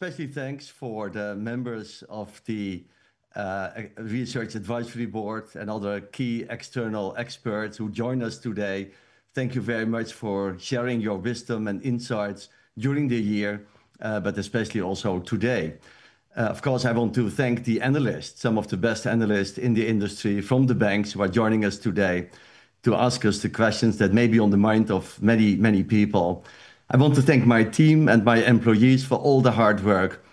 Firstly, thanks to the members of the Research Advisory Board and other key external experts who join us today. Thank you very much for sharing your wisdom and insights during the year, but especially also today. Of course, I want to thank the analysts, some of the best analysts in the industry from the banks who are joining us today to ask us the questions that may be on the mind of many, many people. I want to thank my team and my employees for all the hard work,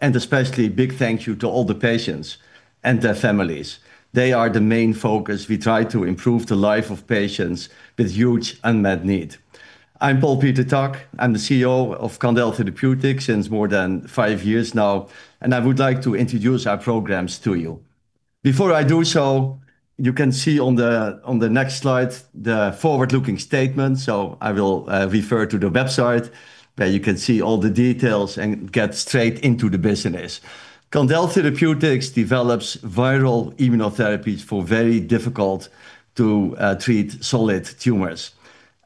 and especially a big thank you to all the patients and their families. They are the main focus we try to improve the life of patients with huge unmet needs. I'm Paul Peter Tak. I'm the CEO of Candel Therapeutics since more than five years now, and I would like to introduce our programs to you. Before I do so, you can see on the next slide the forward-looking statement, so I will refer to the website where you can see all the details and get straight into the business. Candel Therapeutics develops viral immunotherapies for very difficult-to-treat solid tumors,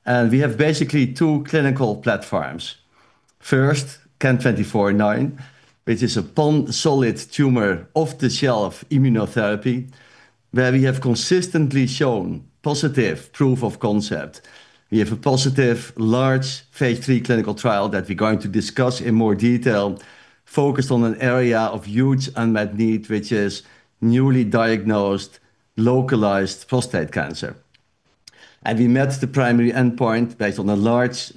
and we have basically two clinical platforms. First, CAN-2409, which is a pan-solid tumor off-the-shelf immunotherapy where we have consistently shown positive proof of concept. We have a positive large phase III clinical trial that we're going to discuss in more detail, focused on an area of huge unmet need, which is newly diagnosed localized prostate cancer. We met the primary endpoint based on a large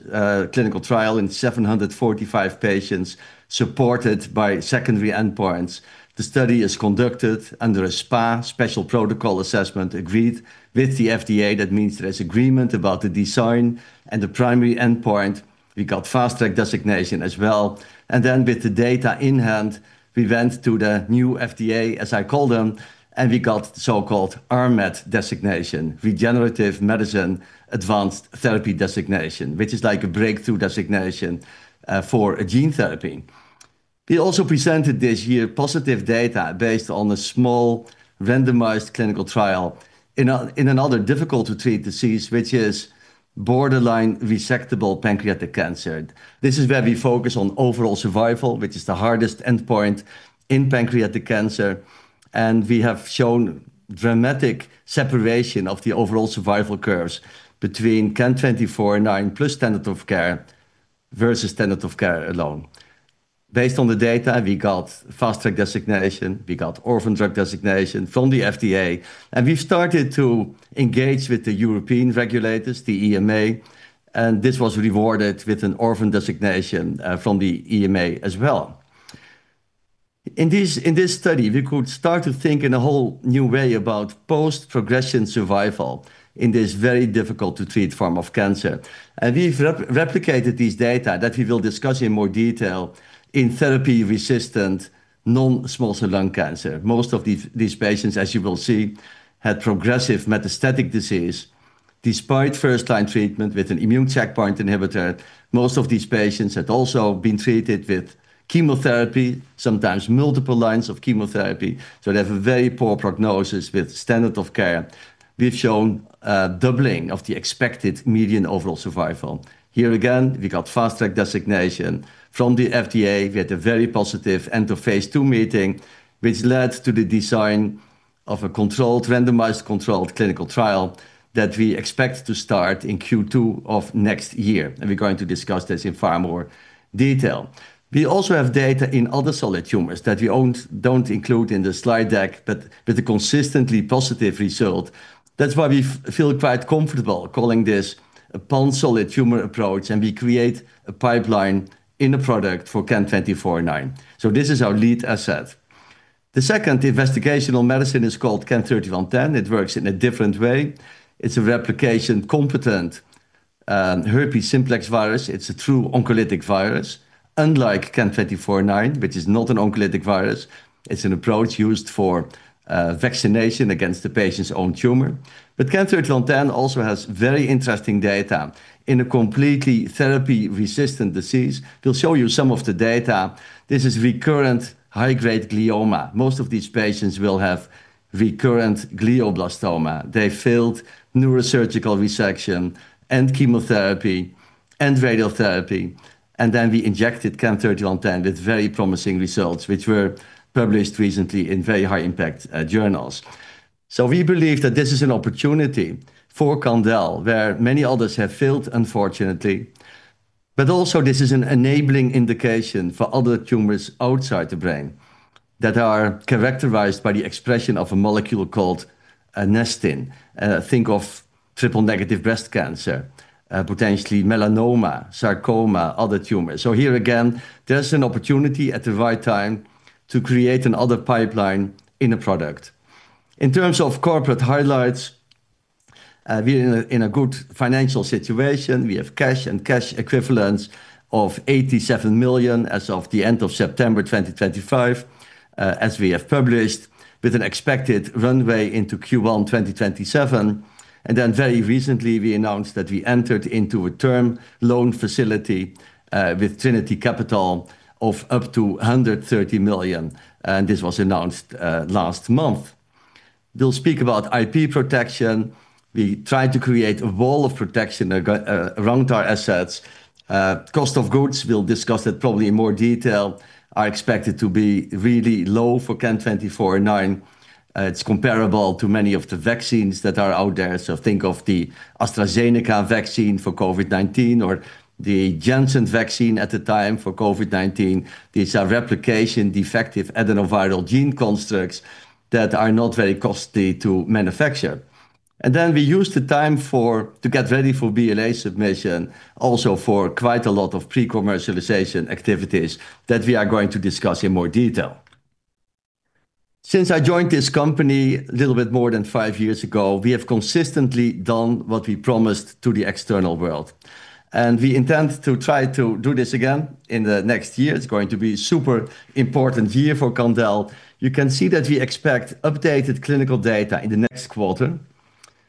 clinical trial in 745 patients supported by secondary endpoints. The study is conducted under a SPA, Special Protocol Assessment agreed with the FDA. That means there is agreement about the design and the primary endpoint. We got Fast Track designation as well, and then with the data in hand, we went to the new FDA, as I call them, and we got the so-called RMAT designation, Regenerative Medicine Advanced Therapy designation, which is like a breakthrough designation for a gene therapy. We also presented this year positive data based on a small randomized clinical trial in another difficult-to-treat disease, which is borderline resectable pancreatic cancer. This is where we focus on overall survival, which is the hardest endpoint in pancreatic cancer, and we have shown dramatic separation of the overall survival curves between CAN-2409 plus standard of care versus standard of care alone. Based on the data, we got Fast Track designation, we got Orphan Drug Designation from the FDA, and we've started to engage with the European regulators, the EMA, and this was rewarded with an orphan designation from the EMA as well. In this study, we could start to think in a whole new way about post-progression survival in this very difficult-to-treat form of cancer. And we've replicated these data that we will discuss in more detail in therapy-resistant non-small cell lung cancer. Most of these patients, as you will see, had progressive metastatic disease despite first-line treatment with an immune checkpoint inhibitor. Most of these patients had also been treated with chemotherapy, sometimes multiple lines of chemotherapy, so they have a very poor prognosis with standard of care. We've shown doubling of the expected median overall survival. Here again, we got Fast Track designation from the FDA. We had a very positive End of phase II meeting, which led to the design of a controlled, randomized controlled clinical trial that we expect to start in Q2 of next year, and we're going to discuss this in far more detail. We also have data in other solid tumors that we don't include in the slide deck, but with a consistently positive result. That's why we feel quite comfortable calling this a pan-solid tumor approach, and we create a pipeline in a product for CAN-2409. So this is our lead asset. The second investigational medicine is called CAN-3110. It works in a different way. It's a replication-competent herpes simplex virus. It's a true oncolytic virus, unlike CAN-2409, which is not an oncolytic virus. It's an approach used for vaccination against the patient's own tumor. But CAN-3110 also has very interesting data in a completely therapy-resistant disease. We'll show you some of the data. This is recurrent high-grade glioma. Most of these patients will have recurrent glioblastoma. They failed neurosurgical resection and chemotherapy and radiotherapy, and then we injected CAN-3110 with very promising results, which were published recently in very high-impact journals, so we believe that this is an opportunity for Candel where many others have failed, unfortunately, but also this is an enabling indication for other tumors outside the brain that are characterized by the expression of a molecule called nestin. Think of triple-negative breast cancer, potentially melanoma, sarcoma, other tumors, so here again, there's an opportunity at the right time to create another pipeline in a product. In terms of corporate highlights, we're in a good financial situation. We have cash and cash equivalents of $87 million as of the end of September 2025, as we have published, with an expected runway into Q1 2027. And then very recently, we announced that we entered into a term loan facility with Trinity Capital of up to $130 million, and this was announced last month. We'll speak about IP protection. We tried to create a wall of protection around our assets. Cost of goods, we'll discuss that probably in more detail, are expected to be really low for CAN-2409. It's comparable to many of the vaccines that are out there. So think of the AstraZeneca vaccine for COVID-19 or the Janssen vaccine at the time for COVID-19. These are replication defective adenoviral gene constructs that are not very costly to manufacture. And then we used the time to get ready for BLA submission, also for quite a lot of pre-commercialization activities that we are going to discuss in more detail. Since I joined this company a little bit more than five years ago, we have consistently done what we promised to the external world, and we intend to try to do this again in the next year. It's going to be a super important year for Candel. You can see that we expect updated clinical data in the next quarter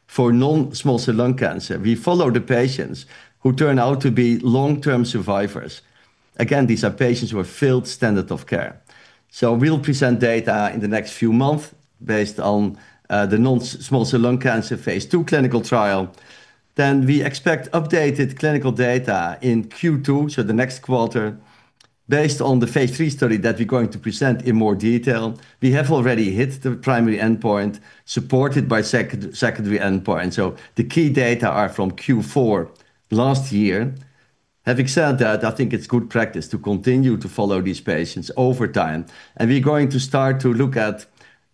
for non-small cell lung cancer. We follow the patients who turn out to be long-term survivors. Again, these are patients who have failed standard of care. So we'll present data in the next few months based on the non-small cell lung cancer phase II clinical trial. Then we expect updated clinical data in Q2, so the next quarter, based on the phase three study that we're going to present in more detail. We have already hit the primary endpoint supported by secondary endpoint. So the key data are from Q4 last year. Having said that, I think it's good practice to continue to follow these patients over time. And we're going to start to look at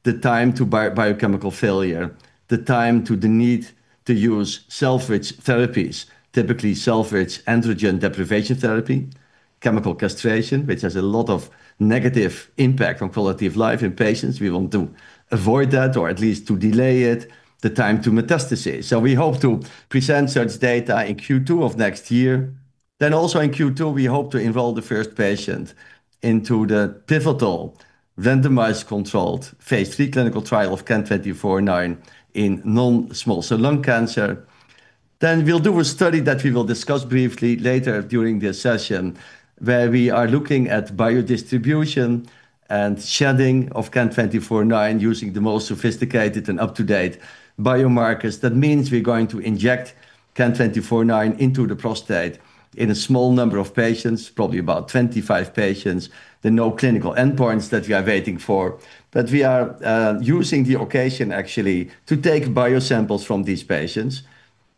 the time to biochemical failure, the time to the need to use salvage therapies, typically salvage androgen deprivation therapy, chemical castration, which has a lot of negative impact on quality of life in patients. We want to avoid that or at least to delay it, the time to metastasis. So we hope to present such data in Q2 of next year. Then also in Q2, we hope to involve the first patient into the pivotal randomized controlled phase III clinical trial of CAN-2409 in non-small cell lung cancer. Then we'll do a study that we will discuss briefly later during this session where we are looking at biodistribution and shedding of CAN-2409 using the most sophisticated and up-to-date biomarkers. That means we're going to inject CAN-2409 into the prostate in a small number of patients, probably about 25 patients. There are no clinical endpoints that we are waiting for, but we are using the occasion actually to take biosamples from these patients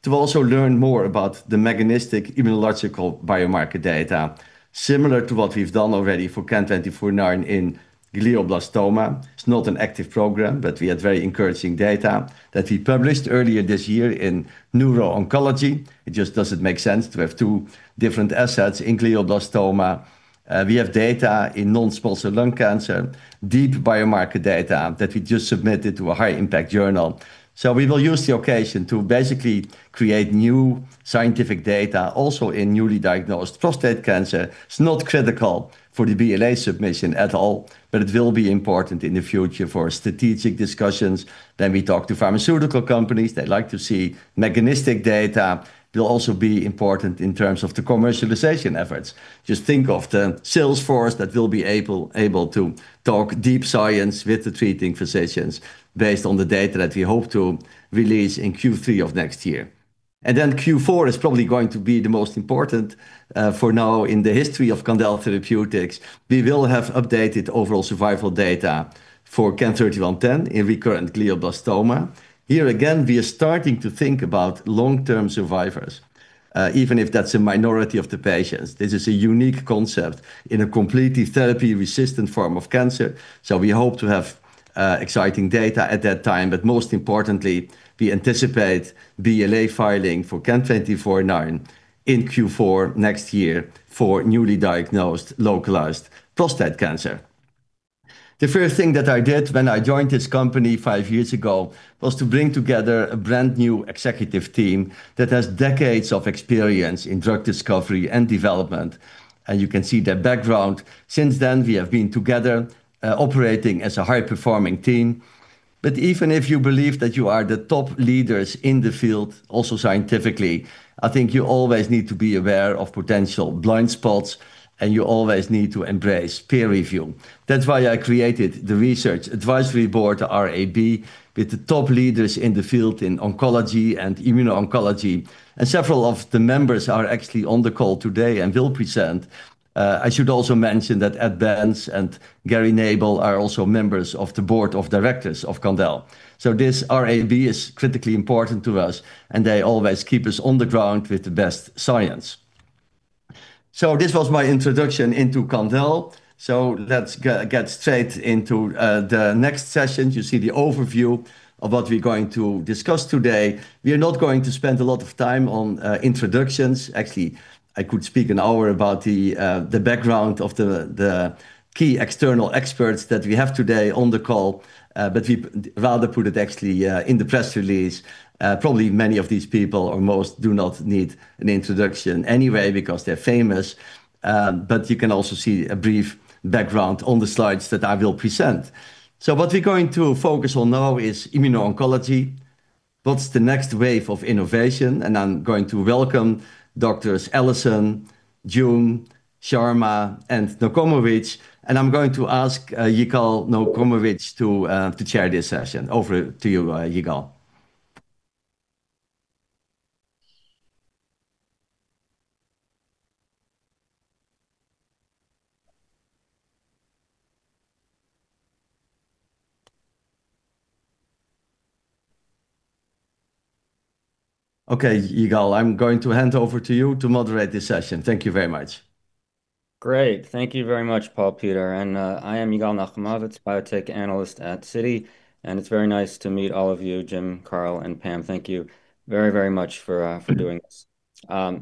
to also learn more about the mechanistic immunological biomarker data, similar to what we've done already for CAN-2409 in glioblastoma. It's not an active program, but we had very encouraging data that we published earlier this year in Neuro-Oncology. It just doesn't make sense to have two different assets in glioblastoma. We have data in non-small cell lung cancer, deep biomarker data that we just submitted to a high-impact journal. We will use the occasion to basically create new scientific data also in newly diagnosed prostate cancer. It's not critical for the BLA submission at all, but it will be important in the future for strategic discussions. Then we talk to pharmaceutical companies. They like to see mechanistic data. It'll also be important in terms of the commercialization efforts. Just think of the sales force that will be able to talk deep science with the treating physicians based on the data that we hope to release in Q3 of next year. And then Q4 is probably going to be the most important for now in the history of Candel Therapeutics. We will have updated overall survival data for CAN-3110 in recurrent glioblastoma. Here again, we are starting to think about long-term survivors, even if that's a minority of the patients. This is a unique concept in a completely therapy-resistant form of cancer, so we hope to have exciting data at that time. But most importantly, we anticipate BLA filing for CAN-2409 in Q4 next year for newly diagnosed localized prostate cancer. The first thing that I did when I joined this company five years ago was to bring together a brand new executive team that has decades of experience in drug discovery and development, and you can see their background. Since then, we have been together operating as a high-performing team. But even if you believe that you are the top leaders in the field, also scientifically, I think you always need to be aware of potential blind spots, and you always need to embrace peer review. That's why I created the Research Advisory Board, RAB, with the top leaders in the field in oncology and immuno-oncology. Several of the members are actually on the call today and will present. I should also mention that Ed Benz and Gary Nabel are also members of the board of directors of Candel. This RAB is critically important to us, and they always keep us on the ground with the best science. This was my introduction into Candel. Let's get straight into the next session. You see the overview of what we're going to discuss today. We are not going to spend a lot of time on introductions. Actually, I could speak an hour about the background of the key external experts that we have today on the call, but we'd rather put it actually in the press release. Probably many of these people, or most, do not need an introduction anyway because they're famous. But you can also see a brief background on the slides that I will present. So what we're going to focus on now is immuno-oncology. What's the next wave of innovation? And I'm going to welcome Doctors Allison, June, Sharma, and Nochomovitz. And I'm going to ask Yigal Nochomovitz to chair this session. Over to you, Yigal. Okay, Yigal, I'm going to hand over to you to moderate this session. Thank you very much. Great. Thank you very much, Paul Peter. And I am Yigal Nochomovitz, biotech analyst at Citi. And it's very nice to meet all of you, Jim, Carl, and Pam. Thank you very, very much for doing this.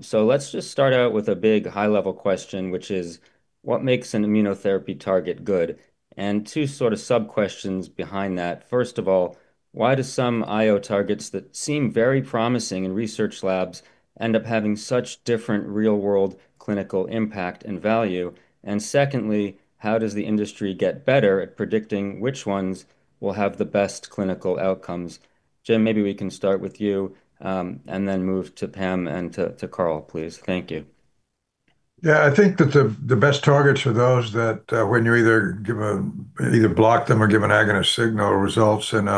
So let's just start out with a big high-level question, which is, what makes an immunotherapy target good? And two sort of sub-questions behind that. First of all, why do some IO targets that seem very promising in research labs end up having such different real-world clinical impact and value? And secondly, how does the industry get better at predicting which ones will have the best clinical outcomes? Jim, maybe we can start with you and then move to Pam and to Carl, please. Thank you. Yeah, I think that the best targets are those that when you either block them or give an agonist signal results in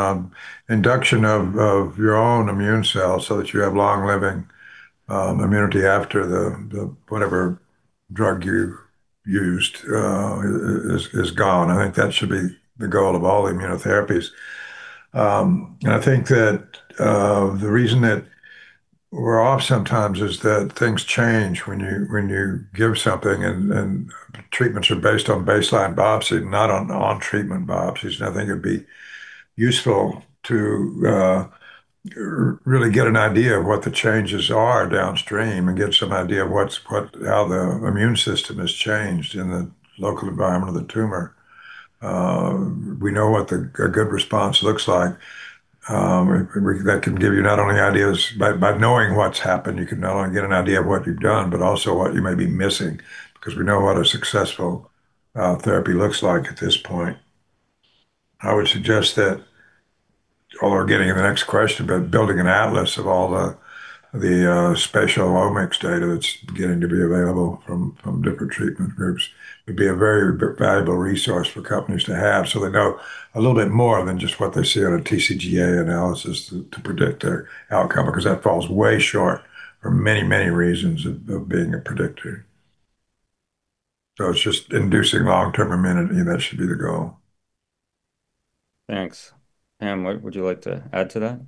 induction of your own immune cells so that you have long-living immunity after whatever drug you used is gone. I think that should be the goal of all immunotherapies. And I think that the reason that we're off sometimes is that things change when you give something, and treatments are based on baseline biopsy, not on treatment biopsies. And I think it'd be useful to really get an idea of what the changes are downstream and get some idea of how the immune system has changed in the local environment of the tumor. We know what a good response looks like. That can give you not only ideas by knowing what's happened, you can not only get an idea of what you've done, but also what you may be missing because we know what a successful therapy looks like at this point. I would suggest that, although we're getting to the next question, but building an atlas of all the spatial omics data that's beginning to be available from different treatment groups would be a very valuable resource for companies to have so they know a little bit more than just what they see on a TCGA analysis to predict their outcome because that falls way short for many, many reasons of being a predictor. So it's just inducing long-term immunity. That should be the goal. Thanks. Pam, would you like to add to that?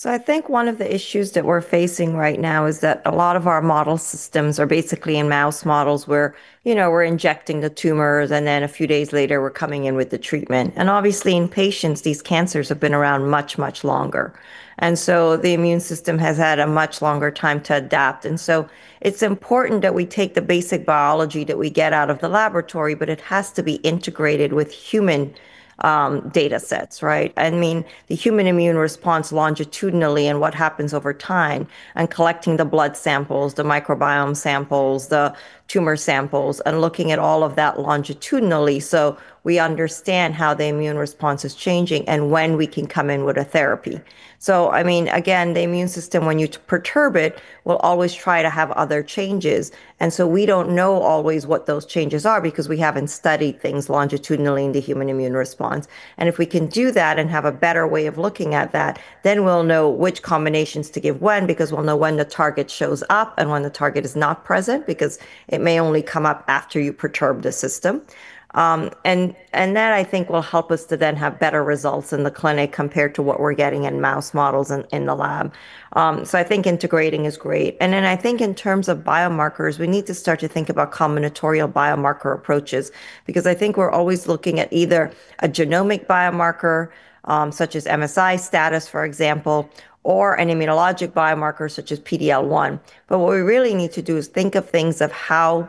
So I think one of the issues that we're facing right now is that a lot of our model systems are basically in mouse models where we're injecting the tumors, and then a few days later, we're coming in with the treatment. And obviously, in patients, these cancers have been around much, much longer. And so the immune system has had a much longer time to adapt. And so it's important that we take the basic biology that we get out of the laboratory, but it has to be integrated with human data sets, right? I mean, the human immune response longitudinally and what happens over time and collecting the blood samples, the microbiome samples, the tumor samples, and looking at all of that longitudinally so we understand how the immune response is changing and when we can come in with a therapy. So I mean, again, the immune system, when you perturb it, will always try to have other changes. And so we don't know always what those changes are because we haven't studied things longitudinally in the human immune response. And if we can do that and have a better way of looking at that, then we'll know which combinations to give when because we'll know when the target shows up and when the target is not present because it may only come up after you perturb the system. And that, I think, will help us to then have better results in the clinic compared to what we're getting in mouse models in the lab. So I think integrating is great. And then I think in terms of biomarkers, we need to start to think about combinatorial biomarker approaches because I think we're always looking at either a genomic biomarker such as MSI status, for example, or an immunologic biomarker such as PD-L1. But what we really need to do is think of things of how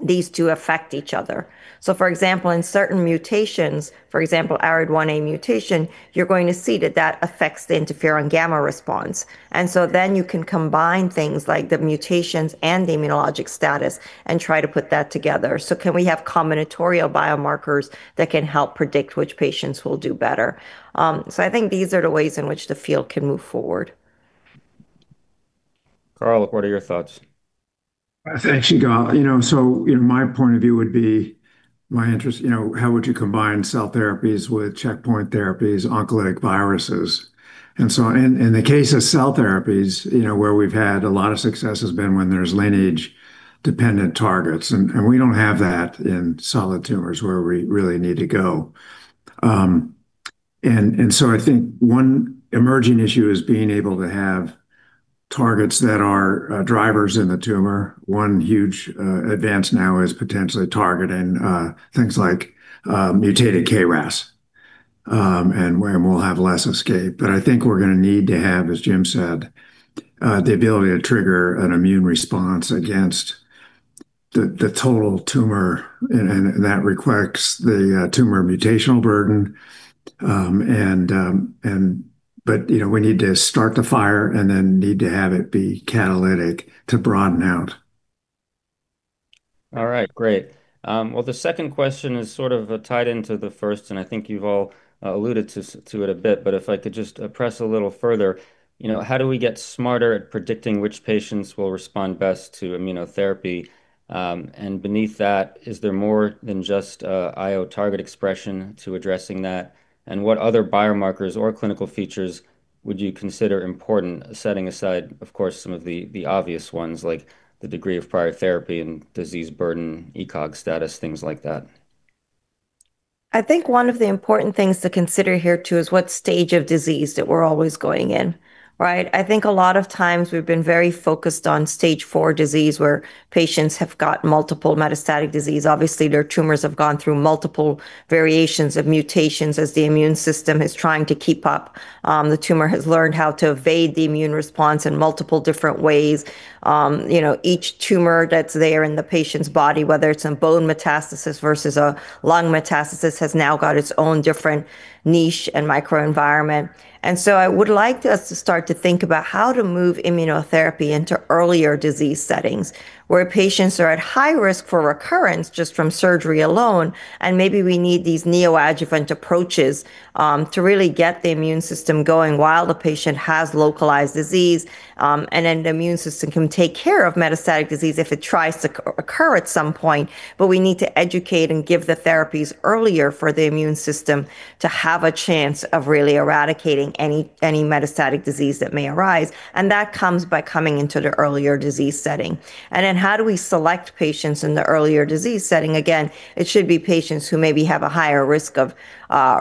these two affect each other. So for example, in certain mutations, for example, ARID1A mutation, you're going to see that that affects the interferon gamma response. And so then you can combine things like the mutations and the immunologic status and try to put that together. So can we have combinatorial biomarkers that can help predict which patients will do better? So I think these are the ways in which the field can move forward. Carl, what are your thoughts? Thanks, Yigal. So my point of view would be my interest, how would you combine cell therapies with checkpoint therapies, oncolytic viruses? And so in the case of cell therapies, where we've had a lot of success has been when there's lineage-dependent targets. And we don't have that in solid tumors where we really need to go. And so I think one emerging issue is being able to have targets that are drivers in the tumor. One huge advance now is potentially targeting things like mutated KRAS, and we'll have less escape. But I think we're going to need to have, as Jim said, the ability to trigger an immune response against the total tumor. And that requires the tumor mutational burden. But we need to start the fire and then need to have it be catalytic to broaden out. All right, great. Well, the second question is sort of tied into the first, and I think you've all alluded to it a bit. But if I could just press a little further, how do we get smarter at predicting which patients will respond best to immunotherapy? And beneath that, is there more than just IO target expression to addressing that? And what other biomarkers or clinical features would you consider important, setting aside, of course, some of the obvious ones like the degree of prior therapy and disease burden, ECOG status, things like that? I think one of the important things to consider here too is what stage of disease that we're always going in, right? I think a lot of times we've been very focused on stage four disease where patients have got multiple metastatic disease. Obviously, their tumors have gone through multiple variations of mutations as the immune system is trying to keep up. The tumor has learned how to evade the immune response in multiple different ways. Each tumor that's there in the patient's body, whether it's a bone metastasis versus a lung metastasis, has now got its own different niche and microenvironment. And so I would like us to start to think about how to move immunotherapy into earlier disease settings where patients are at high risk for recurrence just from surgery alone. Maybe we need these neoadjuvant approaches to really get the immune system going while the patient has localized disease. The immune system can take care of metastatic disease if it tries to occur at some point. We need to educate and give the therapies earlier for the immune system to have a chance of really eradicating any metastatic disease that may arise. That comes by coming into the earlier disease setting. How do we select patients in the earlier disease setting? Again, it should be patients who maybe have a higher risk of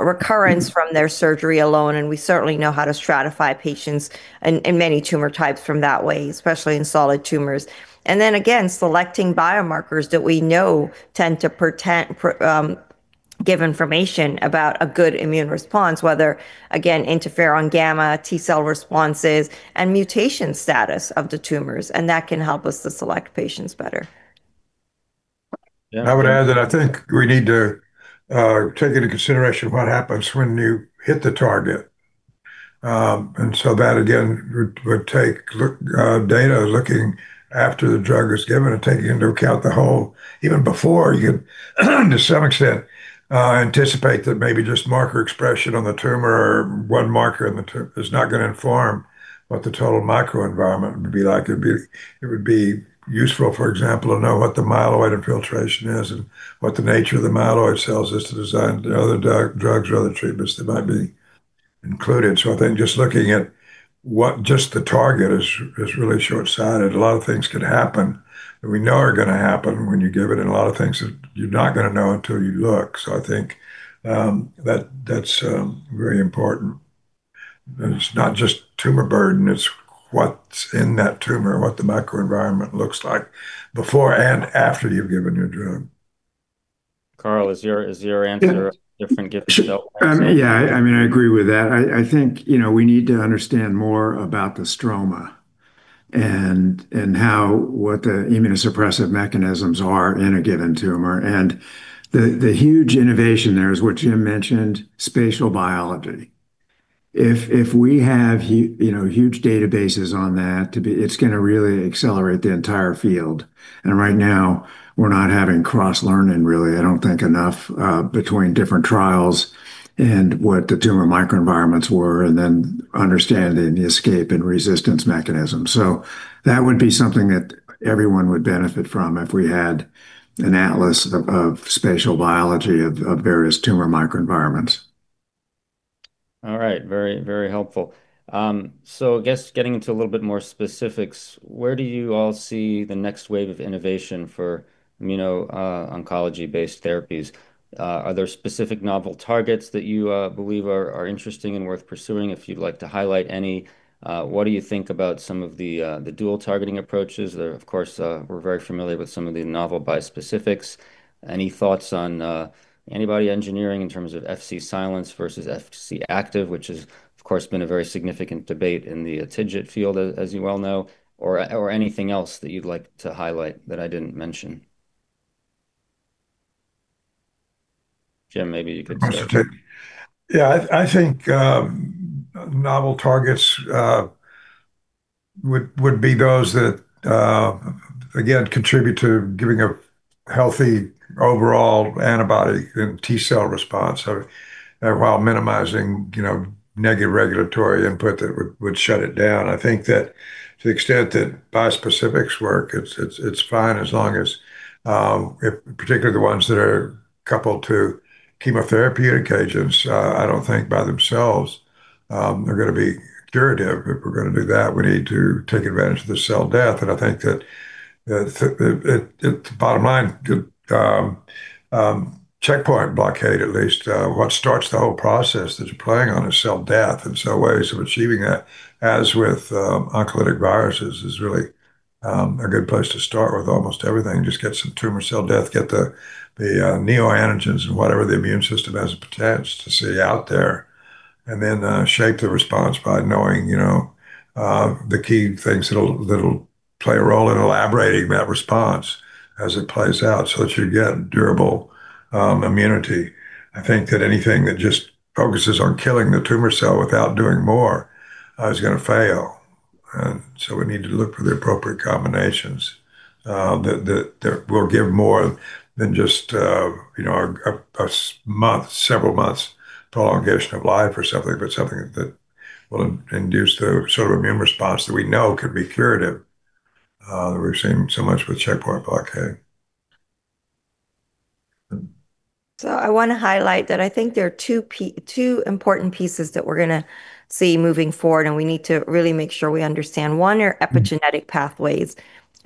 recurrence from their surgery alone. We certainly know how to stratify patients in many tumor types from that way, especially in solid tumors. And then again, selecting biomarkers that we know tend to give information about a good immune response, whether, again, interferon gamma, T cell responses, and mutation status of the tumors. And that can help us to select patients better. I would add that I think we need to take into consideration what happens when you hit the target. And so that, again, would take data looking after the drug is given and taking into account the whole, even before you could, to some extent, anticipate that maybe just marker expression on the tumor or one marker in the tumor is not going to inform what the total microenvironment would be like. It would be useful, for example, to know what the myeloid infiltration is and what the nature of the myeloid cells is to design other drugs or other treatments that might be included. So I think just looking at just the target is really short-sighted. A lot of things could happen that we know are going to happen when you give it, and a lot of things that you're not going to know until you look. So I think that's very important. It's not just tumor burden. It's what's in that tumor, what the microenvironment looks like before and after you've given your drug. Carl, is your answer different? Yeah, I mean, I agree with that. I think we need to understand more about the stroma and what the immunosuppressive mechanisms are in a given tumor. And the huge innovation there is what Jim mentioned, spatial biology. If we have huge databases on that, it's going to really accelerate the entire field. And right now, we're not having cross-learning, really. I don't think enough between different trials and what the tumor microenvironments were and then understanding the escape and resistance mechanisms. So that would be something that everyone would benefit from if we had an atlas of spatial biology of various tumor microenvironments. All right, very, very helpful. So I guess getting into a little bit more specifics, where do you all see the next wave of innovation for immuno-oncology-based therapies? Are there specific novel targets that you believe are interesting and worth pursuing? If you'd like to highlight any, what do you think about some of the dual-targeting approaches? Of course, we're very familiar with some of the novel bispecifics. Any thoughts on antibody engineering in terms of Fc silent versus Fc active, which has, of course, been a very significant debate in the TIGIT field, as you well know, or anything else that you'd like to highlight that I didn't mention? Jim, maybe you could start. Yeah, I think novel targets would be those that, again, contribute to giving a healthy overall antibody and T cell response while minimizing negative regulatory input that would shut it down. I think that to the extent that bispecifics work, it's fine as long as, particularly the ones that are coupled to chemotherapeutic agents, I don't think by themselves are going to be curative. If we're going to do that, we need to take advantage of the cell death. And I think that the bottom line, checkpoint blockade, at least, what starts the whole process that you're playing on is cell death. And so ways of achieving that, as with oncolytic viruses, is really a good place to start with almost everything. Just get some tumor cell death, get the neoantigens and whatever the immune system has a potential to see out there, and then shape the response by knowing the key things that'll play a role in elaborating that response as it plays out so that you get durable immunity. I think that anything that just focuses on killing the tumor cell without doing more is going to fail, and so we need to look for the appropriate combinations that will give more than just a several months prolongation of life or something, but something that will induce the sort of immune response that we know could be curative that we've seen so much with checkpoint blockade. I want to highlight that I think there are two important pieces that we're going to see moving forward, and we need to really make sure we understand. One are epigenetic pathways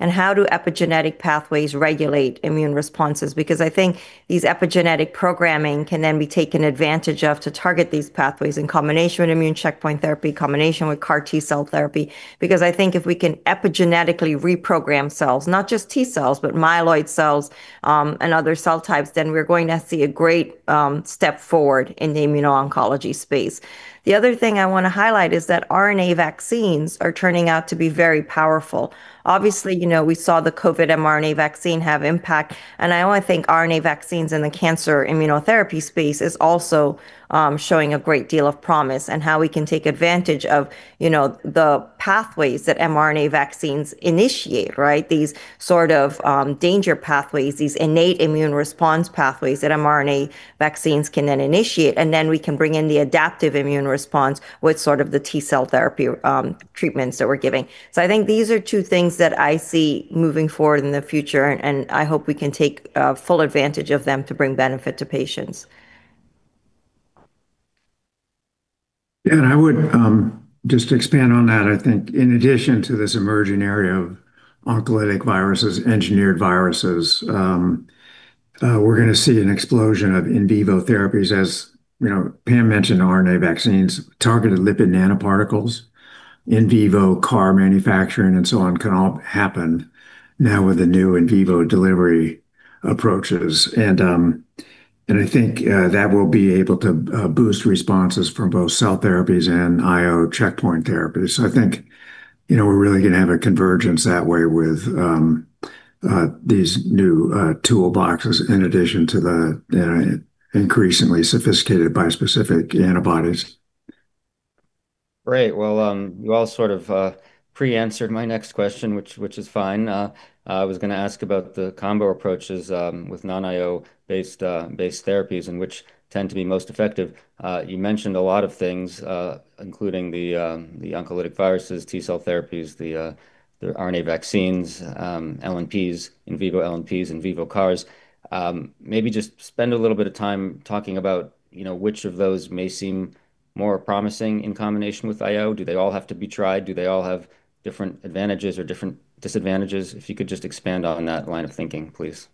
and how do epigenetic pathways regulate immune responses? Because I think these epigenetic programming can then be taken advantage of to target these pathways in combination with immune checkpoint therapy, in combination with CAR T cell therapy. Because I think if we can epigenetically reprogram cells, not just T cells, but myeloid cells and other cell types, then we're going to see a great step forward in the immuno-oncology space. The other thing I want to highlight is that RNA vaccines are turning out to be very powerful. Obviously, we saw the COVID mRNA vaccine have impact. I only think RNA vaccines in the cancer immunotherapy space are also showing a great deal of promise and how we can take advantage of the pathways that mRNA vaccines initiate, right? These sort of danger pathways, these innate immune response pathways that mRNA vaccines can then initiate, and then we can bring in the adaptive immune response with sort of the T cell therapy treatments that we're giving, so I think these are two things that I see moving forward in the future, and I hope we can take full advantage of them to bring benefit to patients. Yeah, and I would just expand on that. I think in addition to this emerging area of oncolytic viruses, engineered viruses, we're going to see an explosion of in vivo therapies, as Pam mentioned. RNA vaccines, targeted lipid nanoparticles, in vivo CAR manufacturing, and so on can all happen now with the new in vivo delivery approaches, and I think that will be able to boost responses from both cell therapies and IO checkpoint therapies. So I think we're really going to have a convergence that way with these new toolboxes in addition to the increasingly sophisticated bispecific antibodies. Great. Well, you all sort of pre-answered my next question, which is fine. I was going to ask about the combo approaches with non-IO-based therapies and which tend to be most effective. You mentioned a lot of things, including the oncolytic viruses, T cell therapies, the RNA vaccines, LNPs, in vivo LNPs, in vivo CARs. Maybe just spend a little bit of time talking about which of those may seem more promising in combination with IO. Do they all have to be tried? Do they all have different advantages or different disadvantages? If you could just expand on that line of thinking, please.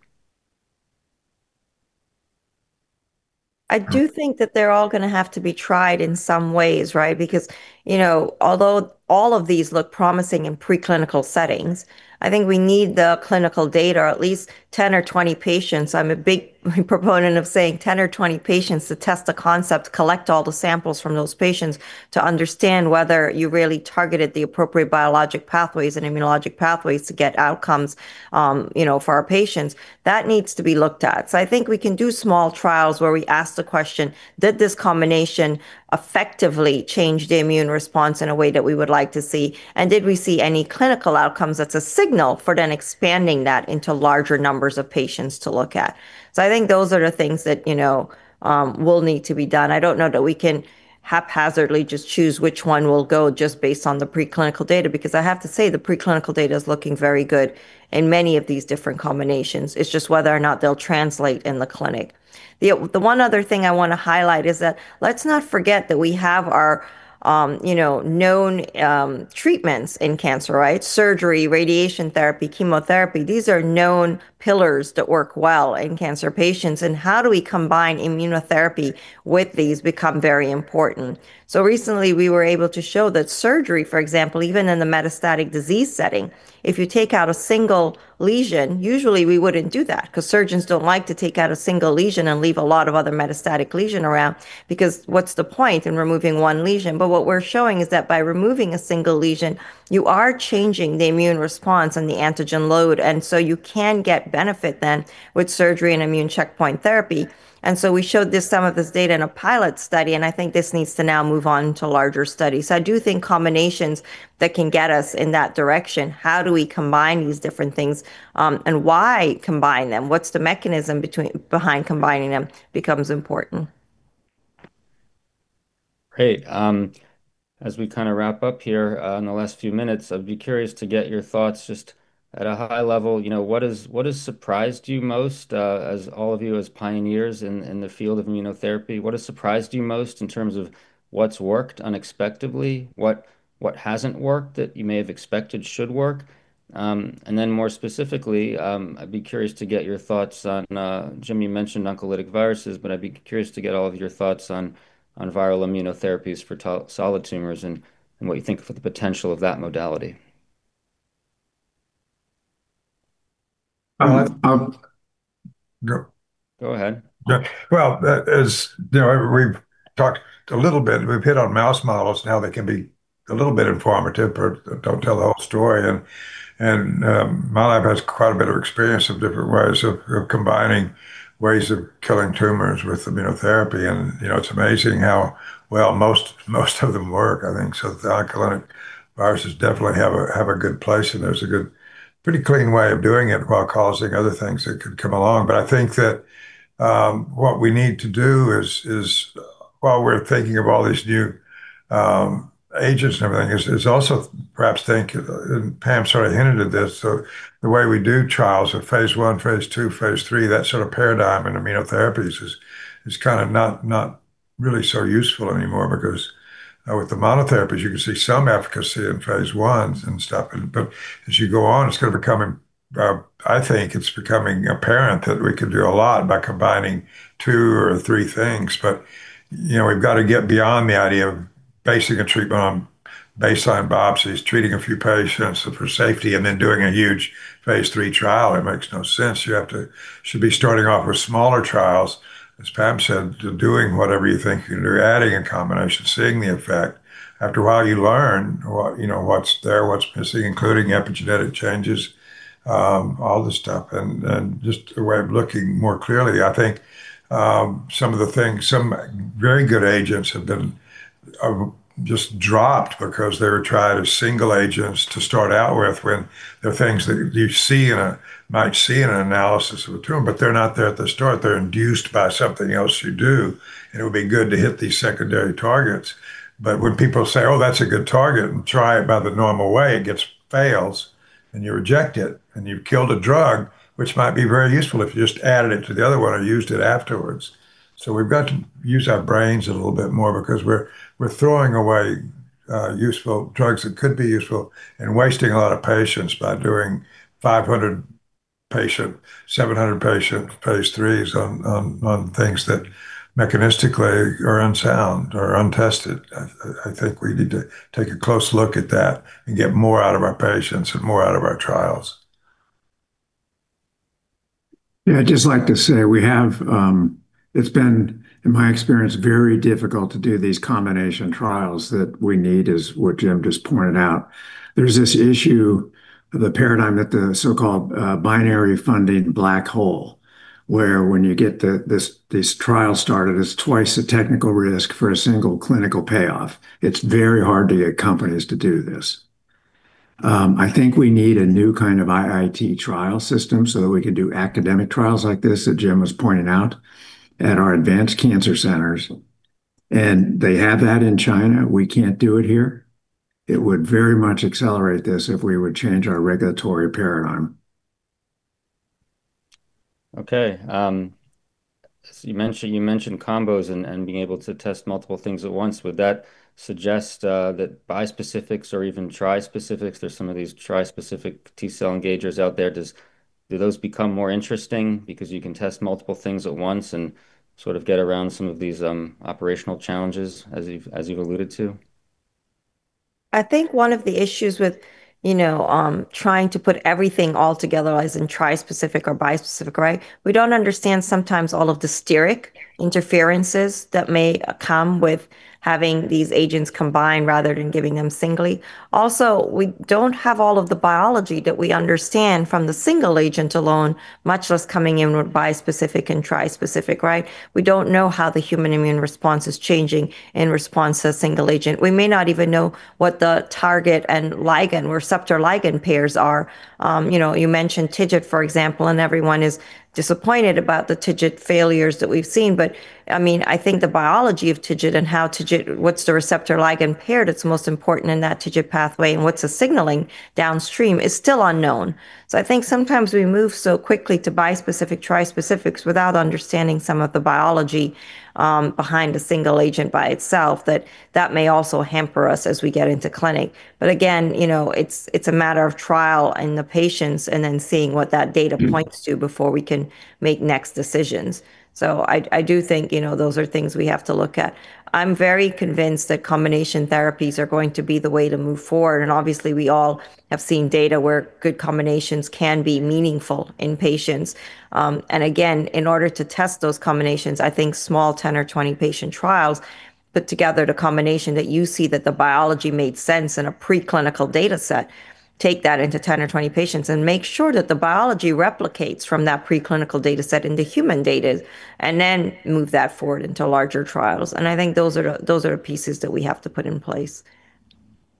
I do think that they're all going to have to be tried in some ways, right? Because although all of these look promising in preclinical settings, I think we need the clinical data, at least 10 or 20 patients. I'm a big proponent of saying 10 or 20 patients to test the concept, collect all the samples from those patients to understand whether you really targeted the appropriate biologic pathways and immunologic pathways to get outcomes for our patients. That needs to be looked at. So I think we can do small trials where we ask the question, did this combination effectively change the immune response in a way that we would like to see? And did we see any clinical outcomes that's a signal for then expanding that into larger numbers of patients to look at? So I think those are the things that will need to be done. I don't know that we can haphazardly just choose which one will go just based on the preclinical data, because I have to say the preclinical data is looking very good in many of these different combinations. It's just whether or not they'll translate in the clinic. The one other thing I want to highlight is that let's not forget that we have our known treatments in cancer, right? Surgery, radiation therapy, chemotherapy. These are known pillars that work well in cancer patients, and how do we combine immunotherapy with these becomes very important, so recently, we were able to show that surgery, for example, even in the metastatic disease setting, if you take out a single lesion, usually we wouldn't do that because surgeons don't like to take out a single lesion and leave a lot of other metastatic lesions around because what's the point in removing one lesion? But what we're showing is that by removing a single lesion, you are changing the immune response and the antigen load. And so you can get benefit then with surgery and immune checkpoint therapy. And so we showed some of this data in a pilot study, and I think this needs to now move on to larger studies. So I do think combinations that can get us in that direction, how do we combine these different things and why combine them? What's the mechanism behind combining them becomes important. Great. As we kind of wrap up here in the last few minutes, I'd be curious to get your thoughts just at a high level. What has surprised you most as all of you as pioneers in the field of immunotherapy? What has surprised you most in terms of what's worked unexpectedly, what hasn't worked that you may have expected should work? And then more specifically, I'd be curious to get your thoughts on, Jim, you mentioned oncolytic viruses, but I'd be curious to get all of your thoughts on viral immunotherapies for solid tumors and what you think of the potential of that modality. Go ahead. As we've talked a little bit, we've hit on mouse models and how they can be a little bit informative, but don't tell the whole story. My lab has quite a bit of experience of different ways of combining ways of killing tumors with immunotherapy. It's amazing how well most of them work, I think. The oncolytic viruses definitely have a good place, and there's a good, pretty clean way of doing it while causing other things that could come along. But I think that what we need to do is, while we're thinking of all these new agents and everything, is also perhaps think, and Pam sort of hinted at this, so the way we do trials of phase I, phase II, phase III, that sort of paradigm in immunotherapies is kind of not really so useful anymore because with the monotherapies, you can see some efficacy in phase I and stuff. But as you go on, it's going to become, I think it's becoming apparent that we could do a lot by combining two or three things. But we've got to get beyond the idea of basing a treatment on baseline biopsies, treating a few patients for safety, and then doing a huge phase III trial. It makes no sense. You should be starting off with smaller trials, as Pam said, doing whatever you think you can do, adding a combination, seeing the effect. After a while, you learn what's there, what's missing, including epigenetic changes, all this stuff, and just a way of looking more clearly. I think some of the things, some very good agents have been just dropped because they were tried as single agents to start out with when there are things that you might see in an analysis of a tumor, but they're not there at the start. They're induced by something else you do, and it would be good to hit these secondary targets. But when people say, "Oh, that's a good target," and try it by the normal way, it fails, and you reject it, and you've killed a drug, which might be very useful if you just added it to the other one or used it afterwards. So we've got to use our brains a little bit more because we're throwing away useful drugs that could be useful and wasting a lot of patients by doing 500-patient, 700-patient phase III on things that mechanistically are unsound or untested. I think we need to take a close look at that and get more out of our patients and more out of our trials. Yeah, I'd just like to say we have, it's been, in my experience, very difficult to do these combination trials that we need, as what Jim just pointed out. There's this issue of the paradigm that the so-called binary funding black hole, where when you get these trials started, it's twice the technical risk for a single clinical payoff. It's very hard to get companies to do this. I think we need a new kind of IIT trial system so that we can do academic trials like this that Jim was pointing out at our advanced cancer centers. And they have that in China. We can't do it here. It would very much accelerate this if we would change our regulatory paradigm. Okay. You mentioned combos and being able to test multiple things at once. Would that suggest that bispecifics or even trispecifics, there's some of these trispecific T cell engagers out there, do those become more interesting because you can test multiple things at once and sort of get around some of these operational challenges, as you've alluded to? I think one of the issues with trying to put everything all together as in trispecific or bispecific, right? We don't understand sometimes all of the steric interferences that may come with having these agents combined rather than giving them singly. Also, we don't have all of the biology that we understand from the single agent alone, much less coming in with bispecific and trispecific, right? We don't know how the human immune response is changing in response to a single agent. We may not even know what the target and ligand or receptor ligand pairs are. You mentioned TIGIT, for example, and everyone is disappointed about the TIGIT failures that we've seen. But I mean, I think the biology of TIGIT and how TIGIT, what's the receptor ligand paired that's most important in that TIGIT pathway and what's the signaling downstream is still unknown. So I think sometimes we move so quickly to bispecific, trispecifics without understanding some of the biology behind a single agent by itself that that may also hamper us as we get into clinic. But again, it's a matter of trial in the patients and then seeing what that data points to before we can make next decisions. So I do think those are things we have to look at. I'm very convinced that combination therapies are going to be the way to move forward. And obviously, we all have seen data where good combinations can be meaningful in patients. And again, in order to test those combinations, I think small 10 or 20 patient trials put together the combination that you see that the biology made sense in a preclinical data set, take that into 10 or 20 patients and make sure that the biology replicates from that preclinical data set into human data and then move that forward into larger trials. And I think those are the pieces that we have to put in place.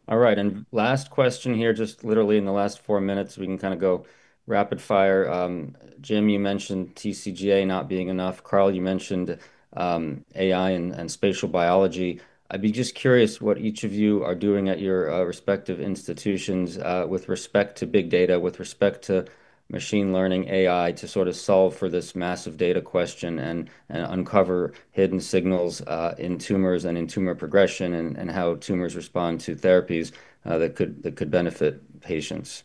All right. And last question here, just literally in the last four minutes, we can kind of go rapid fire. Jim, you mentioned TCGA not being enough. Carl, you mentioned AI and spatial biology. I'd be just curious what each of you are doing at your respective institutions with respect to big data, with respect to machine learning, AI to sort of solve for this massive data question and uncover hidden signals in tumors and in tumor progression and how tumors respond to therapies that could benefit patients.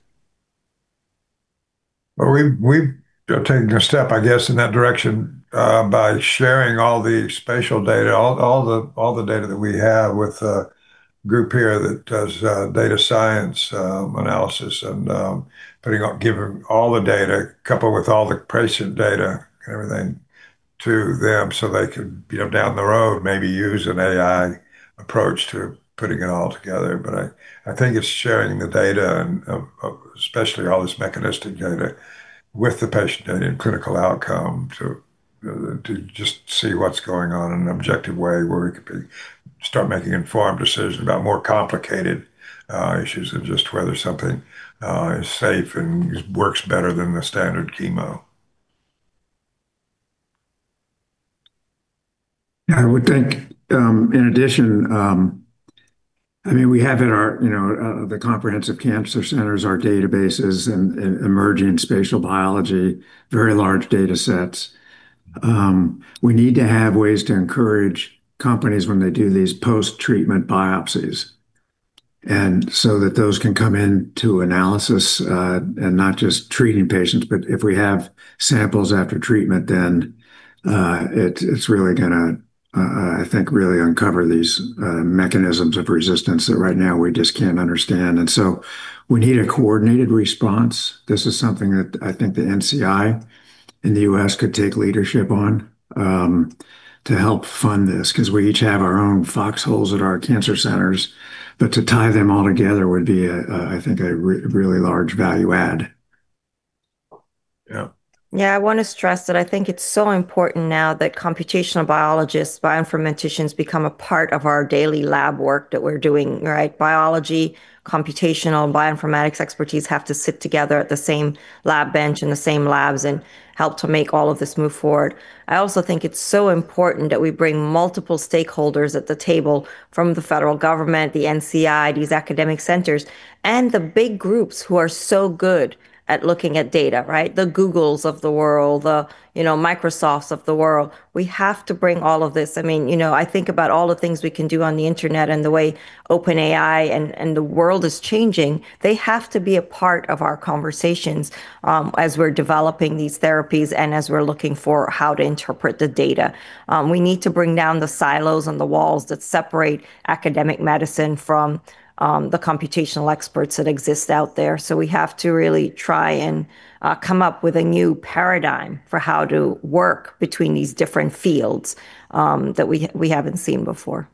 We've taken a step, I guess, in that direction by sharing all the spatial data, all the data that we have with the group here that does data science analysis and giving all the data, coupled with all the patient data and everything to them so they can, down the road, maybe use an AI approach to putting it all together. But I think it's sharing the data, especially all this mechanistic data, with the patient in clinical outcome to just see what's going on in an objective way where we could start making informed decisions about more complicated issues than just whether something is safe and works better than the standard chemo. Yeah, I would think, in addition, I mean, we have in our comprehensive cancer centers, our databases and emerging spatial biology, very large data sets. We need to have ways to encourage companies when they do these post-treatment biopsies so that those can come into analysis and not just treating patients. But if we have samples after treatment, then it's really going to, I think, really uncover these mechanisms of resistance that right now we just can't understand. And so we need a coordinated response. This is something that I think the NCI in the U.S. could take leadership on to help fund this because we each have our own foxholes at our cancer centers. But to tie them all together would be, I think, a really large value add. Yeah. Yeah, I want to stress that I think it's so important now that computational biologists, bioinformaticians become a part of our daily lab work that we're doing, right? Biology, computational, and bioinformatics expertise have to sit together at the same lab bench and the same labs and help to make all of this move forward. I also think it's so important that we bring multiple stakeholders at the table from the federal government, the NCI, these academic centers, and the big groups who are so good at looking at data, right? The Googles of the world, the Microsofts of the world. We have to bring all of this. I mean, I think about all the things we can do on the internet and the way OpenAI and the world is changing. They have to be a part of our conversations as we're developing these therapies and as we're looking for how to interpret the data. We need to bring down the silos and the walls that separate academic medicine from the computational experts that exist out there. So we have to really try and come up with a new paradigm for how to work between these different fields that we haven't seen before.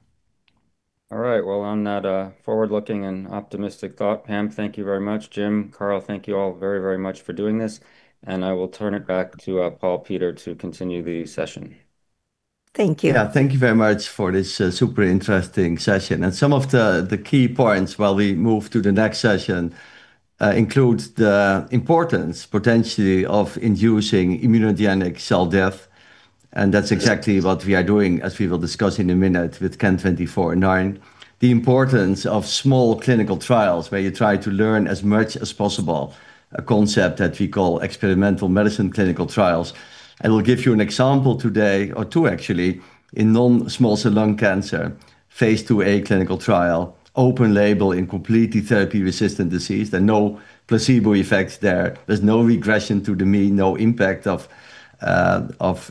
All right. Well, on that forward-looking and optimistic thought, Pam, thank you very much. Jim, Carl, thank you all very, very much for doing this. And I will turn it back to Paul Peter to continue the session. Thank you. Yeah, thank you very much for this super interesting session. Some of the key points while we move to the next session include the importance potentially of inducing immunogenic cell death. That's exactly what we are doing, as we will discuss in a minute with CAN-2409, the importance of small clinical trials where you try to learn as much as possible, a concept that we call experimental medicine clinical trials. We'll give you an example today, or two actually, in non-small cell lung cancer, phase II A clinical trial, open label in completely therapy-resistant disease. There's no placebo effect there. There's no regression to the mean, no impact of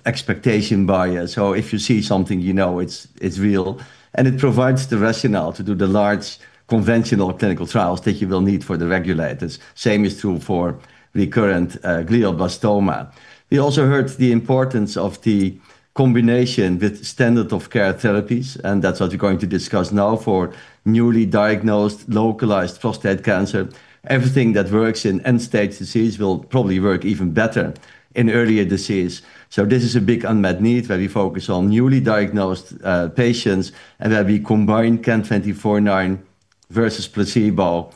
expectation bias. So if you see something, you know it's real. It provides the rationale to do the large conventional clinical trials that you will need for the regulators. Same is true for recurrent glioblastoma. We also heard the importance of the combination with standard of care therapies, and that's what we're going to discuss now for newly diagnosed localized prostate cancer. Everything that works in end-stage disease will probably work even better in earlier disease. So this is a big unmet need where we focus on newly diagnosed patients and where we combine CAN-2409 versus placebo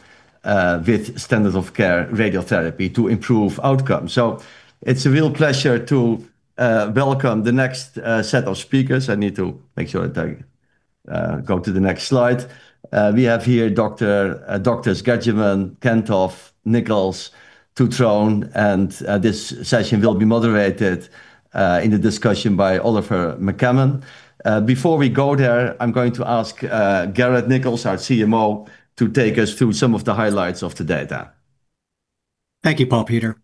with standard of care radiotherapy to improve outcomes. So it's a real pleasure to welcome the next set of speakers. I need to make sure that I go to the next slide. We have here Dr. Gejerman, Kantoff, Nichols, Tutrone, and this session will be moderated in the discussion by Oliver McCammon. Before we go there, I'm going to ask Garrett Nichols, our CMO, to take us through some of the highlights of the data. Thank you, Paul Peter.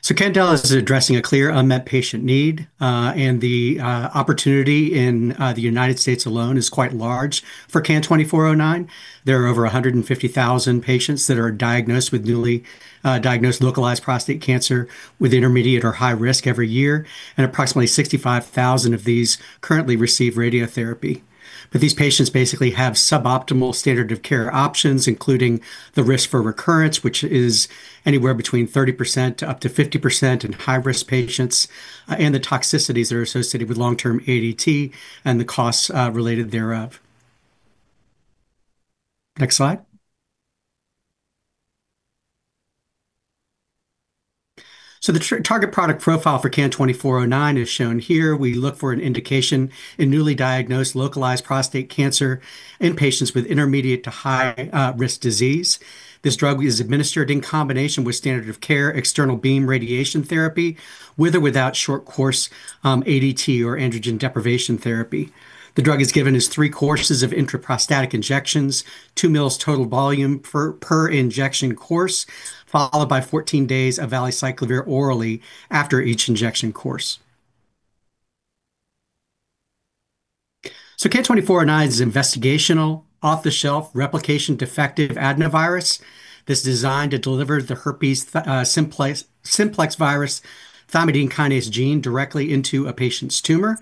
So Candel is addressing a clear unmet patient need, and the opportunity in the United States alone is quite large for CAN-2409. There are over 150,000 patients that are diagnosed with newly diagnosed localized prostate cancer with intermediate- or high-risk every year, and approximately 65,000 of these currently receive radiotherapy. But these patients basically have suboptimal standard of care options, including the risk for recurrence, which is anywhere between 30% to up to 50% in high-risk patients, and the toxicities that are associated with long-term ADT and the costs related thereof. Next slide. So the target product profile for CAN-2409 is shown here. We look for an indication in newly diagnosed localized prostate cancer in patients with intermediate- to high-risk disease. This drug is administered in combination with standard of care external beam radiation therapy with or without short course ADT or androgen deprivation therapy. The drug is given as three courses of intraprostatic injections, two mL total volume per injection course, followed by 14 days of valacyclovir orally after each injection course, so CAN-2409 is an investigational, off-the-shelf, replication defective adenovirus. This is designed to deliver the herpes simplex virus thymidine kinase gene directly into a patient's tumor.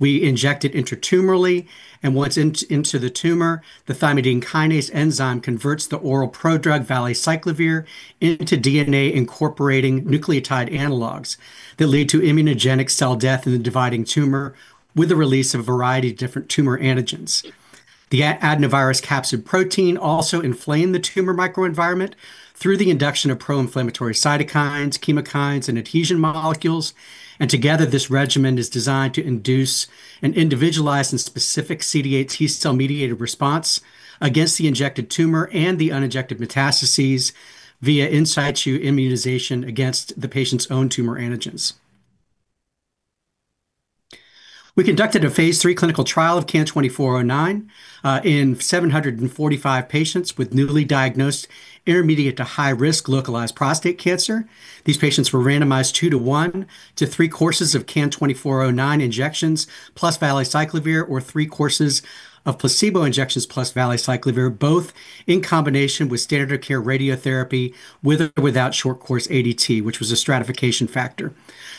We inject it intratumorally, and once into the tumor, the thymidine kinase enzyme converts the oral prodrug valacyclovir into DNA incorporating nucleotide analogs that lead to immunogenic cell death in the dividing tumor with the release of a variety of different tumor antigens. The adenovirus capsid protein also inflames the tumor microenvironment through the induction of pro-inflammatory cytokines, chemokines, and adhesion molecules, and together, this regimen is designed to induce an individualized and specific CD8 T cell mediated response against the injected tumor and the uninjectedmetastasis via in situ immunization against the patient's own tumor antigens. We conducted a phase III clinical trial of CAN-2409 in 745 patients with newly diagnosed intermediate to high-risk localized prostate cancer. These patients were randomized two to one to three courses of CAN-2409 injections plus valacyclovir or three courses of placebo injections plus valacyclovir, both in combination with standard of care radiotherapy with or without short course ADT, which was a stratification factor.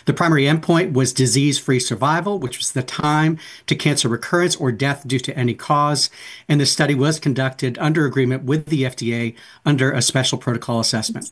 The primary endpoint was disease-free survival, which was the time to cancer recurrence or death due to any cause, and the study was conducted under agreement with the FDA under a Special Protocol Assessment.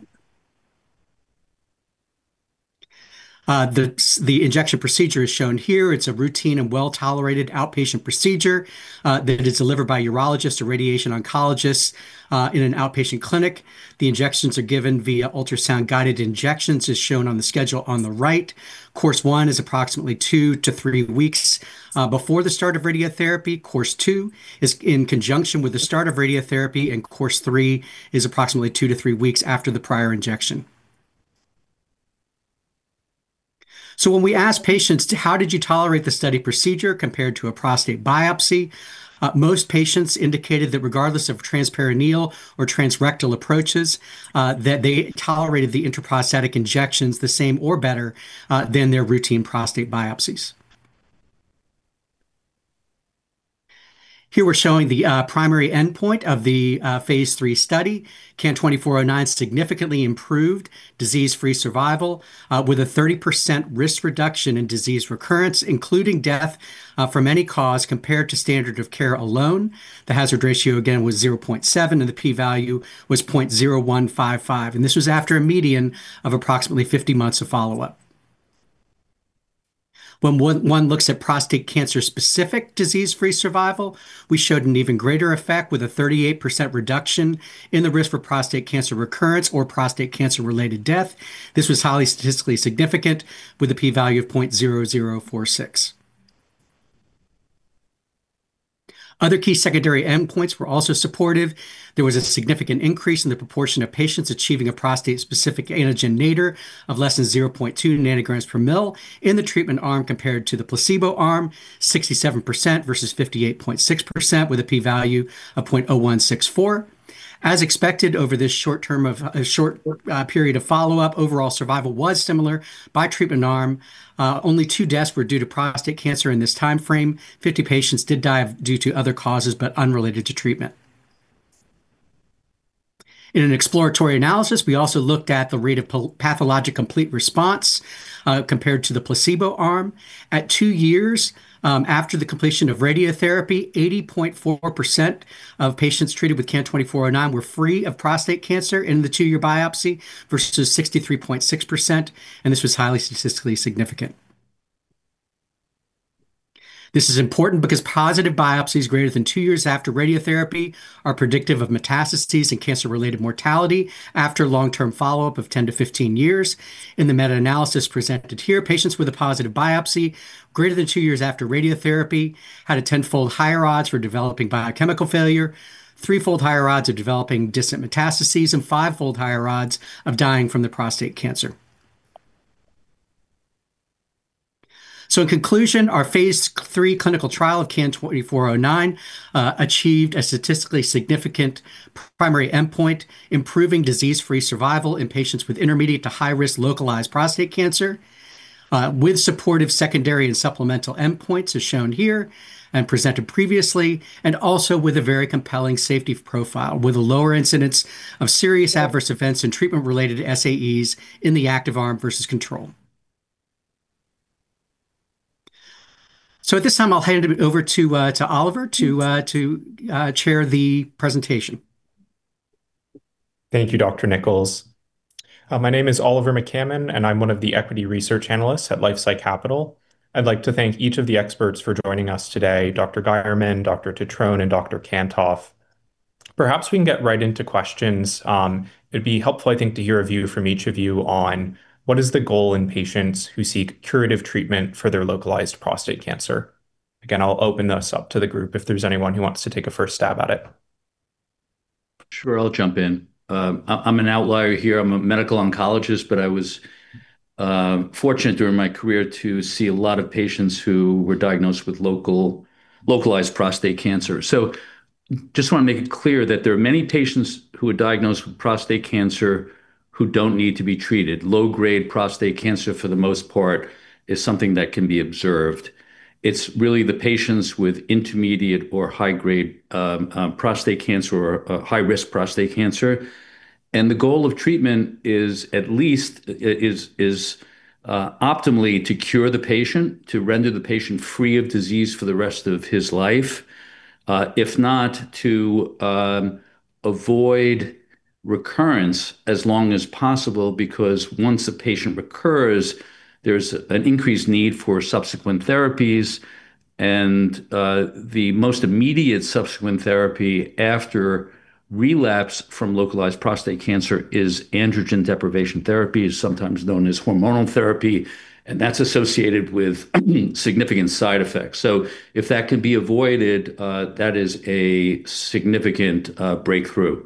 The injection procedure is shown here. It's a routine and well-tolerated outpatient procedure that is delivered by urologist or radiation oncologist in an outpatient clinic. The injections are given via ultrasound-guided injections as shown on the schedule on the right. Course one is approximately two to three weeks before the start of radiotherapy. Course two is in conjunction with the start of radiotherapy, and course three is approximately two to three weeks after the prior injection. So when we ask patients, "How did you tolerate the study procedure compared to a prostate biopsy?" Most patients indicated that regardless of transperineal or transrectal approaches, they tolerated the intraprostatic injections the same or better than their routine prostate biopsies. Here we're showing the primary endpoint of the phase III study. CAN-2409 significantly improved disease-free survival with a 30% risk reduction in disease recurrence, including death from any cause compared to standard of care alone. The hazard ratio, again, was 0.7, and the p-value was 0.0155. This was after a median of approximately 50 months of follow-up. When one looks at prostate cancer-specific disease-free survival, we showed an even greater effect with a 38% reduction in the risk for prostate cancer recurrence or prostate cancer-related death. This was highly statistically significant with a p-value of 0.0046. Other key secondary endpoints were also supportive. There was a significant increase in the proportion of patients achieving a prostate-specific antigen nadir of less than 0.2 nanograms per mL in the treatment arm compared to the placebo arm, 67% versus 58.6% with a p-value of 0.0164. As expected over this short period of follow-up, overall survival was similar by treatment arm. Only two deaths were due to prostate cancer in this timeframe. 50 patients did die due to other causes but unrelated to treatment. In an exploratory analysis, we also looked at the rate of pathologic complete response compared to the placebo arm. At two years after the completion of radiotherapy, 80.4% of patients treated with CAN-2409 were free of prostate cancer in the two-year biopsy versus 63.6%, and this was highly statistically significant. This is important because positive biopsies greater than two years after radiotherapy are predictive ofmetastasis and cancer-related mortality after long-term follow-up of 10 to 15 years. In the meta-analysis presented here, patients with a positive biopsy greater than two years after radiotherapy had a tenfold higher odds for developing biochemical failure, threefold higher odds of developing distantmetastasis, and fivefold higher odds of dying from the prostate cancer. In conclusion, our phase III clinical trial of CAN-2409 achieved a statistically significant primary endpoint, improving disease-free survival in patients with intermediate- to high-risk localized prostate cancer with supportive secondary and supplemental endpoints as shown here and presented previously, and also with a very compelling safety profile with a lower incidence of serious adverse events and treatment-related SAEs in the active arm versus control. At this time, I'll hand it over to Oliver to chair the presentation. Thank you, Dr. Nichols. My name is Oliver McCammon, and I'm one of the equity research analysts at LifeSci Capital. I'd like to thank each of the experts for joining us today, Dr. Gejerman, Dr. Tutrone, and Dr. Kantoff. Perhaps we can get right into questions. It'd be helpful, I think, to hear a view from each of you on what is the goal in patients who seek curative treatment for their localized prostate cancer? Again, I'll open this up to the group if there's anyone who wants to take a first stab at it. Sure, I'll jump in. I'm an outlier here. I'm a medical oncologist, but I was fortunate during my career to see a lot of patients who were diagnosed with localized prostate cancer. So I just want to make it clear that there are many patients who are diagnosed with prostate cancer who don't need to be treated. Low-grade prostate cancer, for the most part, is something that can be observed. It's really the patients with intermediate or high-grade prostate cancer or high-risk prostate cancer. And the goal of treatment is at least optimally to cure the patient, to render the patient free of disease for the rest of his life. If not, to avoid recurrence as long as possible because once a patient recurs, there's an increased need for subsequent therapies. And the most immediate subsequent therapy after relapse from localized prostate cancer is androgen deprivation therapy, sometimes known as hormonal therapy, and that's associated with significant side effects. So if that can be avoided, that is a significant breakthrough.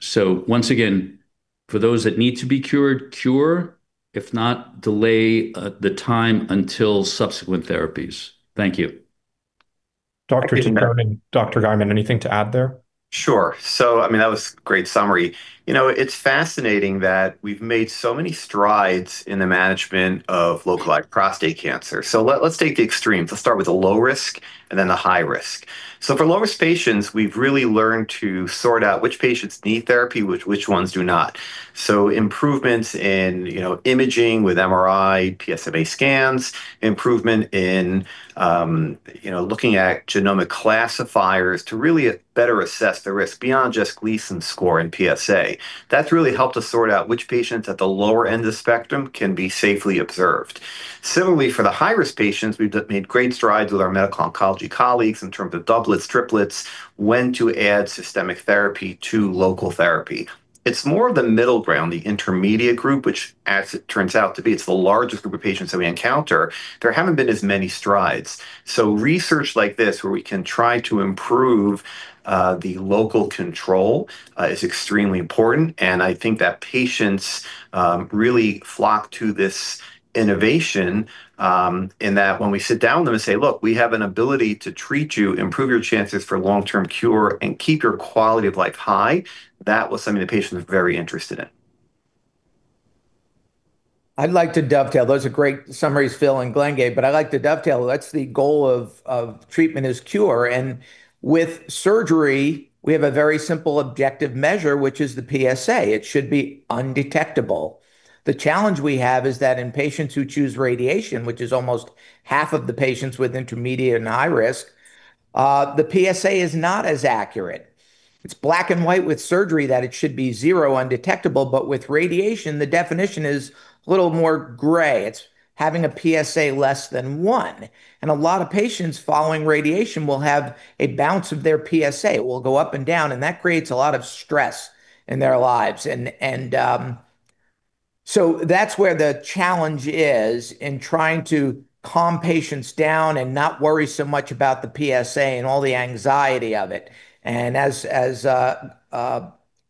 So once again, for those that need to be cured, cure. If not, delay the time until subsequent therapies. Thank you. Dr. Tutrone and Dr. Gejerman, anything to add there? Sure. So I mean, that was a great summary. You know, it's fascinating that we've made so many strides in the management of localized prostate cancer. So let's take the extremes. Let's start with the low risk and then the high risk. So for low-risk patients, we've really learned to sort out which patients need therapy, which ones do not. So improvements in imaging with MRI, PSMA scans, improvement in looking at genomic classifiers to really better assess the risk beyond just Gleason score and PSA. That's really helped us sort out which patients at the lower end of the spectrum can be safely observed. Similarly, for the high-risk patients, we've made great strides with our medical oncology colleagues in terms of doublets, triplets, when to add systemic therapy to local therapy. It's more of the middle ground, the intermediate group, which, as it turns out to be, it's the largest group of patients that we encounter. There haven't been as many strides. So research like this where we can try to improve the local control is extremely important. And I think that patients really flock to this innovation in that when we sit down with them and say, "Look, we have an ability to treat you, improve your chances for long-term cure, and keep your quality of life high," that was something the patient was very interested in. I'd like to dovetail. Those are great summaries Phil and Glen gave, but I'd like to dovetail. That's the goal of treatment is cure, and with surgery, we have a very simple objective measure, which is the PSA. It should be undetectable. The challenge we have is that in patients who choose radiation, which is almost half of the patients with intermediate and high risk, the PSA is not as accurate. It's black and white with surgery that it should be zero undetectable, but with radiation, the definition is a little more gray. It's having a PSA less than one, and a lot of patients following radiation will have a bounce of their PSA. It will go up and down, and that creates a lot of stress in their lives. And so that's where the challenge is in trying to calm patients down and not worry so much about the PSA and all the anxiety of it. And as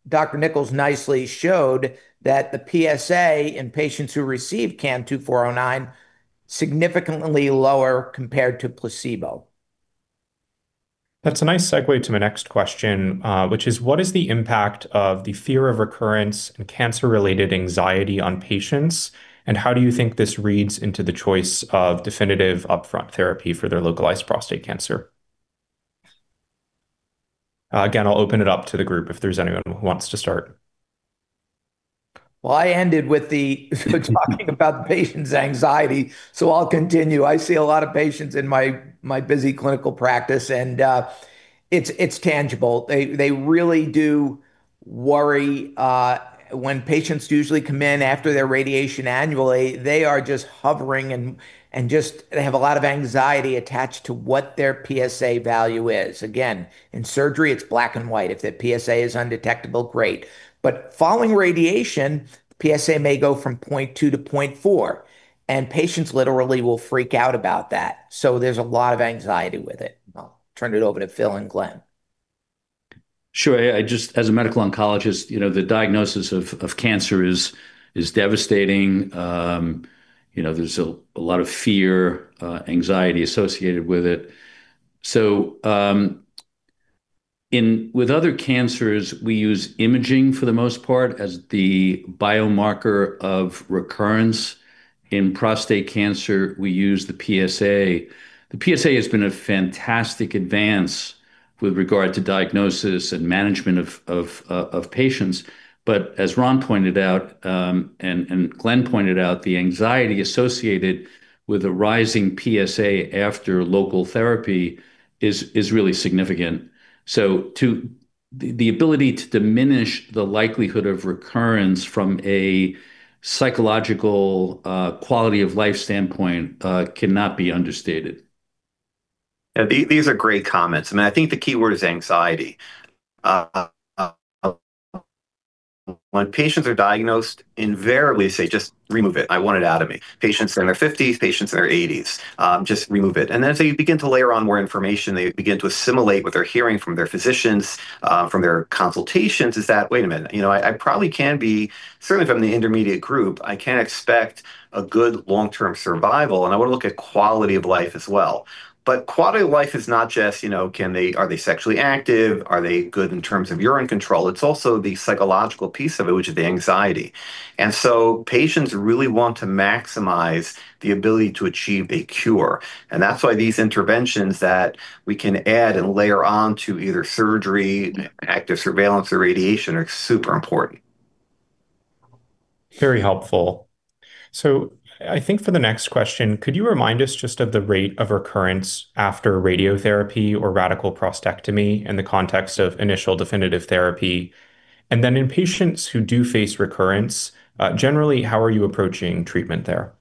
Dr. Nichols nicely showed that the PSA in patients who receive CAN-2409 is significantly lower compared to placebo. That's a nice segue to my next question, which is, what is the impact of the fear of recurrence and cancer-related anxiety on patients? And how do you think this reads into the choice of definitive upfront therapy for their localized prostate cancer? Again, I'll open it up to the group if there's anyone who wants to start. I ended with the talking about the patient's anxiety, so I'll continue. I see a lot of patients in my busy clinical practice, and it's tangible. They really do worry. When patients usually come in after their radiation annually, they are just hovering and just have a lot of anxiety attached to what their PSA value is. Again, in surgery, it's black and white. If the PSA is undetectable, great. But following radiation, the PSA may go from 0.2 to 0.4, and patients literally will freak out about that. So there's a lot of anxiety with it. I'll turn it over to Phil and Glen. Sure. As a medical oncologist, the diagnosis of cancer is devastating. There's a lot of fear, anxiety associated with it. So with other cancers, we use imaging for the most part as the biomarker of recurrence. In prostate cancer, we use the PSA. The PSA has been a fantastic advance with regard to diagnosis and management of patients. But as Ron pointed out and Glen pointed out, the anxiety associated with a rising PSA after local therapy is really significant. So the ability to diminish the likelihood of recurrence from a psychological quality of life standpoint cannot be understated. Yeah, these are great comments. I mean, I think the key word is anxiety. When patients are diagnosed invariably, they say, "Just remove it. I want it out of me." Patients in their 50s, patients in their 80s, "Just remove it." And then as they begin to layer on more information, they begin to assimilate what they're hearing from their physicians, from their consultations, is that, "Wait a minute, I probably can be, certainly if I'm in the intermediate group, I can expect a good long-term survival." And I want to look at quality of life as well. But quality of life is not just, "Are they sexually active? Are they good in terms of urine control?" It's also the psychological piece of it, which is the anxiety. And so patients really want to maximize the ability to achieve a cure. That's why these interventions that we can add and layer on to either surgery, active surveillance, or radiation are super important. Very helpful. So I think for the next question, could you remind us just of the rate of recurrence after radiotherapy or radical prostatectomy in the context of initial definitive therapy? And then in patients who do face recurrence, generally, how are you approaching treatment there?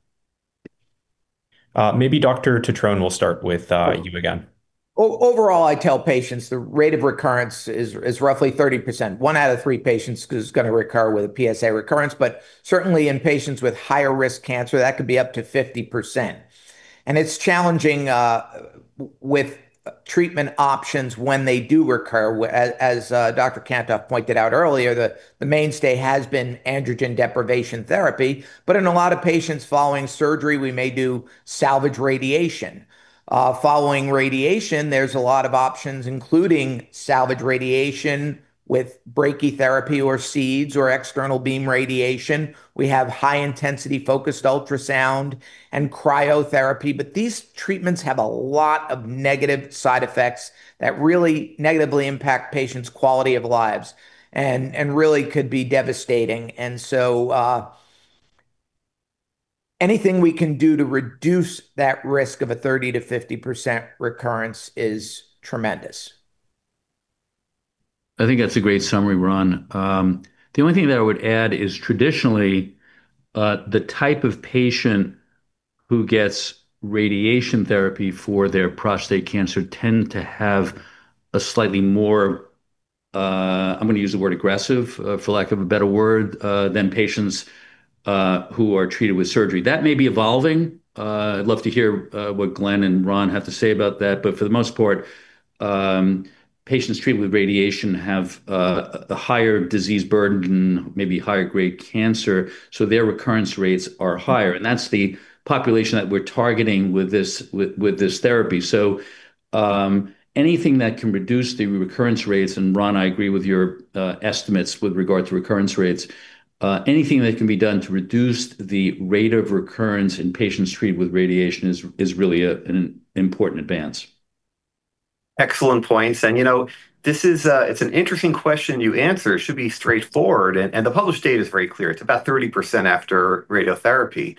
Maybe Dr. Tutrone will start with you again. Overall, I tell patients the rate of recurrence is roughly 30%. One out of three patients is going to recur with a PSA recurrence, but certainly in patients with higher-risk cancer, that could be up to 50%. It's challenging with treatment options when they do recur. As Dr. Kantoff pointed out earlier, the mainstay has been androgen deprivation therapy, but in a lot of patients following surgery, we may do salvage radiation. Following radiation, there's a lot of options, including salvage radiation with brachytherapy or seeds or external beam radiation. We have high-intensity focused ultrasound and cryotherapy, but these treatments have a lot of negative side effects that really negatively impact patients' quality of lives and really could be devastating, and so anything we can do to reduce that risk of a 30%-50% recurrence is tremendous. I think that's a great summary, Ron. The only thing that I would add is traditionally, the type of patient who gets radiation therapy for their prostate cancer tends to have a slightly more, I'm going to use the word aggressive, for lack of a better word, than patients who are treated with surgery. That may be evolving. I'd love to hear what Glen and Ron have to say about that. But for the most part, patients treated with radiation have a higher disease burden and maybe higher-grade cancer, so their recurrence rates are higher. And that's the population that we're targeting with this therapy. So anything that can reduce the recurrence rates, and Ron, I agree with your estimates with regard to recurrence rates, anything that can be done to reduce the rate of recurrence in patients treated with radiation is really an important advance. Excellent points. And you know it's an interesting question you asked. It should be straightforward. And the published data is very clear. It's about 30% after radiotherapy.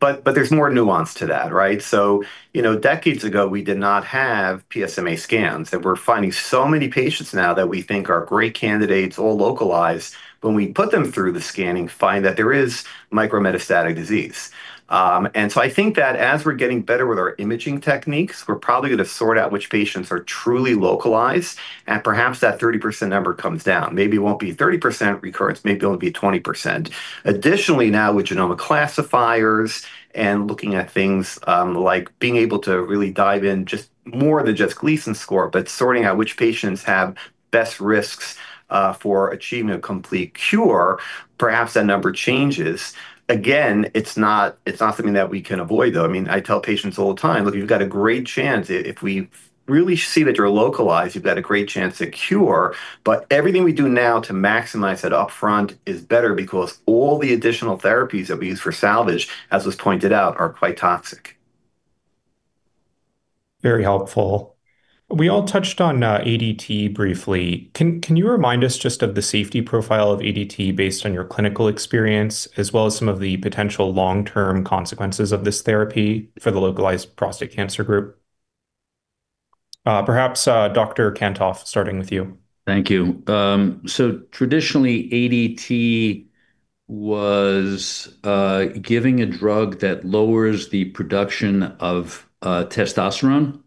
But there's more nuance to that, right? So decades ago, we did not have PSMA scans. And we're finding so many patients now that we think are great candidates, all localized, when we put them through the scanning, find that there is micrometastatic disease. And so I think that as we're getting better with our imaging techniques, we're probably going to sort out which patients are truly localized, and perhaps that 30% number comes down. Maybe it won't be 30% recurrence. Maybe it'll be 20%. Additionally, now with genomic classifiers and looking at things like being able to really dive in just more than just Gleason score, but sorting out which patients have best risks for achieving a complete cure, perhaps that number changes. Again, it's not something that we can avoid, though. I mean, I tell patients all the time, "Look, you've got a great chance. If we really see that you're localized, you've got a great chance to cure." But everything we do now to maximize that upfront is better because all the additional therapies that we use for salvage, as was pointed out, are quite toxic. Very helpful. We all touched on ADT briefly. Can you remind us just of the safety profile of ADT based on your clinical experience, as well as some of the potential long-term consequences of this therapy for the localized prostate cancer group? Perhaps Dr. Kantoff, starting with you. Thank you. So traditionally, ADT was giving a drug that lowers the production of testosterone.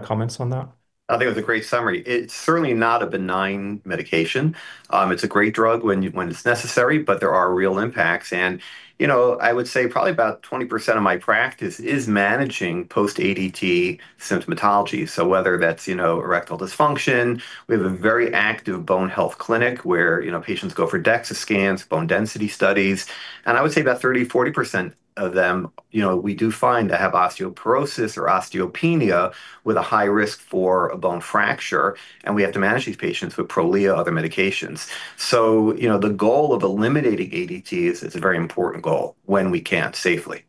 Comments on that? I think it was a great summary. It's certainly not a benign medication. It's a great drug when it's necessary, but there are real impacts, and I would say probably about 20% of my practice is managing post-ADT symptomatology, so whether that's erectile dysfunction, we have a very active bone health clinic where patients go for DEXA scans, bone density studies, and I would say about 30%-40% of them, we do find that have osteoporosis or osteopenia with a high risk for a bone fracture, and we have to manage these patients with Prolia and other medications, so the goal of eliminating ADT is a very important goal when we can't safely.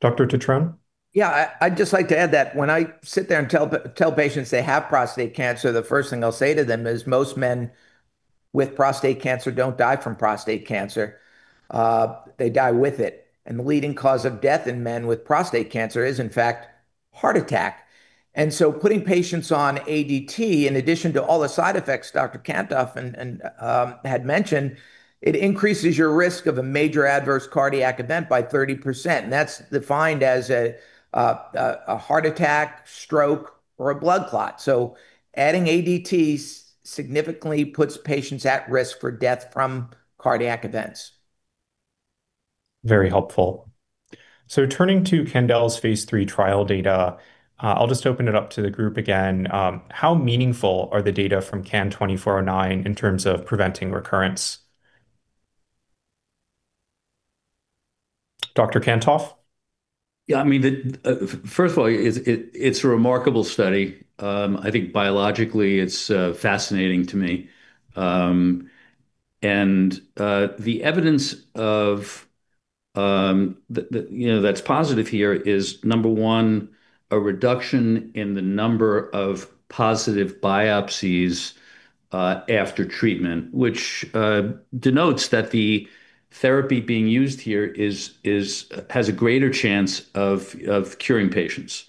Dr. Tutrone? Yeah, I'd just like to add that when I sit there and tell patients they have prostate cancer, the first thing I'll say to them is most men with prostate cancer don't die from prostate cancer. They die with it. And the leading cause of death in men with prostate cancer is, in fact, heart attack. And so putting patients on ADT, in addition to all the side effects Dr. Kantoff had mentioned, it increases your risk of a major adverse cardiac event by 30%. And that's defined as a heart attack, stroke, or a blood clot. So adding ADT significantly puts patients at risk for death from cardiac events. Very helpful. So turning to Candel's phase III trial data, I'll just open it up to the group again. How meaningful are the data from CAN-2409 in terms of preventing recurrence? Dr. Kantoff? Yeah, I mean, first of all, it's a remarkable study. I think biologically, it's fascinating to me. And the evidence that's positive here is, number one, a reduction in the number of positive biopsies after treatment, which denotes that the therapy being used here has a greater chance of curing patients.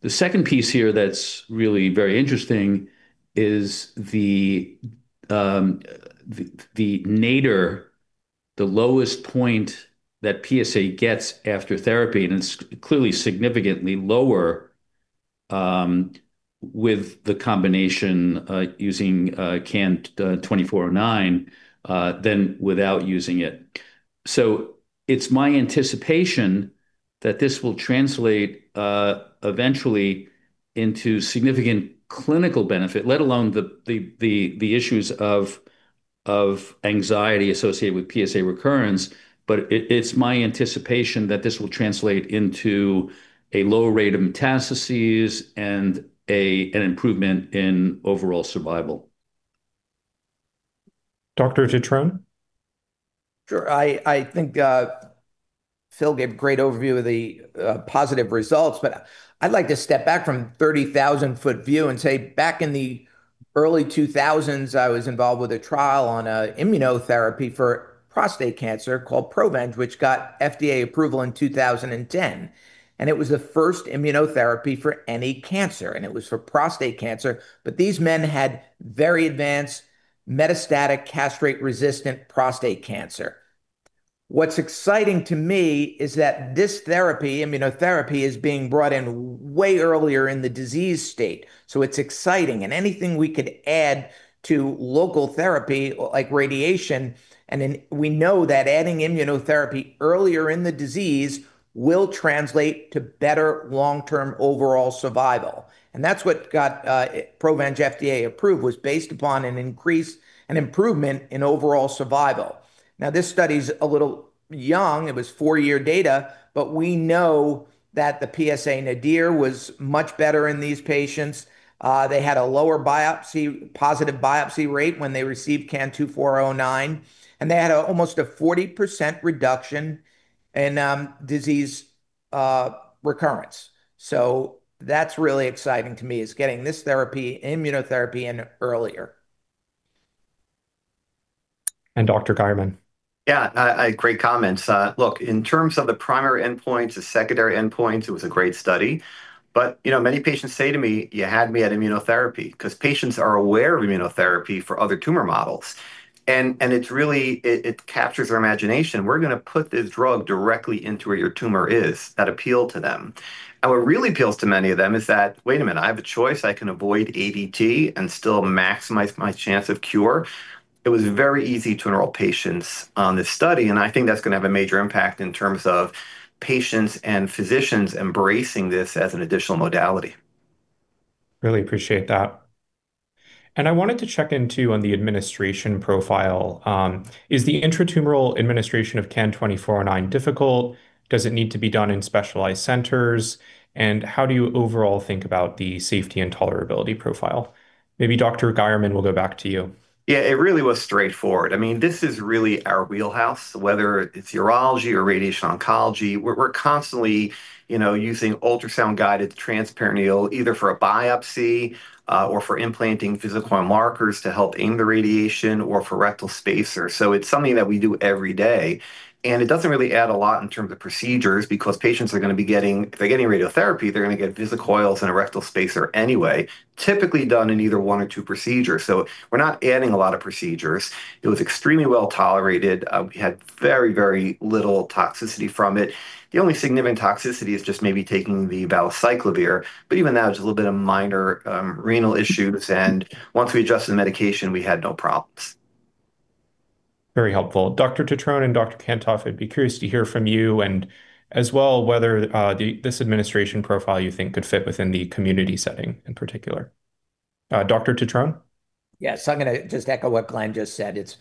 The second piece here that's really very interesting is the nadir, the lowest point that PSA gets after therapy. And it's clearly significantly lower with the combination using CAN-2409 than without using it. So it's my anticipation that this will translate eventually into significant clinical benefit, let alone the issues of anxiety associated with PSA recurrence. But it's my anticipation that this will translate into a low rate ofmetastasis and an improvement in overall survival. Dr. Tutrone? Sure. I think Phil gave a great overview of the positive results. But I'd like to step back from 30,000-foot view and say back in the early 2000s, I was involved with a trial on immunotherapy for prostate cancer called Provenge, which got FDA approval in 2010. And it was the first immunotherapy for any cancer. And it was for prostate cancer. But these men had very advanced metastatic castrate-resistant prostate cancer. What's exciting to me is that this therapy, immunotherapy, is being brought in way earlier in the disease state. So it's exciting. And anything we could add to local therapy, like radiation, and we know that adding immunotherapy earlier in the disease will translate to better long-term overall survival. And that's what got Provenge FDA approved, was based upon an increase and improvement in overall survival. Now, this study is a little young. It was four-year data. But we know that the PSA nadir was much better in these patients. They had a lower positive biopsy rate when they received CAN-2409. And they had almost a 40% reduction in disease recurrence. So that's really exciting to me, is getting this therapy, immunotherapy, in earlier. Dr. Gejerman? Yeah, great comments. Look, in terms of the primary endpoints and secondary endpoints, it was a great study. But many patients say to me, "You had me at immunotherapy," because patients are aware of immunotherapy for other tumor models. And it captures their imagination. We're going to put this drug directly into where your tumor is, that appeal to them. And what really appeals to many of them is that, "Wait a minute. I have a choice. I can avoid ADT and still maximize my chance of cure." It was very easy to enroll patients on this study. And I think that's going to have a major impact in terms of patients and physicians embracing this as an additional modality. Really appreciate that. And I wanted to check in, too, on the administration profile. Is the intratumoral administration of CAN-2409 difficult? Does it need to be done in specialized centers? And how do you overall think about the safety and tolerability profile? Maybe Dr. Gejerman, we'll go back to you. Yeah, it really was straightforward. I mean, this is really our wheelhouse, whether it's urology or radiation oncology. We're constantly using ultrasound-guided transperineal, either for a biopsy or for implanting fiducial markers to help aim the radiation or for rectal spacers. So it's something that we do every day. And it doesn't really add a lot in terms of procedures because patients are going to be getting, if they're getting radiotherapy, they're going to get fiducials and a rectal spacer anyway, typically done in either one or two procedures. So we're not adding a lot of procedures. It was extremely well tolerated. We had very, very little toxicity from it. The only significant toxicity is just maybe taking the valacyclovir. But even that was a little bit of minor renal issues. And once we adjusted the medication, we had no problems. Very helpful. Dr. Tutrone and Dr. Kantoff, I'd be curious to hear from you and as well whether this administration profile you think could fit within the community setting in particular. Dr. Tutrone? Yes, I'm going to just echo what Glen just said. It's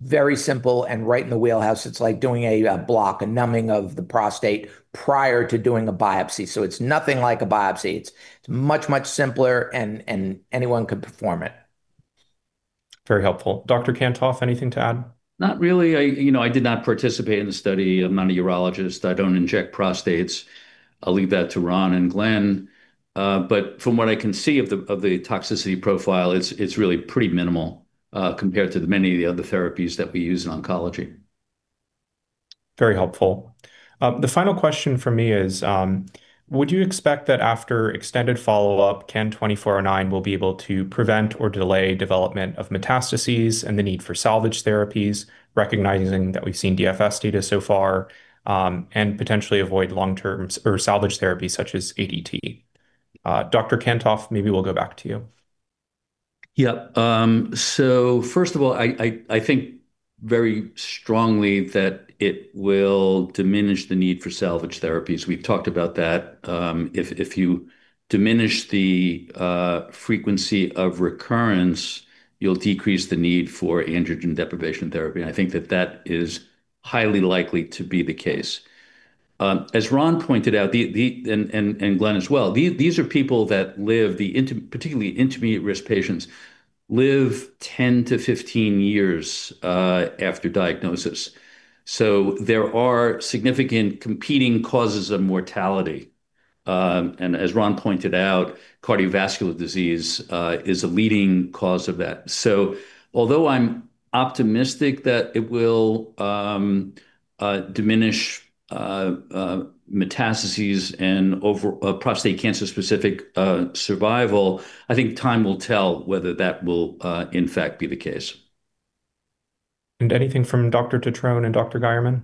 very simple and right in the wheelhouse. It's like doing a block, a numbing of the prostate prior to doing a biopsy. So it's nothing like a biopsy. It's much, much simpler, and anyone could perform it. Very helpful. Dr. Kantoff, anything to add? Not really. I did not participate in the study. I'm not a urologist. I don't inject prostates. I'll leave that to Ron and Glen. From what I can see of the toxicity profile, it's really pretty minimal compared to many of the other therapies that we use in oncology. Very helpful. The final question for me is, would you expect that after extended follow-up, CAN-2409 will be able to prevent or delay development ofmetastasis and the need for salvage therapies, recognizing that we've seen DFS data so far, and potentially avoid long-term or salvage therapies such as ADT? Dr. Kantoff, maybe we'll go back to you. Yeah. So first of all, I think very strongly that it will diminish the need for salvage therapies. We've talked about that. If you diminish the frequency of recurrence, you'll decrease the need for androgen deprivation therapy, and I think that that is highly likely to be the case. As Ron pointed out, and Glen as well, these are people that live, particularly intermediate risk patients, live 10 to 15 years after diagnosis, so there are significant competing causes of mortality, and as Ron pointed out, cardiovascular disease is a leading cause of that, so although I'm optimistic that it will diminishmetastasis and prostate cancer-specific survival, I think time will tell whether that will, in fact, be the case. And anything from Dr. Tutrone and Dr. Gejerman?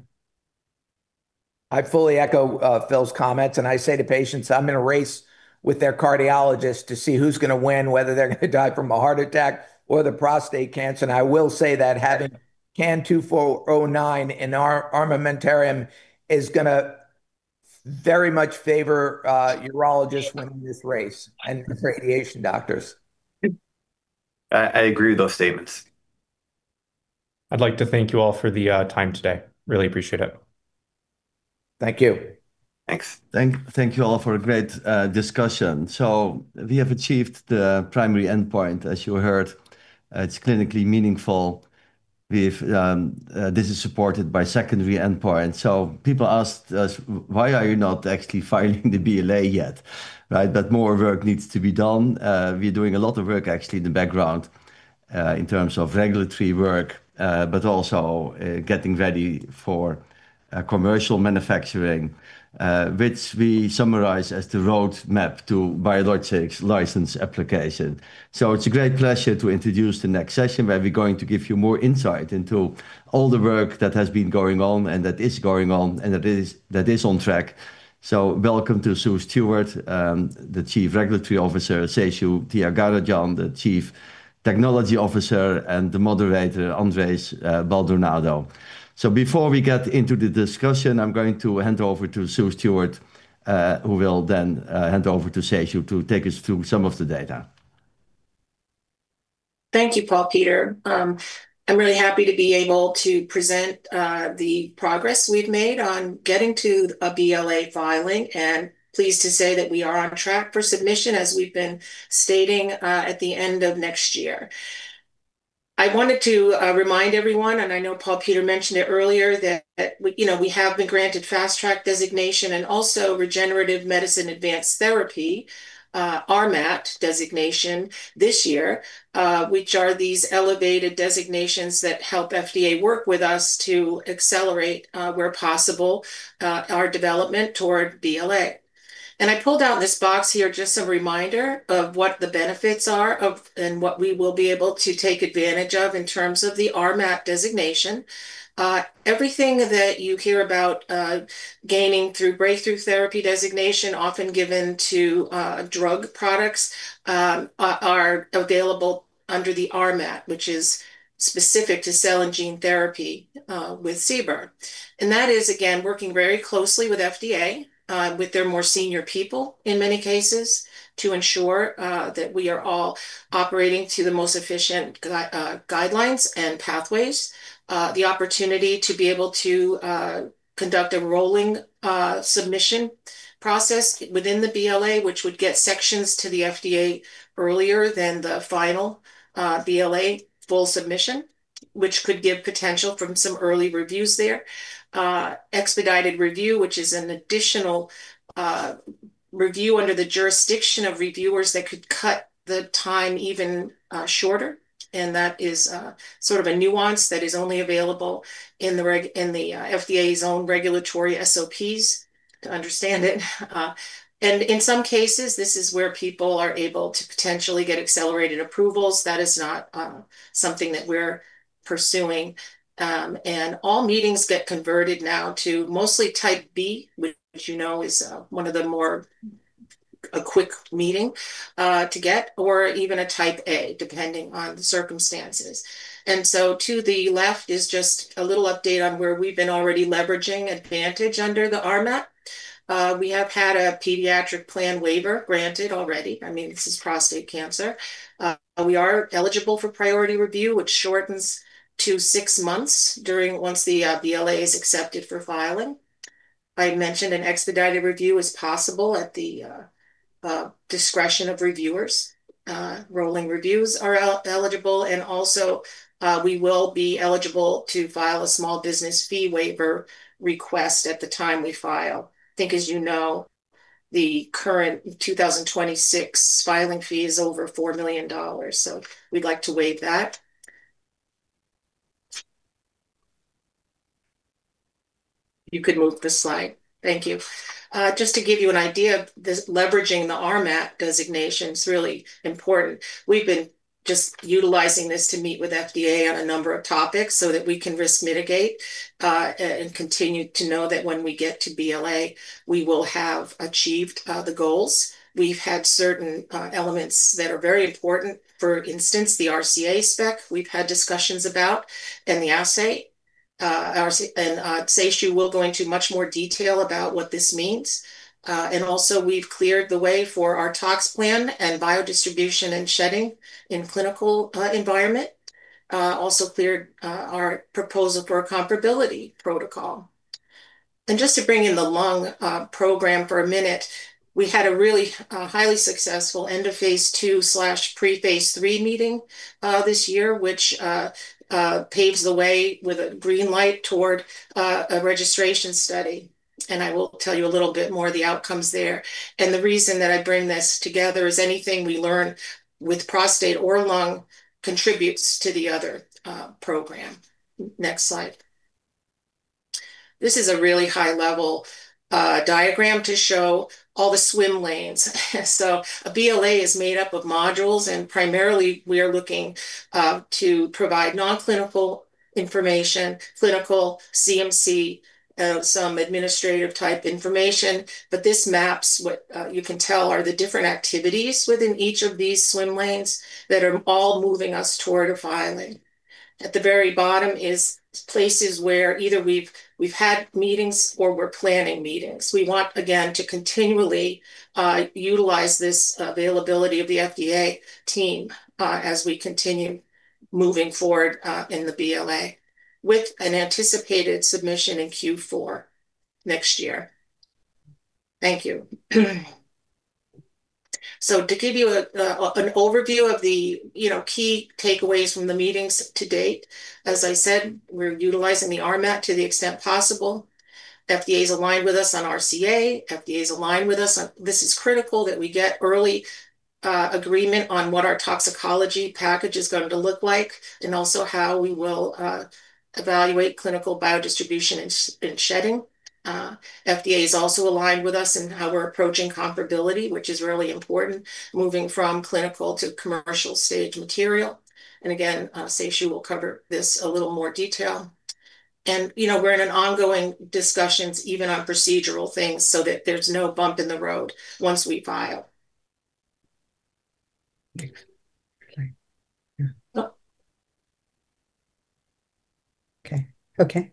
I fully echo Phil's comments, and I say to patients, I'm in a race with their cardiologist to see who's going to win, whether they're going to die from a heart attack or the prostate cancer, and I will say that having CAN-2409 in our armamentarium is going to very much favor urologists winning this race and radiation doctors. I agree with those statements. I'd like to thank you all for the time today. Really appreciate it. Thank you. Thanks. Thank you all for a great discussion. So we have achieved the primary endpoint, as you heard. It's clinically meaningful. This is supported by secondary endpoint. So people asked us, why are you not actually filing the BLA yet? But more work needs to be done. We're doing a lot of work, actually, in the background in terms of regulatory work, but also getting ready for commercial manufacturing, which we summarize as the roadmap to Biologics License Application. So it's a great pleasure to introduce the next session where we're going to give you more insight into all the work that has been going on and that is going on and that is on track. So welcome to Sue Stewart, the Chief Regulatory Officer, Seshu Tyagarajan, the Chief Technical Officer, and the moderator, Andres Maldonado. Before we get into the discussion, I'm going to hand over to Sue Stewart, who will then hand over to Seshu to take us through some of the data. Thank you, Paul Peter. I'm really happy to be able to present the progress we've made on getting to a BLA filing and pleased to say that we are on track for submission, as we've been stating, at the end of next year. I wanted to remind everyone, and I know Paul Peter mentioned it earlier, that we have been granted Fast Track designation and also Regenerative Medicine Advanced Therapy, RMAT designation this year, which are these elevated designations that help FDA work with us to accelerate, where possible, our development toward BLA. I pulled out this box here, just a reminder of what the benefits are and what we will be able to take advantage of in terms of the RMAT designation. Everything that you hear about gaining through Breakthrough Therapy designation, often given to drug products, are available under the RMAT, which is specific to cell and gene therapy with CBER. And that is, again, working very closely with FDA, with their more senior people, in many cases, to ensure that we are all operating to the most efficient guidelines and pathways. The opportunity to be able to conduct a rolling submission process within the BLA, which would get sections to the FDA earlier than the final BLA full submission, which could give potential from some early reviews there. Expedited review, which is an additional review under the jurisdiction of reviewers that could cut the time even shorter. And that is sort of a nuance that is only available in the FDA's own regulatory SOPs, to understand it. In some cases, this is where people are able to potentially get accelerated approvals. That is not something that we're pursuing. All meetings get converted now to mostly Type B, which you know is one of the more quick meetings to get, or even a Type A, depending on the circumstances. To the left is just a little update on where we've been already leveraging advantage under the RMAT. We have had a pediatric plan waiver granted already. I mean, this is prostate cancer. We are eligible for Priority Review, which shortens to six months once the BLA is accepted for filing. I mentioned an expedited review is possible at the discretion of reviewers. Rolling reviews are eligible. We will be eligible to file a small business fee waiver request at the time we file. I think, as you know, the current 2026 filing fee is over $4 million. So we'd like to waive that. You could move the slide. Thank you. Just to give you an idea, leveraging the RMAT designation is really important. We've been just utilizing this to meet with FDA on a number of topics so that we can risk mitigate and continue to know that when we get to BLA, we will have achieved the goals. We've had certain elements that are very important. For instance, the RCA spec we've had discussions about and the assay. And Seshu will go into much more detail about what this means. And also, we've cleared the way for our tox plan and biodistribution and shedding in clinical environment. Also cleared our proposal for a comparability protocol. Just to bring in the lung program for a minute, we had a really highly successful End of phase II/pre-phase III meeting this year, which paves the way with a green light toward a registration study. I will tell you a little bit more of the outcomes there. The reason that I bring this together is anything we learn with prostate or lung contributes to the other program. Next slide. This is a really high-level diagram to show all the swim lanes. A BLA is made up of modules. Primarily, we are looking to provide non-clinical information, clinical, CMC, some administrative-type information. This maps what you can tell are the different activities within each of these swim lanes that are all moving us toward a filing. At the very bottom is places where either we've had meetings or we're planning meetings. We want, again, to continually utilize this availability of the FDA team as we continue moving forward in the BLA with an anticipated submission in Q4 next year. Thank you. So to give you an overview of the key takeaways from the meetings to date, as I said, we're utilizing the RMAT to the extent possible. FDA's aligned with us on RCA. FDA's aligned with us on this is critical that we get early agreement on what our toxicology package is going to look like and also how we will evaluate clinical biodistribution and shedding. FDA is also aligned with us in how we're approaching comparability, which is really important, moving from clinical to commercial-stage material. And again, Seshu will cover this in a little more detail. And we're in ongoing discussions even on procedural things so that there's no bump in the road once we file. Okay.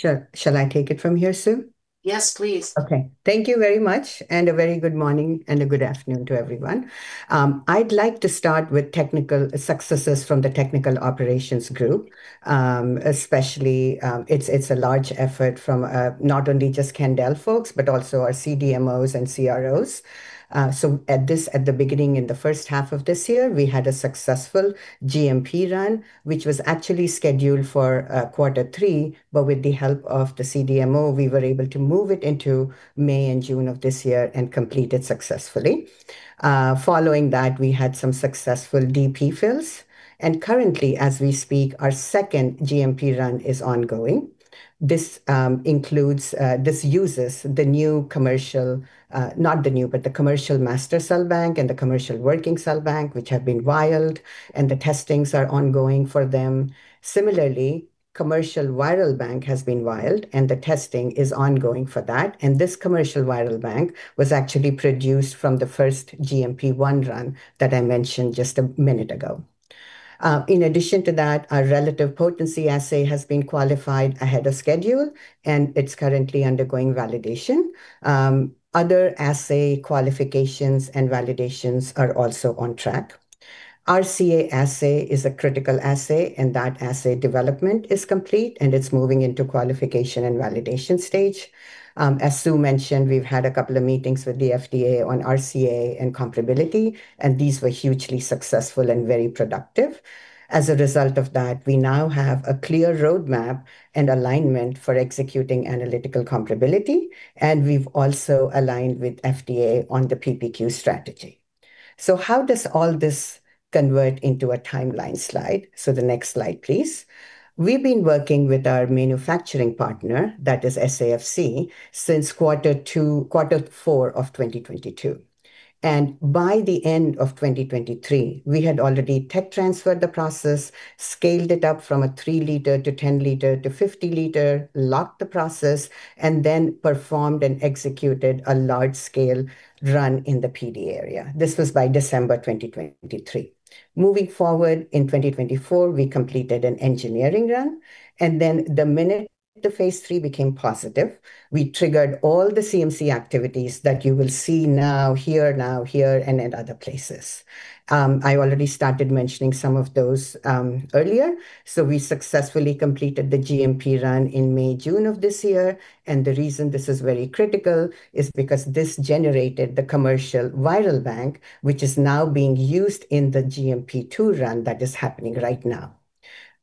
Shall I take it from here soon? Yes, please. Okay. Thank you very much, and a very good morning and a good afternoon to everyone. I'd like to start with technical successes from the technical operations group, especially it's a large effort from not only just Candel folks, but also our CDMOs and CROs. At the beginning, in the first half of this year, we had a successful GMP run, which was actually scheduled for quarter three. With the help of the CDMO, we were able to move it into May and June of this year and complete it successfully. Following that, we had some successful DP fills. Currently, as we speak, our second GMP run is ongoing. This uses the new commercial, not the new, but the commercial master cell bank and the commercial working cell bank, which have been vialed, and the testings are ongoing for them. Similarly, commercial viral bank has been vialed, and the testing is ongoing for that. And this commercial viral bank was actually produced from the first GMP one run that I mentioned just a minute ago. In addition to that, our relative potency assay has been qualified ahead of schedule, and it's currently undergoing validation. Other assay qualifications and validations are also on track. RCA assay is a critical assay, and that assay development is complete, and it's moving into qualification and validation stage. As Sue mentioned, we've had a couple of meetings with the FDA on RCA and comparability, and these were hugely successful and very productive. As a result of that, we now have a clear roadmap and alignment for executing analytical comparability. And we've also aligned with FDA on the PPQ strategy. So how does all this convert into a timeline slide? So the next slide, please. We've been working with our manufacturing partner, that is SAFC, since quarter four of 2022. And by the end of 2023, we had already tech transferred the process, scaled it up from a three titer to 10-liter to 50-liter, locked the process, and then performed and executed a large-scale run in the PD area. This was by December 2023. Moving forward, in 2024, we completed an engineering run. And then the minute the phase three became positive, we triggered all the CMC activities that you will see now, here, now, here, and in other places. I already started mentioning some of those earlier. So we successfully completed the GMP run in May, June of this year. And the reason this is very critical is because this generated the commercial viral bank, which is now being used in the GMP two run that is happening right now.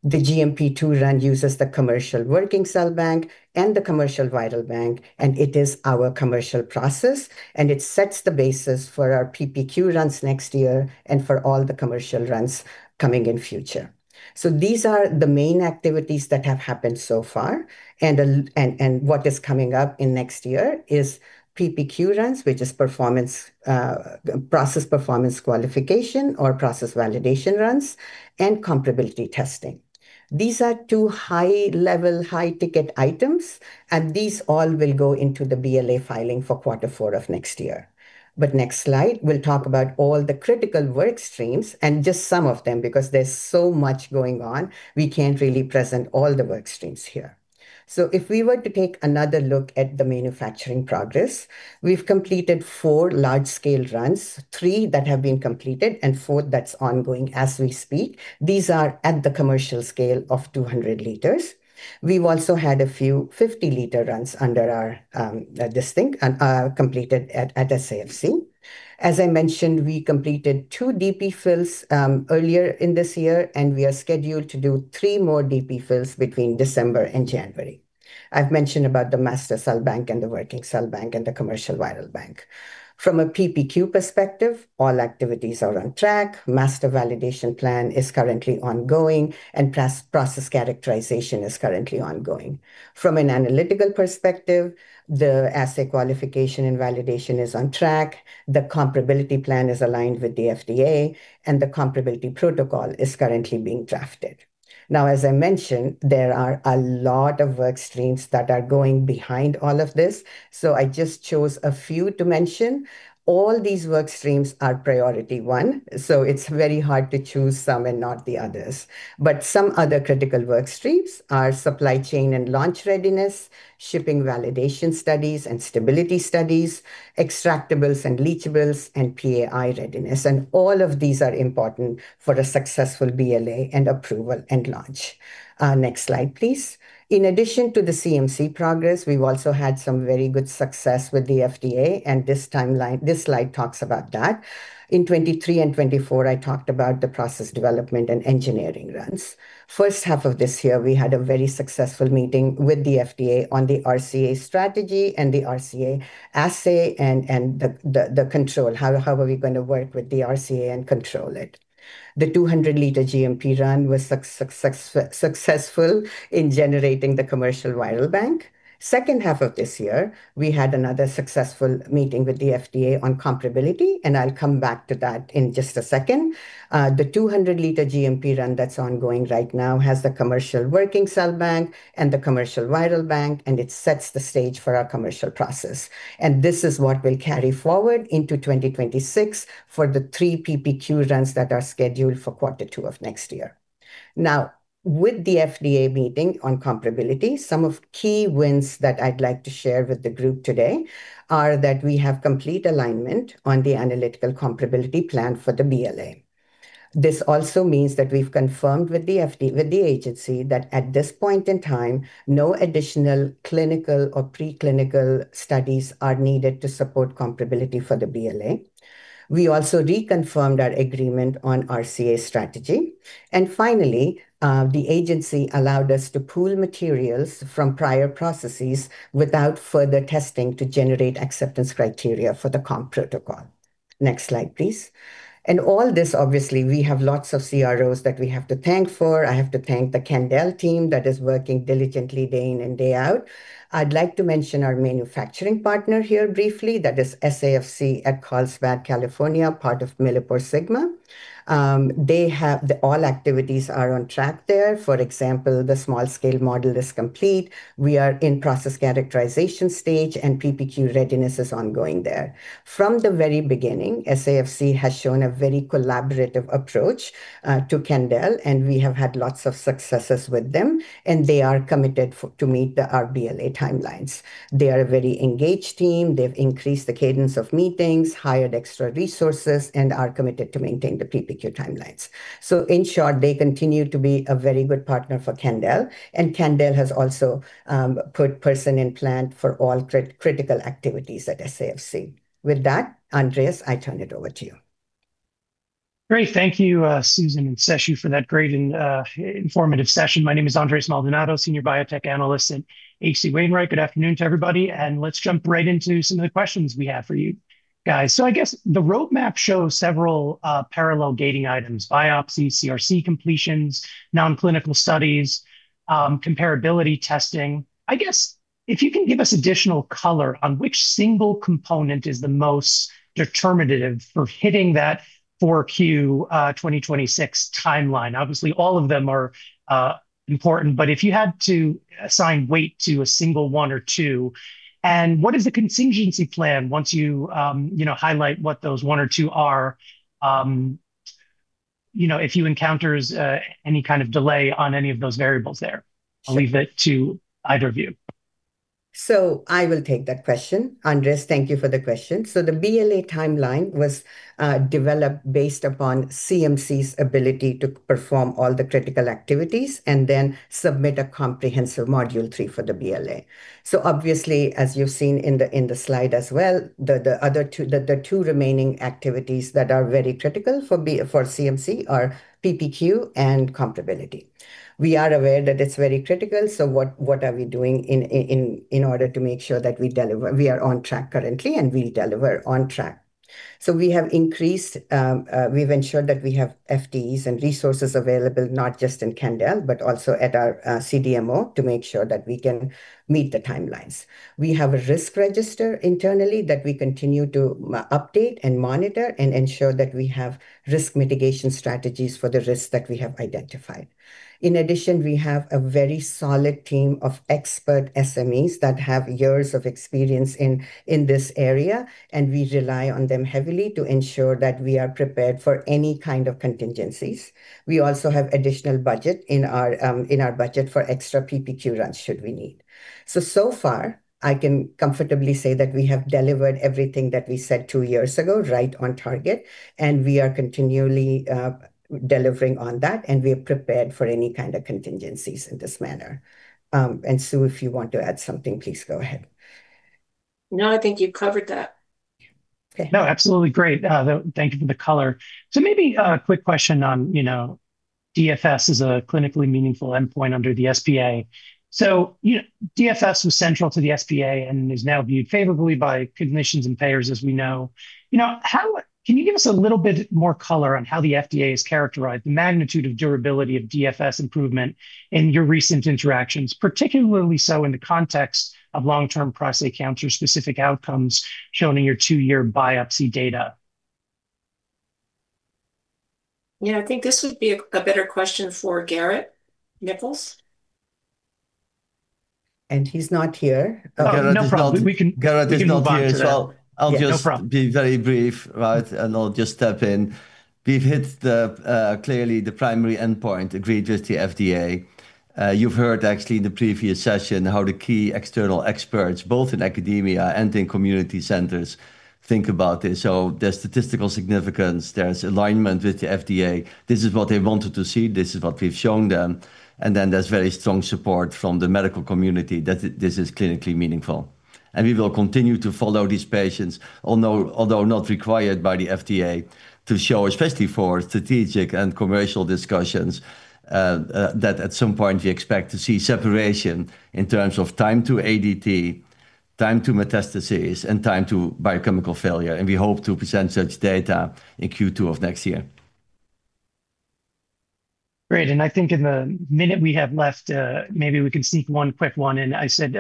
The GMP two run uses the commercial working cell bank and the commercial viral bank, and it is our commercial process, and it sets the basis for our PPQ runs next year and for all the commercial runs coming in future, so these are the main activities that have happened so far, and what is coming up in next year is PPQ runs, which is process performance qualification or process validation runs and comparability testing. These are two high-level, high-ticket items, and these all will go into the BLA filing for quarter four of next year, but next slide, we'll talk about all the critical work streams and just some of them because there's so much going on. We can't really present all the work streams here. So if we were to take another look at the manufacturing progress, we've completed four large-scale runs, three that have been completed, and the fourth that's ongoing as we speak. These are at the commercial scale of 200 liters. We've also had a few 50-liter runs under our belt completed at SAFC. As I mentioned, we completed two DP fills earlier in this year, and we are scheduled to do three more DP fills between December and January. I've mentioned about the master cell bank and the working cell bank and the commercial viral bank. From a PPQ perspective, all activities are on track. Master validation plan is currently ongoing, and process characterization is currently ongoing. From an analytical perspective, the assay qualification and validation is on track. The comparability plan is aligned with the FDA, and the comparability protocol is currently being drafted. Now, as I mentioned, there are a lot of work streams that are going behind all of this. So I just chose a few to mention. All these work streams are priority one. So it's very hard to choose some and not the others. But some other critical work streams are supply chain and launch readiness, shipping validation studies and stability studies, extractables and leachables, and PAI readiness. And all of these are important for a successful BLA and approval and launch. Next slide, please. In addition to the CMC progress, we've also had some very good success with the FDA. And this slide talks about that. In 2023 and 2024, I talked about the process development and engineering runs. First half of this year, we had a very successful meeting with the FDA on the RCA strategy and the RCA assay and the control. How are we going to work with the RCA and control it? The 200-liter GMP run was successful in generating the commercial viral bank. Second half of this year, we had another successful meeting with the FDA on comparability, and I'll come back to that in just a second. The 200-liter GMP run that's ongoing right now has the commercial working cell bank and the commercial viral bank, and it sets the stage for our commercial process, and this is what will carry forward into 2026 for the three PPQ runs that are scheduled for quarter two of next year. Now, with the FDA meeting on comparability, some of the key wins that I'd like to share with the group today are that we have complete alignment on the analytical comparability plan for the BLA. This also means that we've confirmed with the agency that at this point in time, no additional clinical or preclinical studies are needed to support comparability for the BLA. We also reconfirmed our agreement on RCA strategy. And finally, the agency allowed us to pool materials from prior processes without further testing to generate acceptance criteria for the comp protocol. Next slide, please. And all this, obviously, we have lots of CROs that we have to thank for. I have to thank the Candel team that is working diligently day in and day out. I'd like to mention our manufacturing partner here briefly. That is SAFC at Carlsbad, California, part of MilliporeSigma. All activities are on track there. For example, the small-scale model is complete. We are in process characterization stage, and PPQ readiness is ongoing there. From the very beginning, SAFC has shown a very collaborative approach to Candel, and we have had lots of successes with them, and they are committed to meet the BLA timelines. They are a very engaged team. They've increased the cadence of meetings, hired extra resources, and are committed to maintain the PPQ timelines, so in short, they continue to be a very good partner for Candel, and Candel has also put person in plant for all critical activities at SAFC. With that, Andres, I turn it over to you. Great. Thank you, Susan and Seshu, for that great and informative session. My name is Andres Maldonado, Senior Biotech Analyst at H.C. Wainwright. Good afternoon to everybody, and let's jump right into some of the questions we have for you guys. So I guess the roadmap shows several parallel gating items: biopsies, CRC completions, non-clinical studies, comparability testing. I guess if you can give us additional color on which single component is the most determinative for hitting that 4Q 2026 timeline. Obviously, all of them are important. But if you had to assign weight to a single one or two, and what is the contingency plan once you highlight what those one or two are if you encounter any kind of delay on any of those variables there? I'll leave it to either of you. So I will take that question. Andres, thank you for the question. So the BLA timeline was developed based upon CMC's ability to perform all the critical activities and then submit a comprehensive Module 3 for the BLA. So obviously, as you've seen in the slide as well, the two remaining activities that are very critical for CMC are PPQ and comparability. We are aware that it's very critical. So what are we doing in order to make sure that we are on track currently and we deliver on track? So we have increased. We've ensured that we have FTEs and resources available, not just in Candel, but also at our CDMO to make sure that we can meet the timelines. We have a risk register internally that we continue to update and monitor and ensure that we have risk mitigation strategies for the risks that we have identified. In addition, we have a very solid team of expert SMEs that have years of experience in this area, and we rely on them heavily to ensure that we are prepared for any kind of contingencies. We also have additional budget in our budget for extra PPQ runs should we need. So far, I can comfortably say that we have delivered everything that we said two years ago, right on target, and we are continually delivering on that, and we are prepared for any kind of contingencies in this manner, and Sue, if you want to add something, please go ahead. No, I think you've covered that. No, absolutely great. Thank you for the color. So maybe a quick question on DFS as a clinically meaningful endpoint under the SPA. So DFS was central to the SPA and is now viewed favorably by clinicians and payers, as we know. Can you give us a little bit more color on how the FDA has characterized the magnitude of durability of DFS improvement in your recent interactions, particularly so in the context of long-term prostate cancer-specific outcomes shown in your two-year biopsy data? Yeah, I think this would be a better question for Garrett Nichols. He's not here. Oh, no problem. Garrett is not here as well. I'll just be very brief, right, and I'll just step in. We've hit clearly the primary endpoint, agreed with the FDA. You've heard actually in the previous session how the key external experts, both in academia and in community centers, think about this, so there's statistical significance. There's alignment with the FDA. This is what they wanted to see. This is what we've shown them, and then there's very strong support from the medical community that this is clinically meaningful, and we will continue to follow these patients, although not required by the FDA, to show, especially for strategic and commercial discussions, that at some point we expect to see separation in terms of time to ADT, time to metastasis, and time to biochemical failure, and we hope to present such data in Q2 of next year. Great. And I think in the minute we have left, maybe we can sneak one quick one in. I said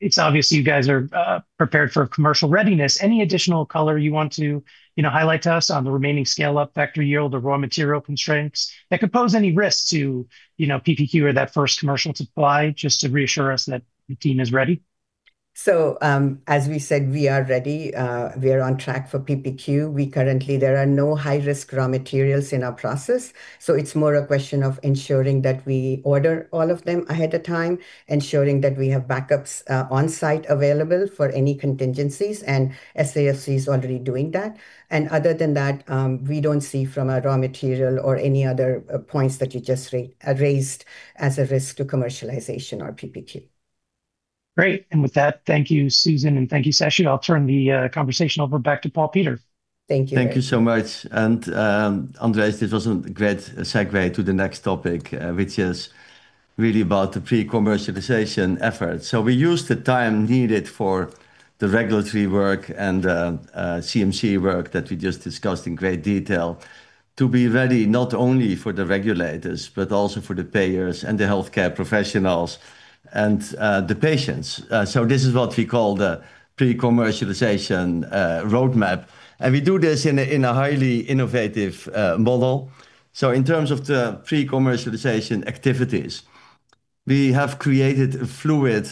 it's obvious you guys are prepared for commercial readiness. Any additional color you want to highlight to us on the remaining scale-up factor yield or raw material constraints that could pose any risk to PPQ or that first commercial supply, just to reassure us that the team is ready? So as we said, we are ready. We are on track for PPQ. Currently, there are no high-risk raw materials in our process. So it's more a question of ensuring that we order all of them ahead of time, ensuring that we have backups on site available for any contingencies. And SAFC is already doing that. And other than that, we don't see from our raw material or any other points that you just raised as a risk to commercialization or PPQ. Great. And with that, thank you, Susan, and thank you, Seshu. I'll turn the conversation over back to Paul Peter. Thank you. Thank you so much, and Andres, this was a great segue to the next topic, which is really about the pre-commercialization effort, so we used the time needed for the regulatory work and CMC work that we just discussed in great detail to be ready not only for the regulators, but also for the payers and the healthcare professionals and the patients, so this is what we call the pre-commercialization roadmap, and we do this in a highly innovative model, so in terms of the pre-commercialization activities, we have created a fluid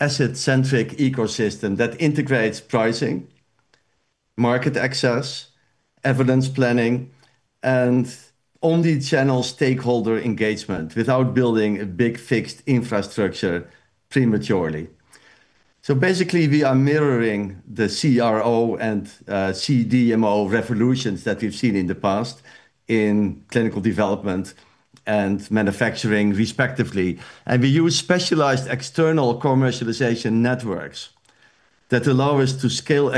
asset-centric ecosystem that integrates pricing, market access, evidence planning, and only channels stakeholder engagement without building a big fixed infrastructure prematurely, so basically, we are mirroring the CRO and CDMO revolutions that we've seen in the past in clinical development and manufacturing, respectively. We use specialized external commercialization networks that allow us to scale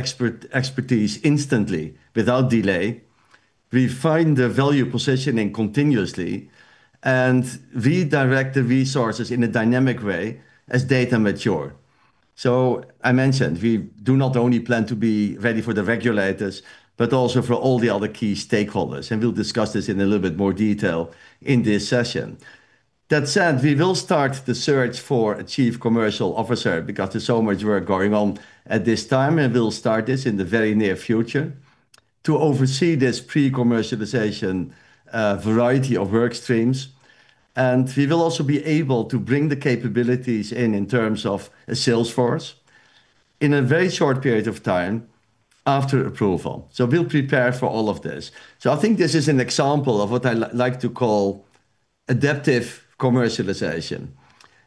expertise instantly without delay. We find the value positioning continuously and redirect the resources in a dynamic way as data mature. I mentioned we do not only plan to be ready for the regulators, but also for all the other key stakeholders. We'll discuss this in a little bit more detail in this session. That said, we will start the search for a Chief Commercial Officer because there's so much work going on at this time. We'll start this in the very near future to oversee this pre-commercialization variety of work streams. We will also be able to bring the capabilities in in terms of a sales force in a very short period of time after approval. We'll prepare for all of this. So I think this is an example of what I like to call adaptive commercialization.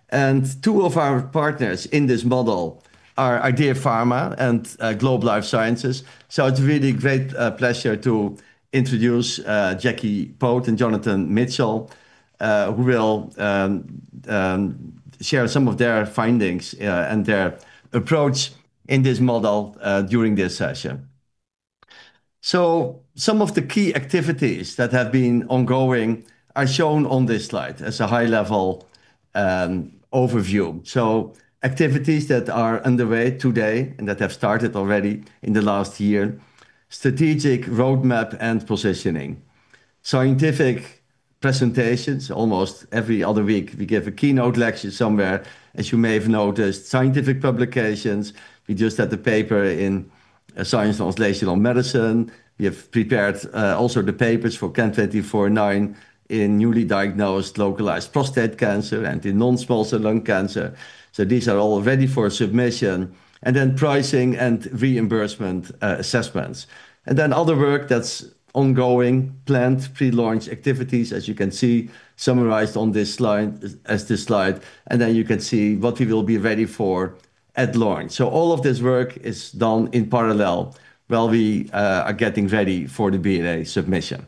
And two of our partners in this model are IDEA Pharma and Globe Life Sciences. So it's really a great pleasure to introduce Jackie Poot and Jonathon Mitchell, who will share some of their findings and their approach in this model during this session. So some of the key activities that have been ongoing are shown on this slide as a high-level overview. So activities that are underway today and that have started already in the last year: strategic roadmap and positioning, scientific presentations. Almost every other week, we give a keynote lecture somewhere, as you may have noticed, scientific publications. We just had a paper in Science Translational Medicine. We have prepared also the papers for CAN-2409 in newly diagnosed localized prostate cancer and in non-small cell lung cancer. So these are all ready for submission. And then pricing and reimbursement assessments. And then other work that's ongoing, planned pre-launch activities, as you can see summarized on this slide. And then you can see what we will be ready for at launch. So all of this work is done in parallel while we are getting ready for the BLA submission.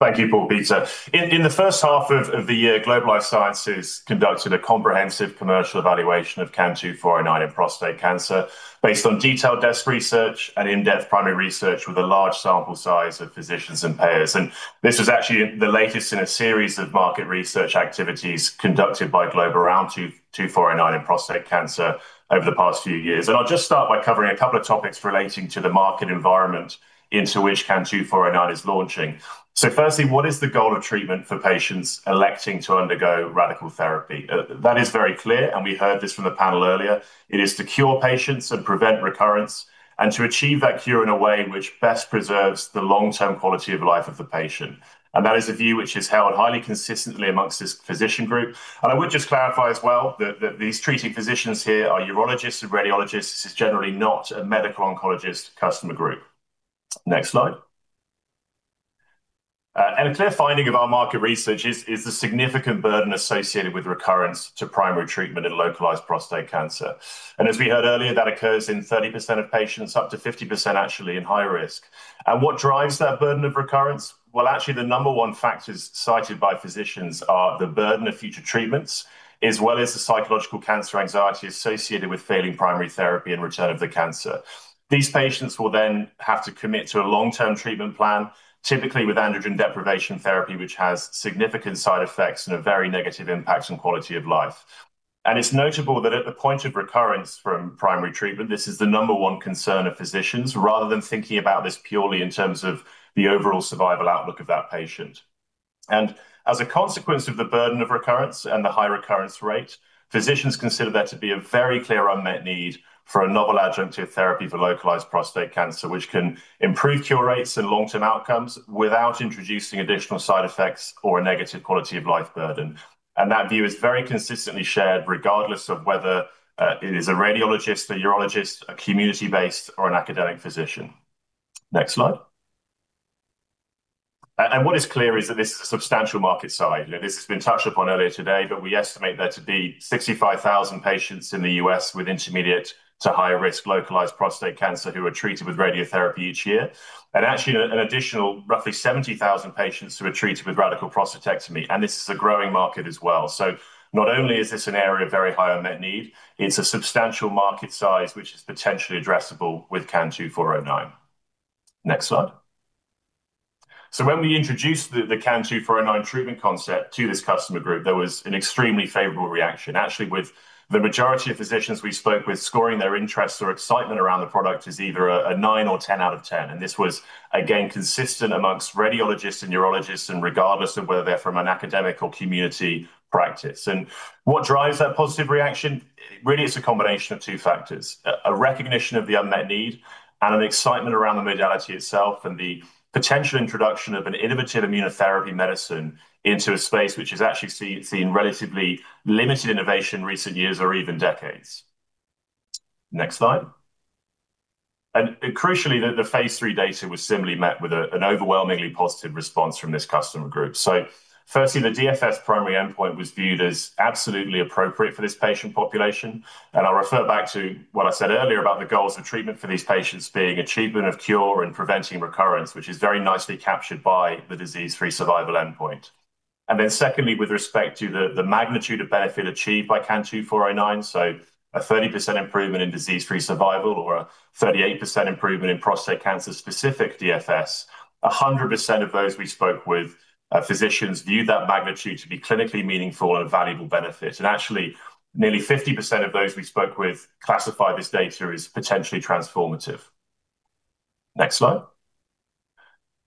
Thank you, Paul Peter. In the first half of the year, Globe Life Sciences conducted a comprehensive commercial evaluation of CAN-2409 in prostate cancer based on detailed desk research and in-depth primary research with a large sample size of physicians and payers. And this was actually the latest in a series of market research activities conducted by Globe around CAN-2409 in prostate cancer over the past few years. And I'll just start by covering a couple of topics relating to the market environment into which CAN-2409 is launching. So firstly, what is the goal of treatment for patients electing to undergo radical therapy? That is very clear. And we heard this from the panel earlier. It is to cure patients and prevent recurrence and to achieve that cure in a way which best preserves the long-term quality of life of the patient. That is a view which is held highly consistently among this physician group. I would just clarify as well that these treating physicians here are urologists and radiologists. This is generally not a medical oncologist customer group. Next slide. A clear finding of our market research is the significant burden associated with recurrence to primary treatment in localized prostate cancer. As we heard earlier, that occurs in 30% of patients, up to 50% actually in high-risk. What drives that burden of recurrence? Actually, the number one factors cited by physicians are the burden of future treatments, as well as the psychological cancer anxiety associated with failing primary therapy and return of the cancer. These patients will then have to commit to a long-term treatment plan, typically with androgen deprivation therapy, which has significant side effects and a very negative impact on quality of life. And it's notable that at the point of recurrence from primary treatment, this is the number one concern of physicians, rather than thinking about this purely in terms of the overall survival outlook of that patient. And as a consequence of the burden of recurrence and the high recurrence rate, physicians consider that to be a very clear unmet need for a novel adjunctive therapy for localized prostate cancer, which can improve cure rates and long-term outcomes without introducing additional side effects or a negative quality of life burden. And that view is very consistently shared, regardless of whether it is a radiologist, a urologist, a community-based, or an academic physician. Next slide. What is clear is that this is a substantial market size. This has been touched upon earlier today, but we estimate there to be 65,000 patients in the U.S. with intermediate to high-risk localized prostate cancer who are treated with radiotherapy each year. Actually, an additional roughly 70,000 patients who are treated with radical prostatectomy. This is a growing market as well. Not only is this an area of very high unmet need, it's a substantial market size which is potentially addressable with CAN-2409. Next slide. When we introduced the CAN-2409 treatment concept to this customer group, there was an extremely favorable reaction. Actually, with the majority of physicians we spoke with, scoring their interest or excitement around the product is either a nine or 10 out of 10. This was, again, consistent among radiologists and urologists, regardless of whether they're from an academic or community practice. What drives that positive reaction? Really, it's a combination of two factors: a recognition of the unmet need and an excitement around the modality itself and the potential introduction of an innovative immunotherapy medicine into a space which has actually seen relatively limited innovation in recent years or even decades. Next slide. Crucially, the phase III data was similarly met with an overwhelmingly positive response from this customer group. Firstly, the DFS primary endpoint was viewed as absolutely appropriate for this patient population. I'll refer back to what I said earlier about the goals of treatment for these patients being achievement of cure and preventing recurrence, which is very nicely captured by the disease-free survival endpoint. And then secondly, with respect to the magnitude of benefit achieved by CAN-2409, so a 30% improvement in disease-free survival or a 38% improvement in prostate cancer-specific DFS, 100% of those we spoke with physicians viewed that magnitude to be clinically meaningful and a valuable benefit. And actually, nearly 50% of those we spoke with classify this data as potentially transformative. Next slide.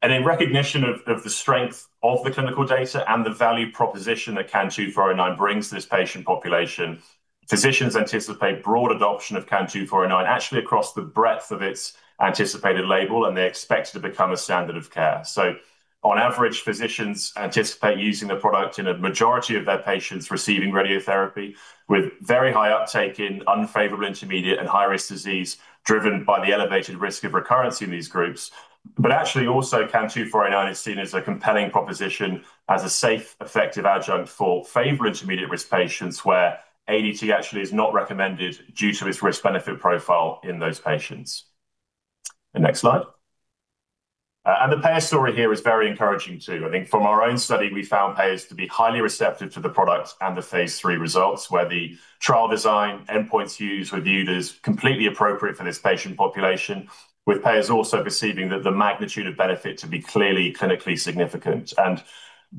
And in recognition of the strength of the clinical data and the value proposition that CAN-2409 brings to this patient population, physicians anticipate broad adoption of CAN-2409 actually across the breadth of its anticipated label, and they expect it to become a standard of care. So on average, physicians anticipate using the product in a majority of their patients receiving radiotherapy with very high uptake in unfavorable intermediate and high-risk disease driven by the elevated risk of recurrence in these groups. But actually, also CAN-2409 is seen as a compelling proposition as a safe, effective adjunct for favorable intermediate risk patients where ADT actually is not recommended due to its risk-benefit profile in those patients. And next slide. And the payer story here is very encouraging too. I think from our own study, we found payers to be highly receptive to the product and the phase III results, where the trial design endpoints used were viewed as completely appropriate for this patient population, with payers also perceiving that the magnitude of benefit to be clearly clinically significant. And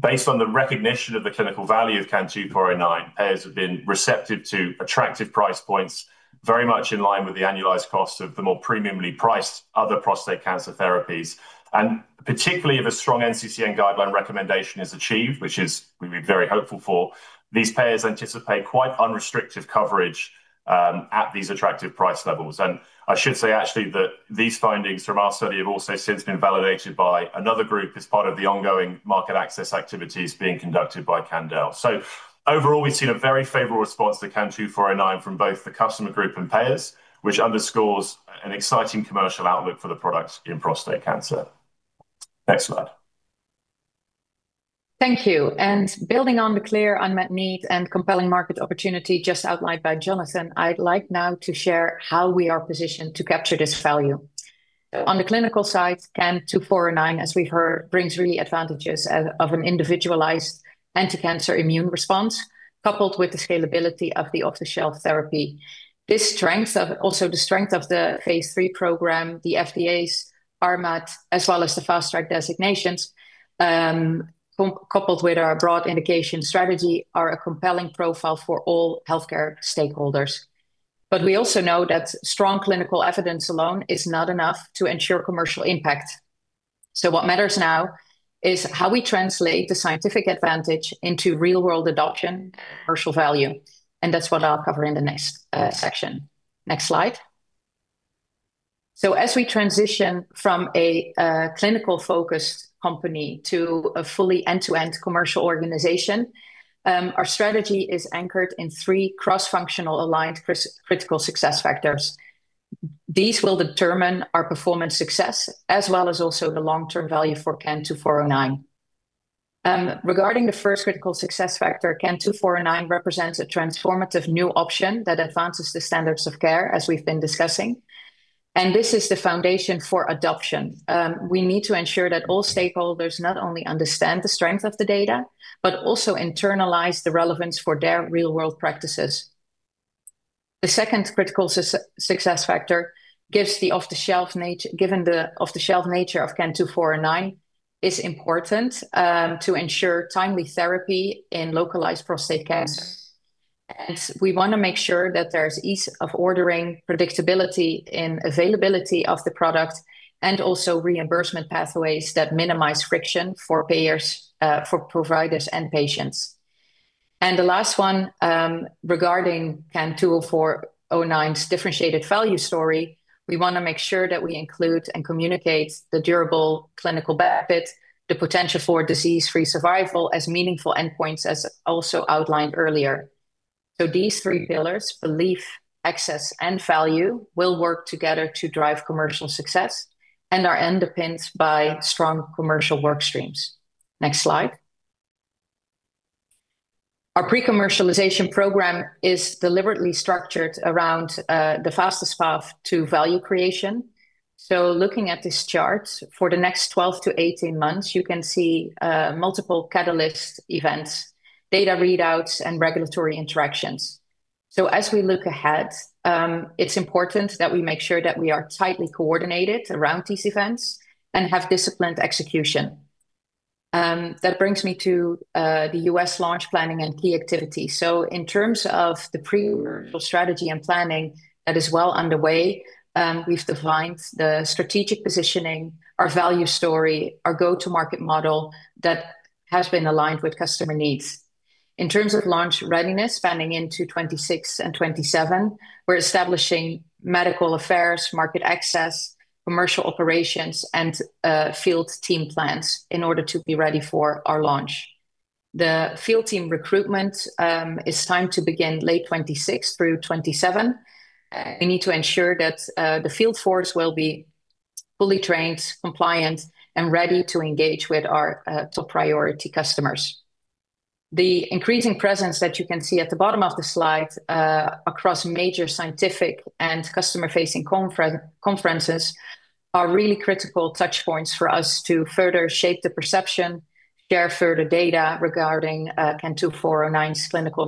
based on the recognition of the clinical value of CAN-2409, payers have been receptive to attractive price points, very much in line with the annualized cost of the more premiumly priced other prostate cancer therapies. And particularly if a strong NCCN guideline recommendation is achieved, which we've been very hopeful for, these payers anticipate quite unrestrictive coverage at these attractive price levels. And I should say, actually, that these findings from our study have also since been validated by another group as part of the ongoing market access activities being conducted by Candel. So overall, we've seen a very favorable response to CAN-2409 from both the customer group and payers, which underscores an exciting commercial outlook for the product in prostate cancer. Next slide. Thank you. And building on the clear unmet need and compelling market opportunity just outlined by Jonathon, I'd like now to share how we are positioned to capture this value. On the clinical side, CAN-2409, as we've heard, brings really advantages of an individualized anti-cancer immune response coupled with the scalability of the off-the-shelf therapy. This strength, also the strength of the phase three program, the FDA's RMAT, as well as the fast-track designations coupled with our broad indication strategy, are a compelling profile for all healthcare stakeholders. But we also know that strong clinical evidence alone is not enough to ensure commercial impact. So what matters now is how we translate the scientific advantage into real-world adoption and commercial value. And that's what I'll cover in the next section. Next slide. So as we transition from a clinical-focused company to a fully end-to-end commercial organization, our strategy is anchored in three cross-functional aligned critical success factors. These will determine our performance success as well as also the long-term value for CAN-2409. Regarding the first critical success factor, CAN-2409 represents a transformative new option that advances the standards of care, as we've been discussing. And this is the foundation for adoption. We need to ensure that all stakeholders not only understand the strength of the data, but also internalize the relevance for their real-world practices. The second critical success factor gives the off-the-shelf nature, given the off-the-shelf nature of CAN-2409, is important to ensure timely therapy in localized prostate cancer. And we want to make sure that there's ease of ordering, predictability in availability of the product, and also reimbursement pathways that minimize friction for payers, for providers, and patients. The last one regarding CAN-2409's differentiated value story, we want to make sure that we include and communicate the durable clinical benefit, the potential for disease-free survival as meaningful endpoints, as also outlined earlier. These three pillars, belief, access, and value, will work together to drive commercial success and are underpinned by strong commercial workstreams. Next slide. Our pre-commercialization program is deliberately structured around the fastest path to value creation. Looking at this chart for the next 12-18 months, you can see multiple catalyst events, data readouts, and regulatory interactions. As we look ahead, it's important that we make sure that we are tightly coordinated around these events and have disciplined execution. That brings me to the U.S. launch planning and key activity. In terms of the pre-commercial strategy and planning that is well underway, we've defined the strategic positioning, our value story, our go-to-market model that has been aligned with customer needs. In terms of launch readiness, spanning into 2026 and 2027, we're establishing medical affairs, market access, commercial operations, and field team plans in order to be ready for our launch. The field team recruitment is timed to begin late 2026 through 2027. We need to ensure that the field force will be fully trained, compliant, and ready to engage with our top priority customers. The increasing presence that you can see at the bottom of the slide across major scientific and customer-facing conferences are really critical touchpoints for us to further shape the perception, share further data regarding CAN-2409's clinical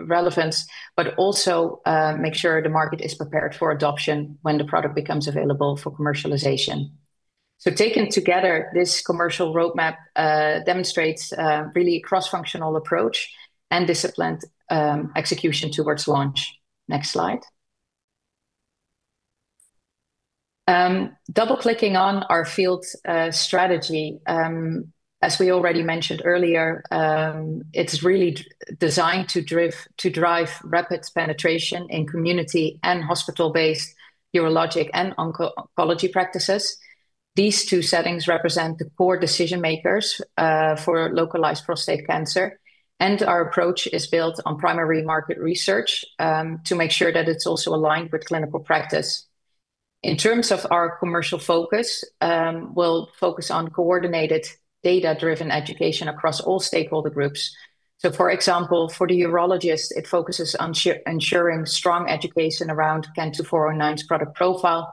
relevance, but also make sure the market is prepared for adoption when the product becomes available for commercialization. So taken together, this commercial roadmap demonstrates really a cross-functional approach and disciplined execution towards launch. Next slide. Double-clicking on our field strategy, as we already mentioned earlier, it's really designed to drive rapid penetration in community and hospital-based urologic and oncology practices. These two settings represent the core decision-makers for localized prostate cancer. And our approach is built on primary market research to make sure that it's also aligned with clinical practice. In terms of our commercial focus, we'll focus on coordinated data-driven education across all stakeholder groups. So for example, for the urologist, it focuses on ensuring strong education around CAN-2409's product profile,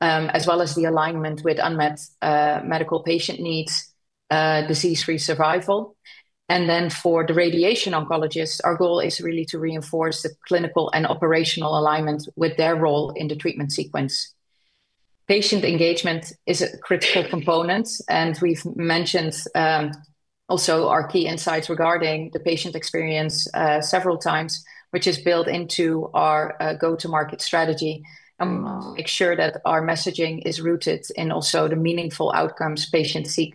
as well as the alignment with unmet medical patient needs, disease-free survival. And then for the radiation oncologist, our goal is really to reinforce the clinical and operational alignment with their role in the treatment sequence. Patient engagement is a critical component, and we've mentioned also our key insights regarding the patient experience several times, which is built into our go-to-market strategy to make sure that our messaging is rooted in also the meaningful outcomes patients seek.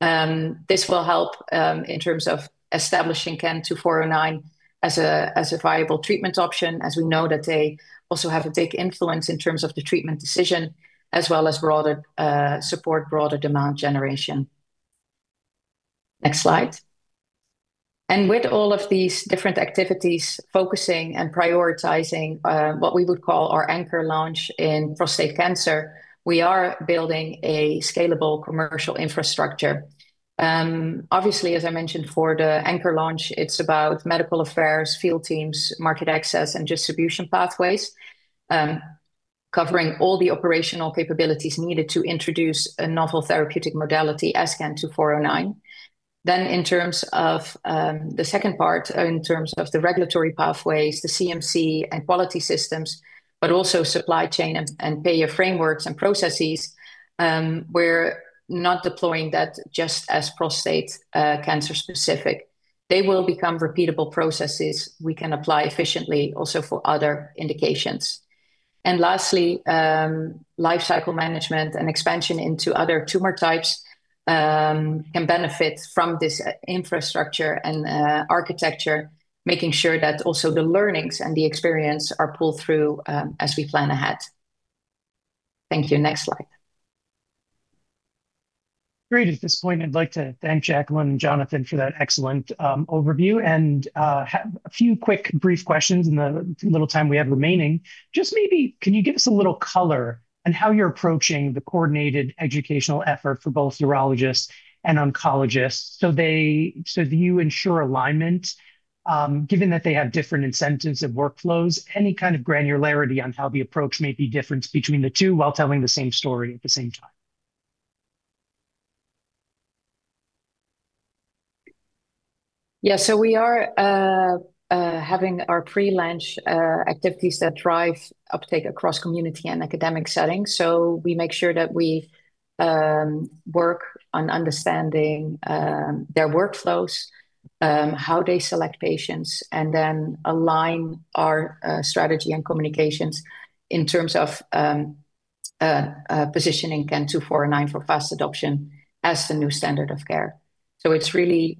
This will help in terms of establishing CAN-2409 as a viable treatment option, as we know that they also have a big influence in terms of the treatment decision, as well as support broader demand generation. Next slide. And with all of these different activities focusing and prioritizing what we would call our anchor launch in prostate cancer, we are building a scalable commercial infrastructure. Obviously, as I mentioned, for the anchor launch, it's about medical affairs, field teams, market access, and distribution pathways, covering all the operational capabilities needed to introduce a novel therapeutic modality as CAN-2409. Then in terms of the second part, in terms of the regulatory pathways, the CMC and quality systems, but also supply chain and payer frameworks and processes, we're not deploying that just as prostate cancer specific. They will become repeatable processes we can apply efficiently also for other indications. And lastly, lifecycle management and expansion into other tumor types can benefit from this infrastructure and architecture, making sure that also the learnings and the experience are pulled through as we plan ahead. Thank you. Next slide. Great. At this point, I'd like to thank Jacqueline and Jonathon for that excellent overview and have a few quick brief questions in the little time we have remaining. Just maybe, can you give us a little color on how you're approaching the coordinated educational effort for both urologists and oncologists so that you ensure alignment, given that they have different incentives and workflows, any kind of granularity on how the approach may be different between the two while telling the same story at the same time? Yeah. So we are having our pre-launch activities that drive uptake across community and academic settings. So we make sure that we work on understanding their workflows, how they select patients, and then align our strategy and communications in terms of positioning CAN-2409 for fast adoption as the new standard of care. So it's really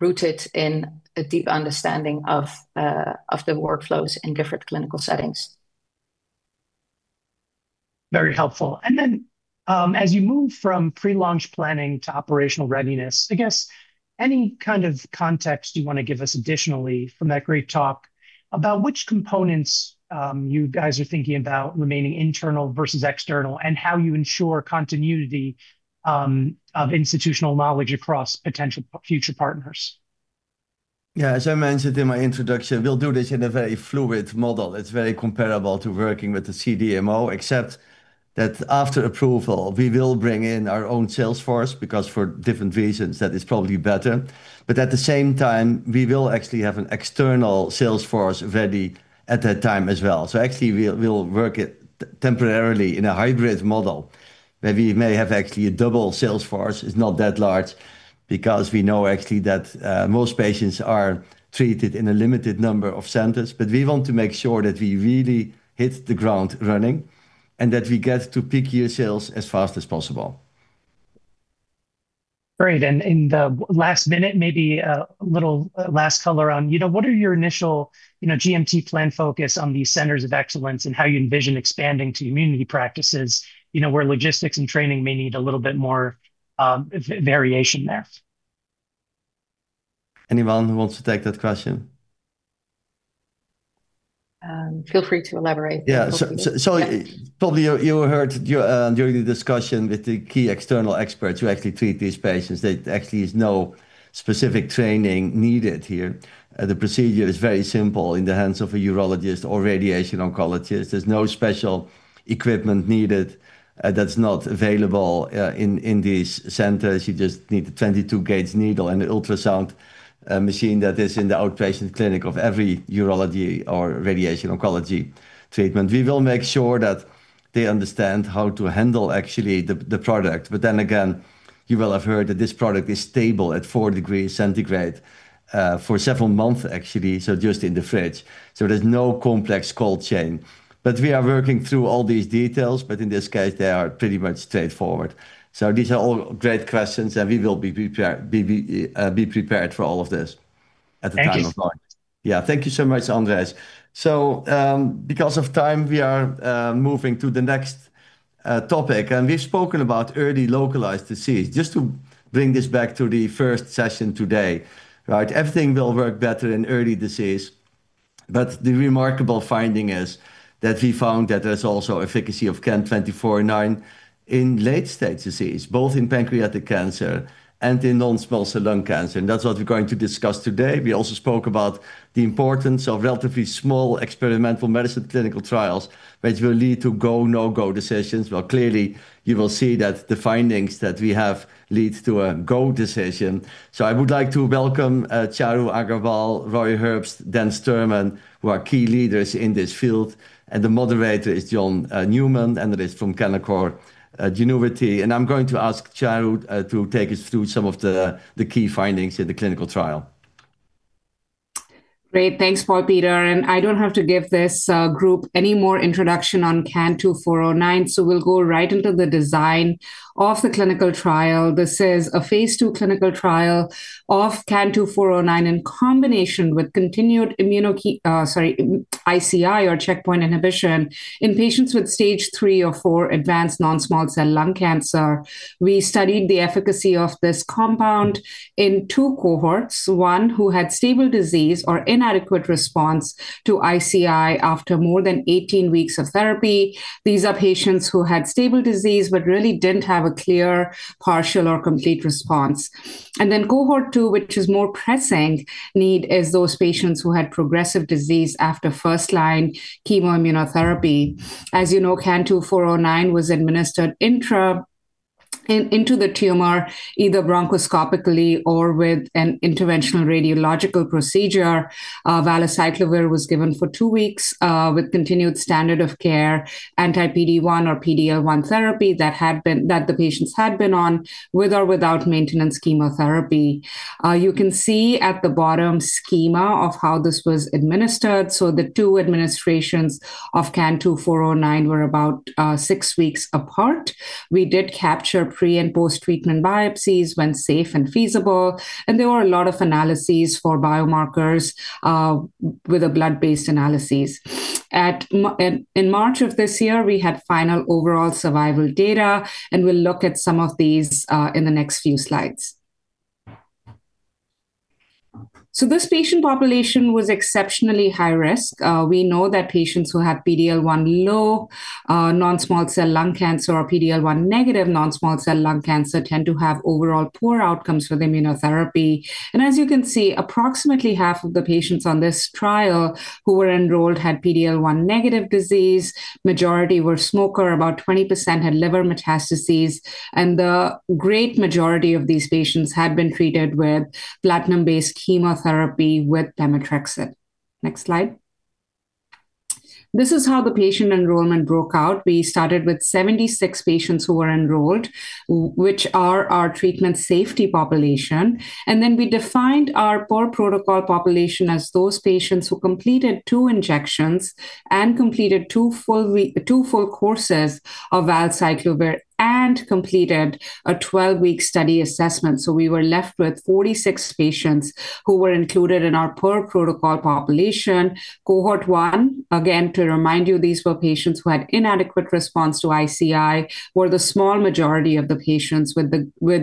rooted in a deep understanding of the workflows in different clinical settings. Very helpful. And then as you move from pre-launch planning to operational readiness, I guess any kind of context you want to give us additionally from that great talk about which components you guys are thinking about remaining internal versus external and how you ensure continuity of institutional knowledge across potential future partners? Yeah. As I mentioned in my introduction, we'll do this in a very fluid model. It's very comparable to working with the CDMO, except that after approval, we will bring in our own sales force because for different reasons, that is probably better. But at the same time, we will actually have an external sales force ready at that time as well. So actually, we'll work temporarily in a hybrid model where we may have actually a double sales force. It's not that large because we know actually that most patients are treated in a limited number of centers. But we want to make sure that we really hit the ground running and that we get to peak year sales as fast as possible. Great. And in the last minute, maybe a little last color on what are your initial GTM plan focus on these centers of excellence and how you envision expanding to community practices where logistics and training may need a little bit more variation there? Anyone who wants to take that question? Feel free to elaborate. Yeah. So probably you heard during the discussion with the key external experts who actually treat these patients, there actually is no specific training needed here. The procedure is very simple in the hands of a urologist or radiation oncologist. There's no special equipment needed that's not available in these centers. You just need a 22-gauge needle and an ultrasound machine that is in the outpatient clinic of every urology or radiation oncology treatment. We will make sure that they understand how to handle actually the product. But then again, you will have heard that this product is stable at four degrees centigrade for several months actually, so just in the fridge. So there's no complex cold chain. But we are working through all these details, but in this case, they are pretty much straightforward. So these are all great questions, and we will be prepared for all of this at the time of launch. Thank you. Yeah. Thank you so much, Andres. So because of time, we are moving to the next topic. And we've spoken about early localized disease. Just to bring this back to the first session today, right? Everything will work better in early disease. But the remarkable finding is that we found that there's also efficacy of CAN-2409 in late-stage disease, both in pancreatic cancer and in non-small cell lung cancer. And that's what we're going to discuss today. We also spoke about the importance of relatively small experimental medicine clinical trials, which will lead to go-no-go decisions. Well, clearly, you will see that the findings that we have lead to a go-decision. So I would like to welcome Charu Aggarwal, Roy Herbst, and Daniel Sterman, who are key leaders in this field. And the moderator is John Newman, and that is from Canaccord Genuity. I'm going to ask Charu to take us through some of the key findings in the clinical trial. Great. Thanks, Paul Peter. And I don't have to give this group any more introduction on CAN-2409. So we'll go right into the design of the clinical trial. This is a phase II clinical trial of CAN-2409 in combination with continued immuno, sorry, ICI or checkpoint inhibition in patients with stage three or four advanced non-small cell lung cancer. We studied the efficacy of this compound in two cohorts: one who had stable disease or inadequate response to ICI after more than 18 weeks of therapy. These are patients who had stable disease but really didn't have a clear partial or complete response. And then cohort two, which is more pressing need, is those patients who had progressive disease after first-line chemoimmunotherapy. As you know, CAN-2409 was administered into the tumor either bronchoscopically or with an interventional radiological procedure. Valacyclovir was given for two weeks with continued standard of care anti-PD-1 or PD-L1 therapy that the patients had been on with or without maintenance chemotherapy. You can see at the bottom schema of how this was administered, so the two administrations of CAN-2409 were about six weeks apart. We did capture pre and post-treatment biopsies when safe and feasible, and there were a lot of analyses for biomarkers with a blood-based analysis. In March of this year, we had final overall survival data, and we'll look at some of these in the next few slides, so this patient population was exceptionally high risk. We know that patients who have PD-L1 low non-small cell lung cancer or PD-L1 negative non-small cell lung cancer tend to have overall poor outcomes with immunotherapy. As you can see, approximately half of the patients on this trial who were enrolled had PD-L1 negative disease. The majority were smokers. About 20% had liver metastasis. The great majority of these patients had been treated with platinum-based chemotherapy with pemetrexed. Next slide. This is how the patient enrollment broke out. We started with 76 patients who were enrolled, which are our treatment safety population. Then we defined our per protocol population as those patients who completed two injections and completed two full courses of valacyclovir and completed a 12-week study assessment. So we were left with 46 patients who were included in our per protocol population. Cohort one, again, to remind you, these were patients who had inadequate response to ICI, were the small majority of the patients, with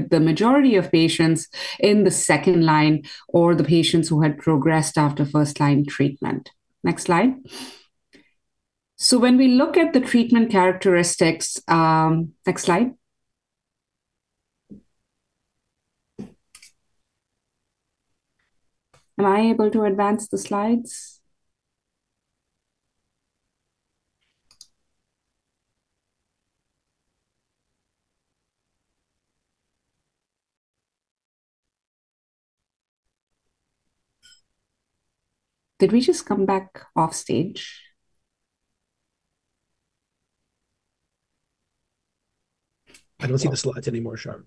the majority of patients in the second line or the patients who had progressed after first-line treatment. Next slide. So when we look at the treatment characteristics, next slide. Am I able to advance the slides? Did we just come back off stage? I don't see the slides anymore, Charu.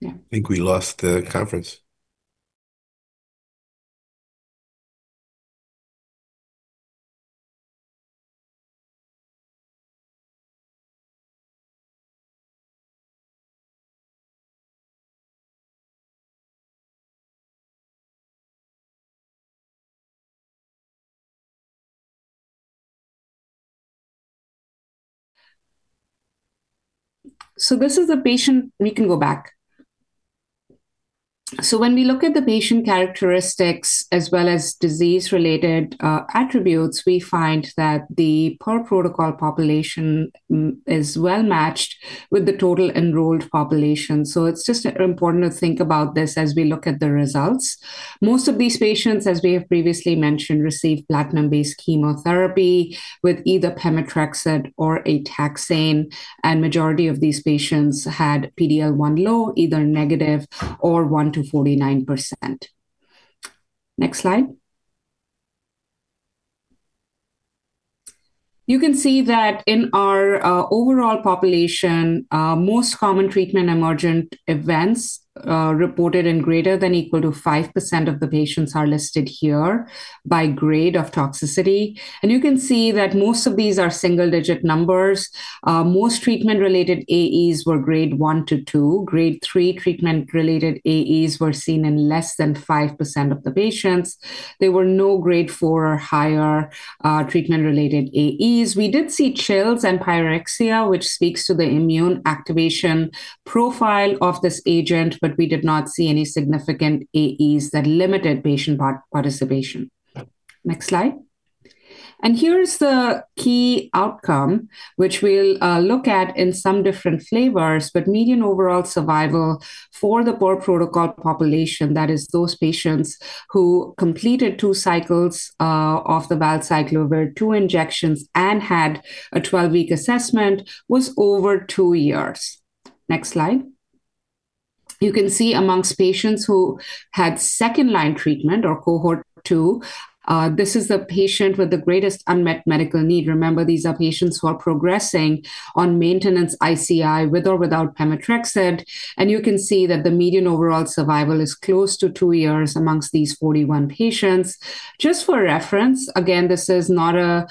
Yeah. I think we lost the conference. So this is the patient we can go back. So when we look at the patient characteristics as well as disease-related attributes, we find that the per protocol population is well matched with the total enrolled population. So it's just important to think about this as we look at the results. Most of these patients, as we have previously mentioned, received platinum-based chemotherapy with either pemetrexed or a taxane. And majority of these patients had PD-L1 low, either negative or one to 49%. Next slide. You can see that in our overall population, most common treatment emergent events reported in greater than or equal to 5% of the patients are listed here by grade of toxicity. And you can see that most of these are single-digit numbers. Most treatment-related AEs were grade one to two. Grade three treatment-related AEs were seen in less than 5% of the patients. There were no grade four or higher treatment-related AEs. We did see chills and pyrexia, which speaks to the immune activation profile of this agent, but we did not see any significant AEs that limited patient participation. Next slide. And here is the key outcome, which we'll look at in some different flavors. But median overall survival for the per protocol population, that is, those patients who completed two cycles of the valacyclovir, two injections, and had a 12-week assessment, was over two years. Next slide. You can see amongst patients who had second-line treatment or cohort two, this is the patient with the greatest unmet medical need. Remember, these are patients who are progressing on maintenance ICI with or without pemetrexed. And you can see that the median overall survival is close to two years amongst these 41 patients. Just for reference, again, this is not an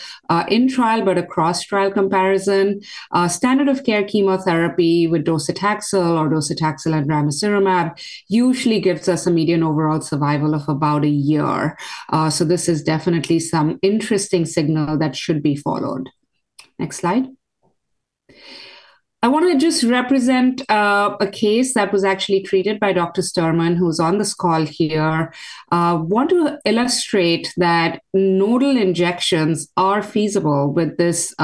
intra-trial, but a cross-trial comparison. Standard of care chemotherapy with docetaxel or docetaxel and ramucirumab usually gives us a median overall survival of about a year. So this is definitely some interesting signal that should be followed. Next slide. I want to just represent a case that was actually treated by Dr. Sterman, who's on this call here. I want to illustrate that nodal injections are feasible with this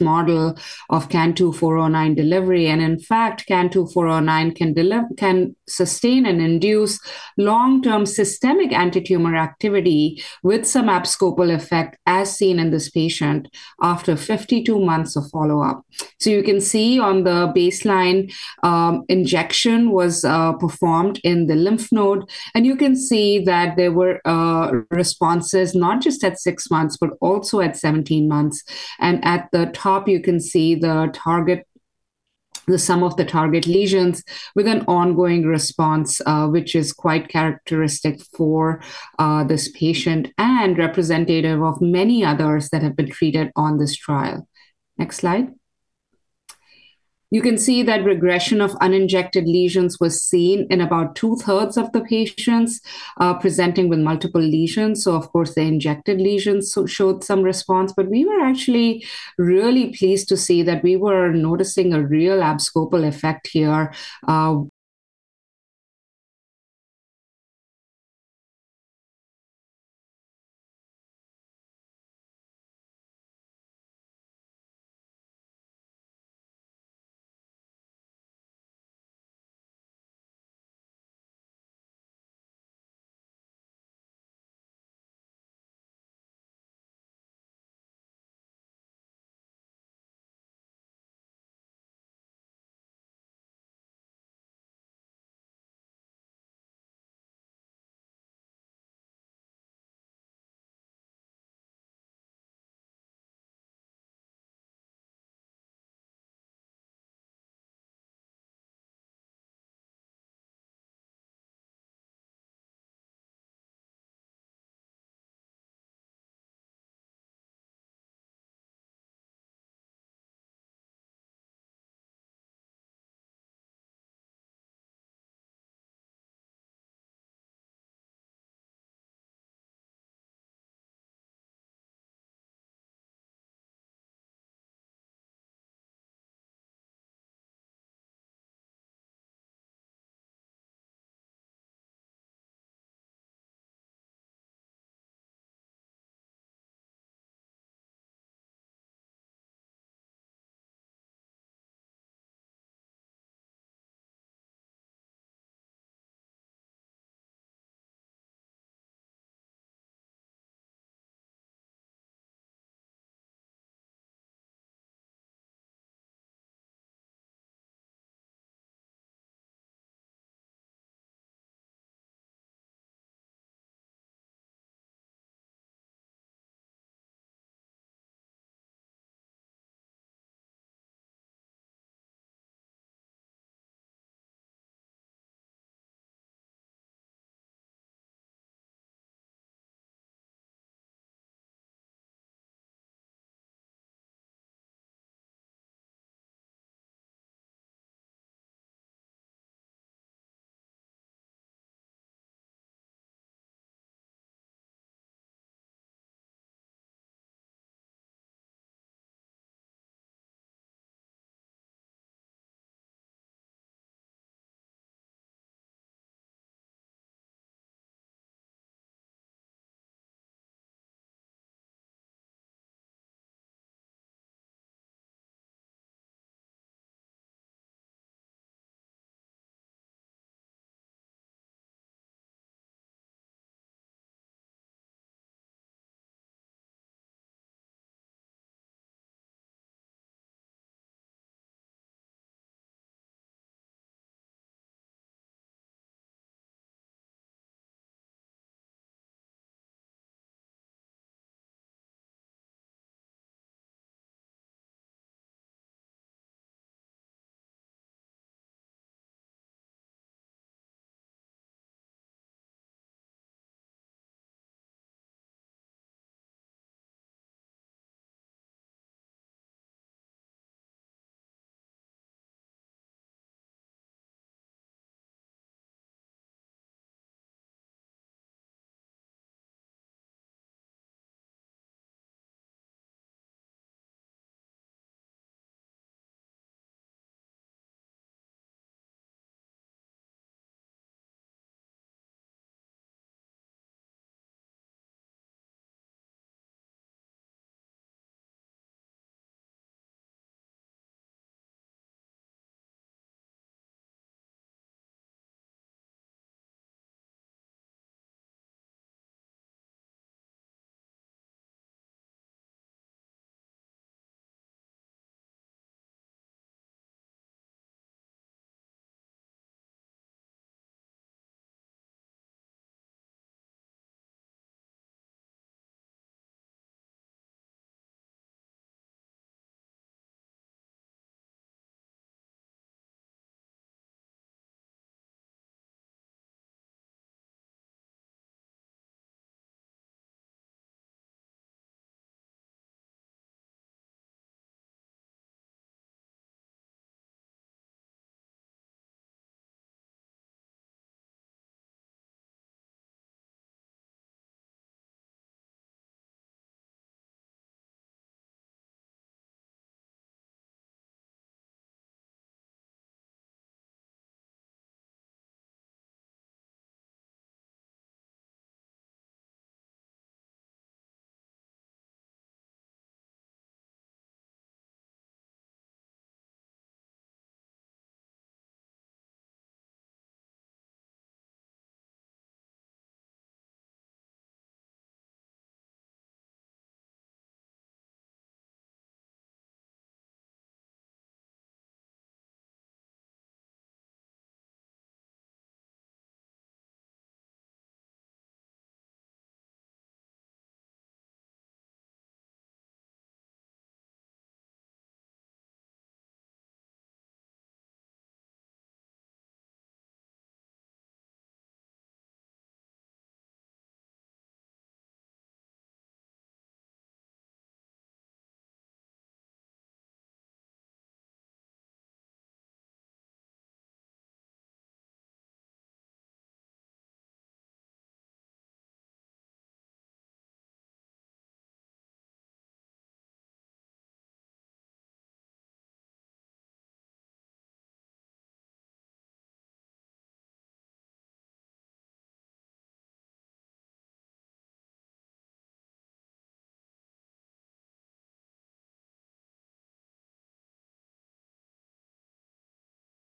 model of CAN-2409 delivery. And in fact, CAN-2409 can sustain and induce long-term systemic anti-tumor activity with some abscopal effect, as seen in this patient after 52 months of follow-up. So you can see on the baseline, injection was performed in the lymph node. And you can see that there were responses not just at six months, but also at 17 months. At the top, you can see the target, the sum of the target lesions with an ongoing response, which is quite characteristic for this patient and representative of many others that have been treated on this trial. Next slide. You can see that regression of uninjected lesions was seen in about two-thirds of the patients presenting with multiple lesions. So of course, the injected lesions showed some response. But we were actually really pleased to see that we were noticing a real abscopal effect here.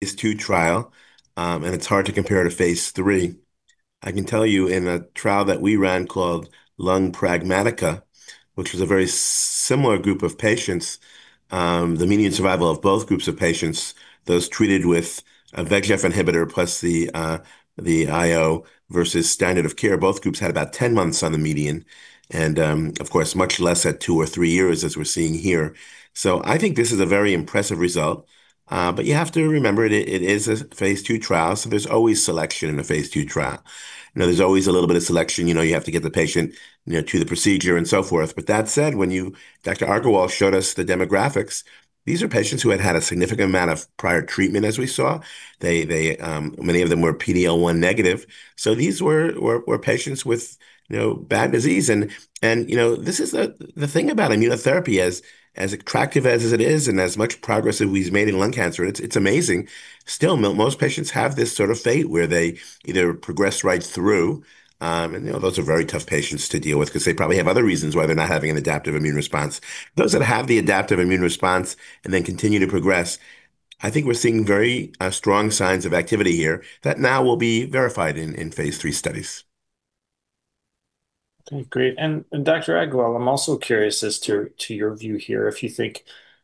Phase II trial. It's hard to compare to phase III. I can tell you in a trial that we ran called Pragmatica-Lung, which was a very similar group of patients, the median survival of both groups of patients, those treated with a VEGF inhibitor plus the IO versus standard of care, both groups had about 10 months on the median. Of course, much less at two or three years, as we're seeing here. So I think this is a very impressive result. But you have to remember, it is a phase II trial. So there's always selection in a phase II trial. There's always a little bit of selection. You have to get the patient to the procedure and so forth. But that said, when Dr. Aggarwal showed us the demographics, these are patients who had had a significant amount of prior treatment, as we saw. Many of them were PD-L1 negative. So these were patients with bad disease. And this is the thing about immunotherapy, as attractive as it is and as much progress that we've made in lung cancer, it's amazing. Still, most patients have this sort of fate where they either progress right through. And those are very tough patients to deal with because they probably have other reasons why they're not having an adaptive immune response. Those that have the adaptive immune response and then continue to progress, I think we're seeing very strong signs of activity here that now will be verified in phase III studies. Okay. Great. And Dr. Aggarwal, I'm also curious as to your view here if you think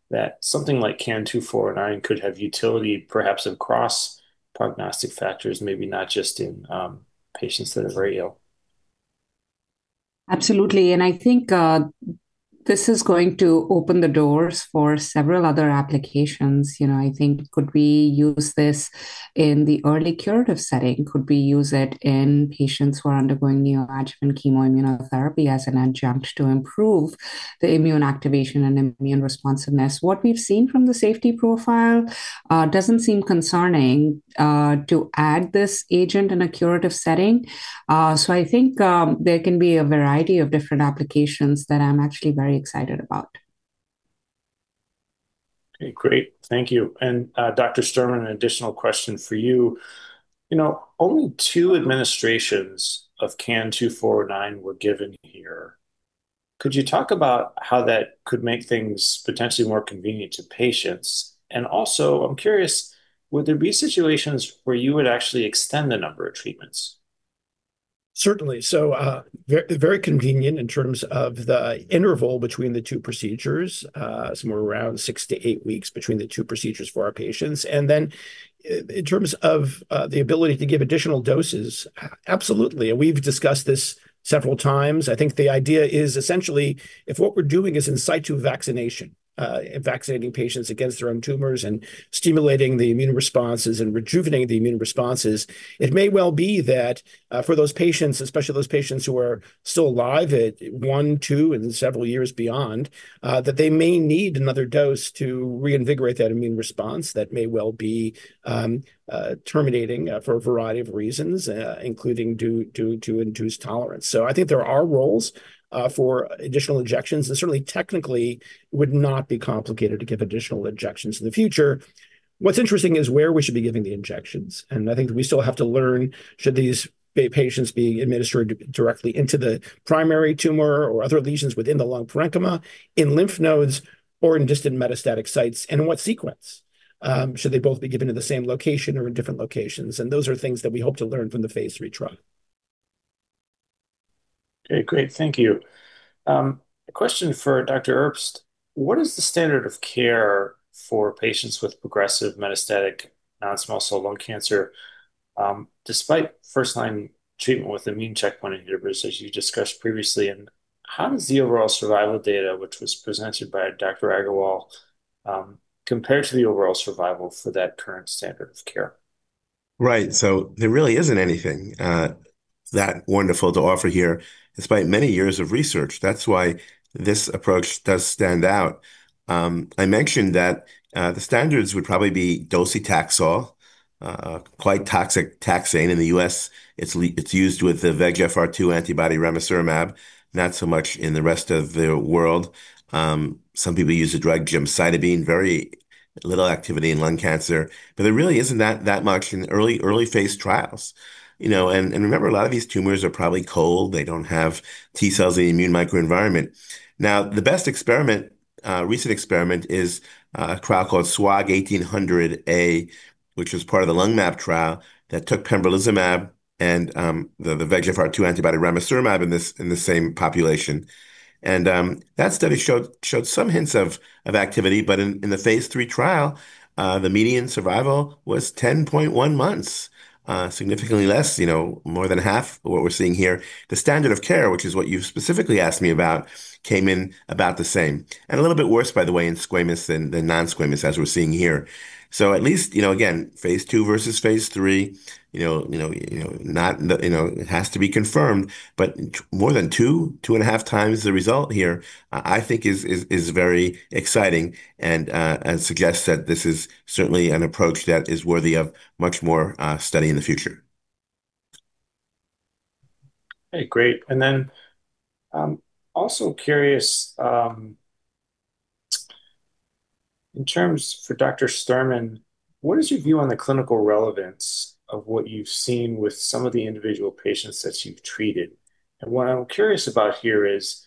that something like CAN-2409 could have utility, perhaps across prognostic factors, maybe not just in patients that are very ill? Absolutely, and I think this is going to open the doors for several other applications. I think, could we use this in the early curative setting? Could we use it in patients who are undergoing neoadjuvant chemoimmunotherapy as an adjunct to improve the immune activation and immune responsiveness? What we've seen from the safety profile doesn't seem concerning to add this agent in a curative setting. So I think there can be a variety of different applications that I'm actually very excited about. Okay. Great. Thank you. And Dr. Sterman, an additional question for you. Only two administrations of CAN-2409 were given here. Could you talk about how that could make things potentially more convenient to patients? And also, I'm curious, would there be situations where you would actually extend the number of treatments? Certainly, so very convenient in terms of the interval between the two procedures, somewhere around six to eight weeks between the two procedures for our patients, and then in terms of the ability to give additional doses, absolutely, and we've discussed this several times. I think the idea is essentially if what we're doing is in situ vaccination, vaccinating patients against their own tumors and stimulating the immune responses and rejuvenating the immune responses, it may well be that for those patients, especially those patients who are still alive at one, two, and several years beyond, that they may need another dose to reinvigorate that immune response that may well be terminating for a variety of reasons, including to induce tolerance, so I think there are roles for additional injections, and certainly, technically, it would not be complicated to give additional injections in the future. What's interesting is where we should be giving the injections. And I think we still have to learn should these patients be administered directly into the primary tumor or other lesions within the lung parenchyma, in lymph nodes, or in distant metastatic sites, and in what sequence. Should they both be given to the same location or in different locations? And those are things that we hope to learn from the phase III trial. Okay. Great. Thank you. A question for Dr. Herbst. What is the standard of care for patients with progressive metastatic non-small cell lung cancer despite first-line treatment with immune checkpoint inhibitors, as you discussed previously? And how does the overall survival data, which was presented by Dr. Aggarwal, compare to the overall survival for that current standard of care? Right, so there really isn't anything that wonderful to offer here, despite many years of research. That's why this approach does stand out. I mentioned that the standards would probably be docetaxel, quite toxic taxane. In the U.S., it's used with the VEGFR-2 antibody ramucirumab, not so much in the rest of the world. Some people use the drug gemcitabine, very little activity in lung cancer. But there really isn't that much in early phase trials, and remember, a lot of these tumors are probably cold. They don't have T cells in the immune microenvironment. Now, the best experiment, recent experiment, is a trial called SWOG-1800A, which was part of the Lung-MAP trial that took pembrolizumab and the VEGFR-2 antibody ramucirumab in the same population, and that study showed some hints of activity. But in the phase III trial, the median survival was 10.1 months, significantly less, more than half what we're seeing here. The standard of care, which is what you specifically asked me about, came in about the same. And a little bit worse, by the way, in squamous than non-squamous, as we're seeing here. So at least, again, phase II versus phase III, it has to be confirmed. But more than two, two and a half times the result here, I think, is very exciting and suggests that this is certainly an approach that is worthy of much more study in the future. Okay. Great. And then also curious, in terms for Dr. Sterman, what is your view on the clinical relevance of what you've seen with some of the individual patients that you've treated? And what I'm curious about here is,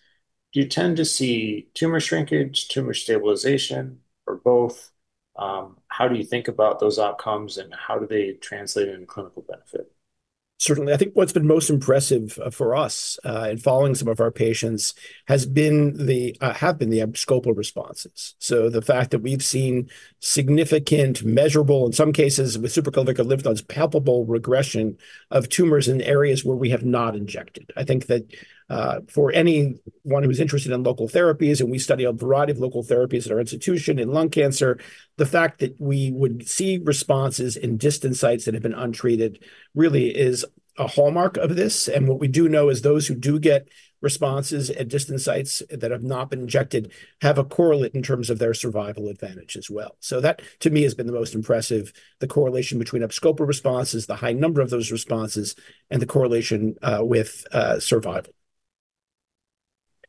do you tend to see tumor shrinkage, tumor stabilization, or both? How do you think about those outcomes, and how do they translate into clinical benefit? Certainly. I think what's been most impressive for us in following some of our patients have been the abscopal responses. So the fact that we've seen significant, measurable, in some cases with supraclavicular lymph nodes, palpable regression of tumors in areas where we have not injected. I think that for anyone who's interested in local therapies, and we study a variety of local therapies at our institution in lung cancer, the fact that we would see responses in distant sites that have been untreated really is a hallmark of this. And what we do know is those who do get responses at distant sites that have not been injected have a correlate in terms of their survival advantage as well. So that, to me, has been the most impressive, the correlation between abscopal responses, the high number of those responses, and the correlation with survival.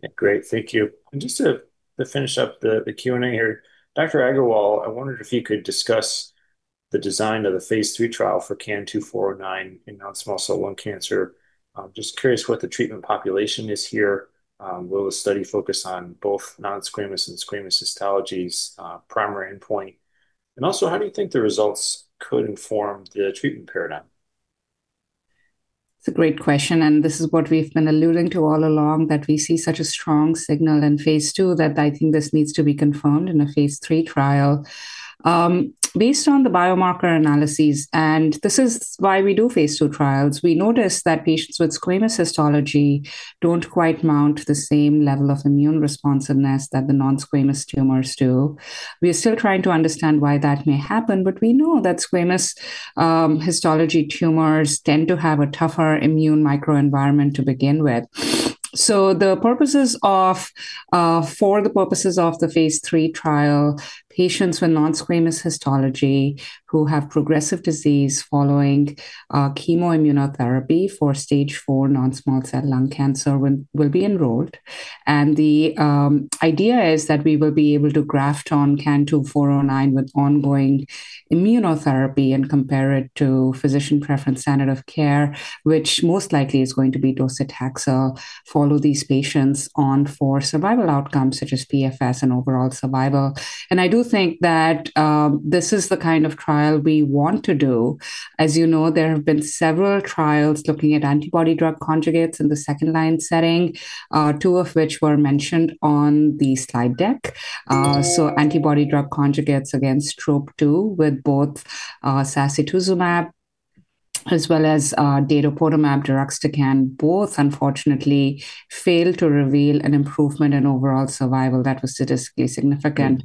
Okay. Great. Thank you. And just to finish up the Q&A here, Dr. Aggarwal, I wondered if you could discuss the design of the phase III trial for CAN-2409 in non-small cell lung cancer. Just curious what the treatment population is here. Will the study focus on both non-squamous and squamous histologies? Primary endpoint? And also, how do you think the results could inform the treatment paradigm? It's a great question, and this is what we've been alluding to all along, that we see such a strong signal in phase II that I think this needs to be confirmed in a phase III trial. Based on the biomarker analyses, and this is why we do phase II trials, we noticed that patients with squamous histology don't quite mount the same level of immune responsiveness that the non-squamous tumors do. We are still trying to understand why that may happen, but we know that squamous histology tumors tend to have a tougher immune microenvironment to begin with. For the purposes of the phase III trial, patients with non-squamous histology who have progressive disease following chemoimmunotherapy for stage four non-small cell lung cancer will be enrolled. The idea is that we will be able to graft on CAN-2409 with ongoing immunotherapy and compare it to physician-preferred standard of care, which most likely is going to be docetaxel. Follow these patients on for survival outcomes, such as PFS and overall survival. I do think that this is the kind of trial we want to do. As you know, there have been several trials looking at antibody-drug conjugates in the second-line setting, two of which were mentioned on the slide deck. antibody-drug conjugates against TROP2 with both sacituzumab as well as datopotamab deruxtecan both unfortunately failed to reveal an improvement in overall survival that was statistically significant.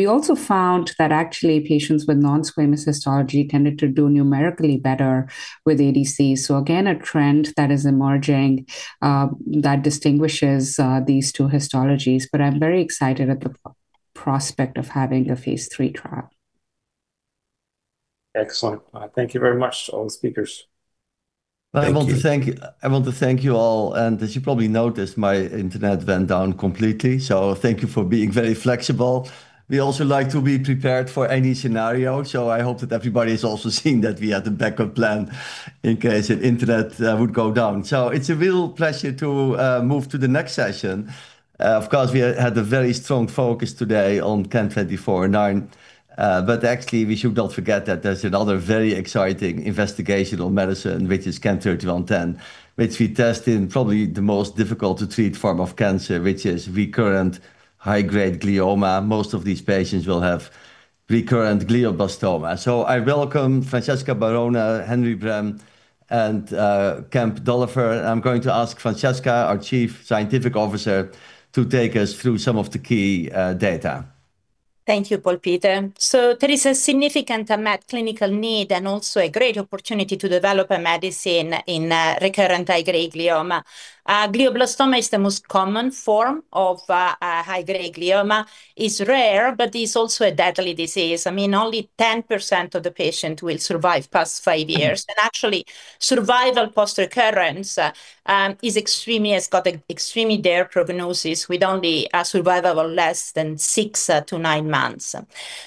We also found that actually patients with non-squamous histology tended to do numerically better with ADC. Again, a trend that is emerging that distinguishes these two histologies. I'm very excited at the prospect of having a phase III trial. Excellent. Thank you very much, all the speakers. I want to thank you all. As you probably noticed, my internet went down completely. So thank you for being very flexible. We also like to be prepared for any scenario. So I hope that everybody is also seeing that we had a backup plan in case the internet would go down. So it's a real pleasure to move to the next session. Of course, we had a very strong focus today on CAN-2409. But actually, we should not forget that there's another very exciting investigational medicine, which is CAN-3110, which we test in probably the most difficult to treat form of cancer, which is recurrent high-grade glioma. Most of these patients will have recurrent glioblastoma. So I welcome Francesca Barone, Henry Brem, and Kemp Dolliver. And I'm going to ask Francesca, our Chief Scientific Officer, to take us through some of the key data. Thank you, Paul Peter. So there is a significant unmet clinical need and also a great opportunity to develop a medicine in recurrent high-grade glioma. Glioblastoma is the most common form of high-grade glioma. It's rare, but it's also a deadly disease. I mean, only 10% of the patients will survive past five years. And actually, survival post-recurrence has got an extremely dire prognosis with only a survival of less than six to nine months.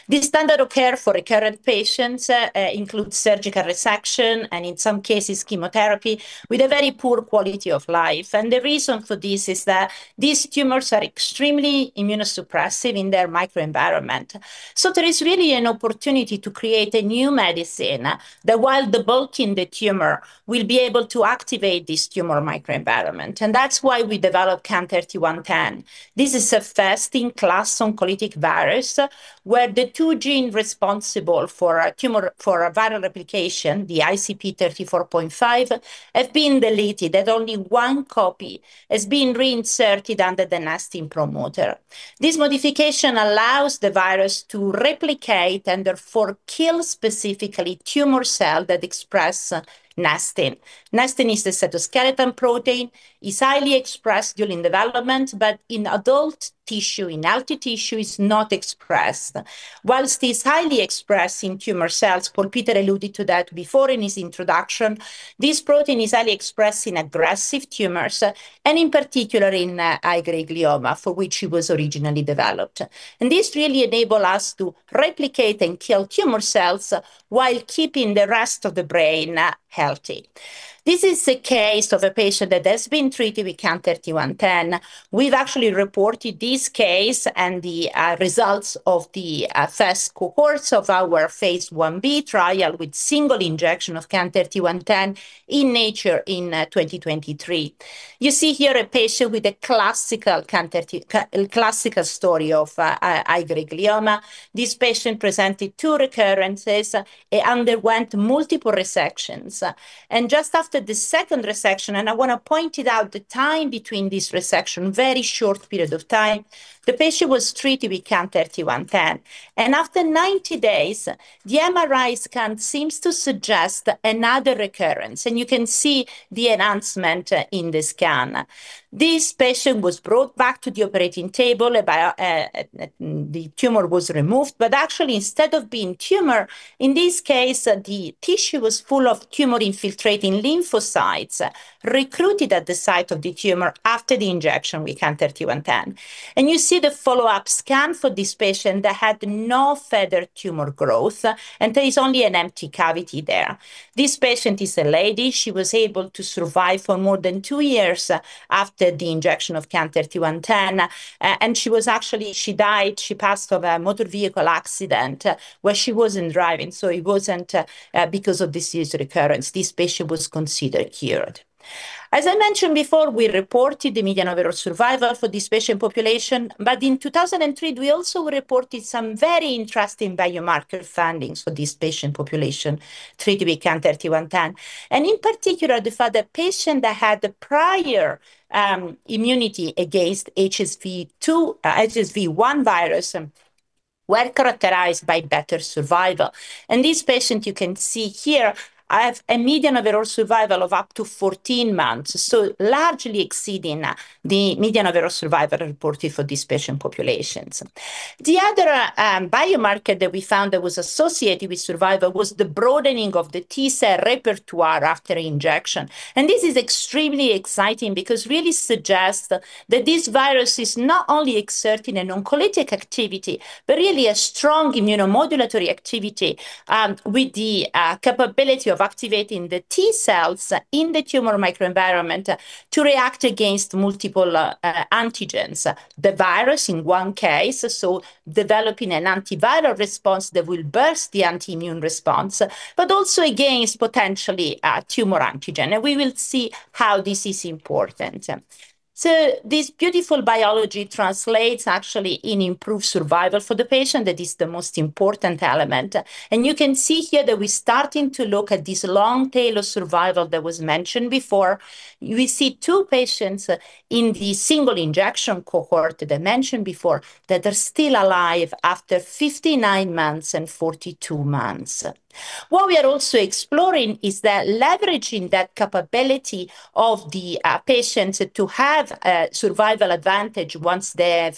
This standard of care for recurrent patients includes surgical resection and, in some cases, chemotherapy with a very poor quality of life. And the reason for this is that these tumors are extremely immunosuppressive in their microenvironment. So there is really an opportunity to create a new medicine that, while killing the tumor, will be able to activate this tumor microenvironment. And that's why we developed CAN-3110. This is a fast-acting oncolytic virus where the two genes responsible for viral replication, the ICP34.5, have been deleted, and only one copy has been reinserted under the nestin promoter. This modification allows the virus to replicate and therefore kill specifically tumor cells that express nestin. Nestin is a cytoskeleton protein. It's highly expressed during development, but in adult tissue, in healthy tissue, it's not expressed. While it's highly expressed in tumor cells, Paul Peter alluded to that before in his introduction, this protein is highly expressed in aggressive tumors, and in particular in high-grade glioma, for which it was originally developed. This really enables us to replicate and kill tumor cells while keeping the rest of the brain healthy. This is the case of a patient that has been treated with CAN-3110. We've actually reported this case and the results of the first cohorts of our phase IB trial with single injection of CAN-3110 in Nature in 2023. You see here a patient with a classical story of high-grade glioma. This patient presented two recurrences and underwent multiple resections. And just after the second resection, and I want to point it out, the time between these resections, a very short period of time, the patient was treated with CAN-3110. And after 90 days, the MRI scan seems to suggest another recurrence. And you can see the enhancement in the scan. This patient was brought back to the operating table, and the tumor was removed. But actually, instead of being tumor, in this case, the tissue was full of tumor-infiltrating lymphocytes recruited at the site of the tumor after the injection with CAN-3110. You see the follow-up scan for this patient that had no further tumor growth, and there is only an empty cavity there. This patient is a lady. She was able to survive for more than two years after the injection of CAN-3110. Actually, she died. She passed away in a motor vehicle accident where she wasn't driving. It wasn't because of disease recurrence. This patient was considered cured. As I mentioned before, we reported the median overall survival for this patient population. In 2023, we also reported some very interesting biomarker findings for this patient population treated with CAN-3110. In particular, the fact that a patient that had the prior immunity against HSV-1 virus was characterized by better survival. This patient, you can see here, has a median overall survival of up to 14 months, so largely exceeding the median overall survival reported for these patient populations. The other biomarker that we found that was associated with survival was the broadening of the T cell repertoire after injection. This is extremely exciting because it really suggests that this virus is not only exerting an oncolytic activity, but really a strong immunomodulatory activity with the capability of activating the T cells in the tumor microenvironment to react against multiple antigens, the virus in one case, so developing an antiviral response that will burst the anti-immune response, but also against potentially a tumor antigen. We will see how this is important. This beautiful biology translates actually in improved survival for the patient. That is the most important element. You can see here that we're starting to look at this long tail of survival that was mentioned before. We see two patients in the single injection cohort that I mentioned before that are still alive after 59 months and 42 months. What we are also exploring is that leveraging that capability of the patients to have a survival advantage once they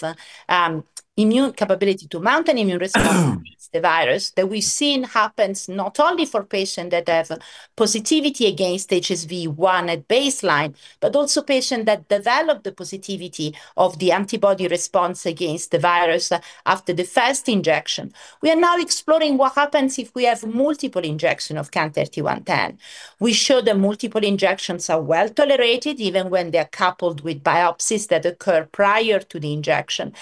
have immune capability to mount an immune response against the virus, that we've seen happens not only for patients that have positivity against HSV-1 at baseline, but also patients that develop the positivity of the antibody response against the virus after the first injection. We are now exploring what happens if we have multiple injections of CAN-3110. We show that multiple injections are well tolerated even when they are coupled with biopsies that occur prior to the injection.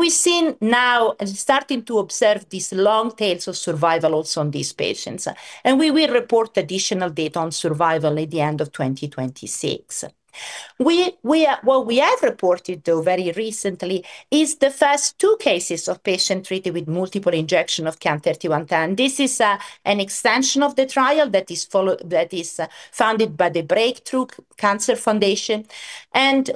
We've seen now starting to observe these long tails of survival also on these patients. We will report additional data on survival at the end of 2026. What we have reported, though, very recently is the first two cases of patients treated with multiple injections of CAN-3110. This is an extension of the trial that is funded by the Break Through Cancer Foundation.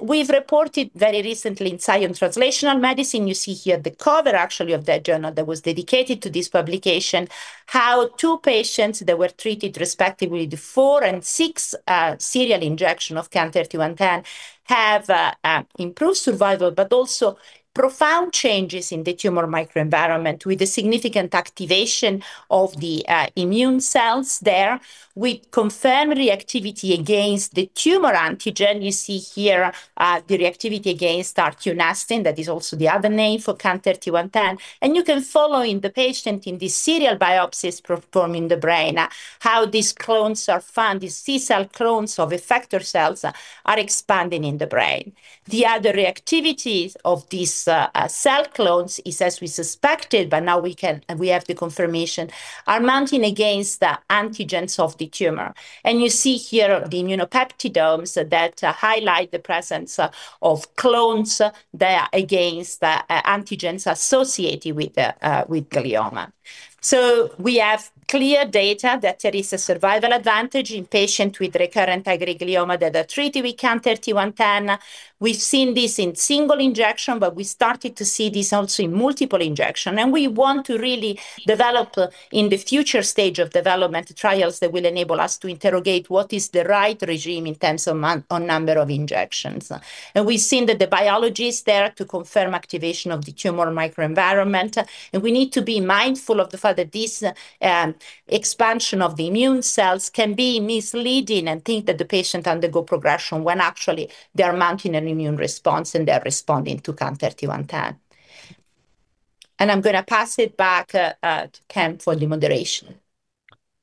We've reported very recently in Science Translational Medicine. You see here the cover actually of that journal that was dedicated to this publication, how two patients that were treated respectively with four and six serial injections of CAN-3110 have improved survival, but also profound changes in the tumor microenvironment with a significant activation of the immune cells there. We confirm reactivity against the tumor antigen. You see here the reactivity against nestin. That is also the other name for CAN-3110. And you can follow in the patient in these serial biopsies performed in the brain how these clones are found. These T cell clones of effector cells are expanding in the brain. The other reactivity of these cell clones is, as we suspected, but now we have the confirmation, are mounting against the antigens of the tumor. And you see here the immunopeptidomes that highlight the presence of clones that are against the antigens associated with glioma. So we have clear data that there is a survival advantage in patients with recurrent high-grade glioma that are treated with CAN-3110. We've seen this in single injection, but we started to see this also in multiple injections. And we want to really develop in the future stage of development trials that will enable us to interrogate what is the right regimen in terms of number of injections. And we've seen that the biology is there to confirm activation of the tumor microenvironment. And we need to be mindful of the fact that this expansion of the immune cells can be misleading and think that the patient undergoes progression when actually they are mounting an immune response and they are responding to CAN-3110. And I'm going to pass it back to Kemp for the moderation.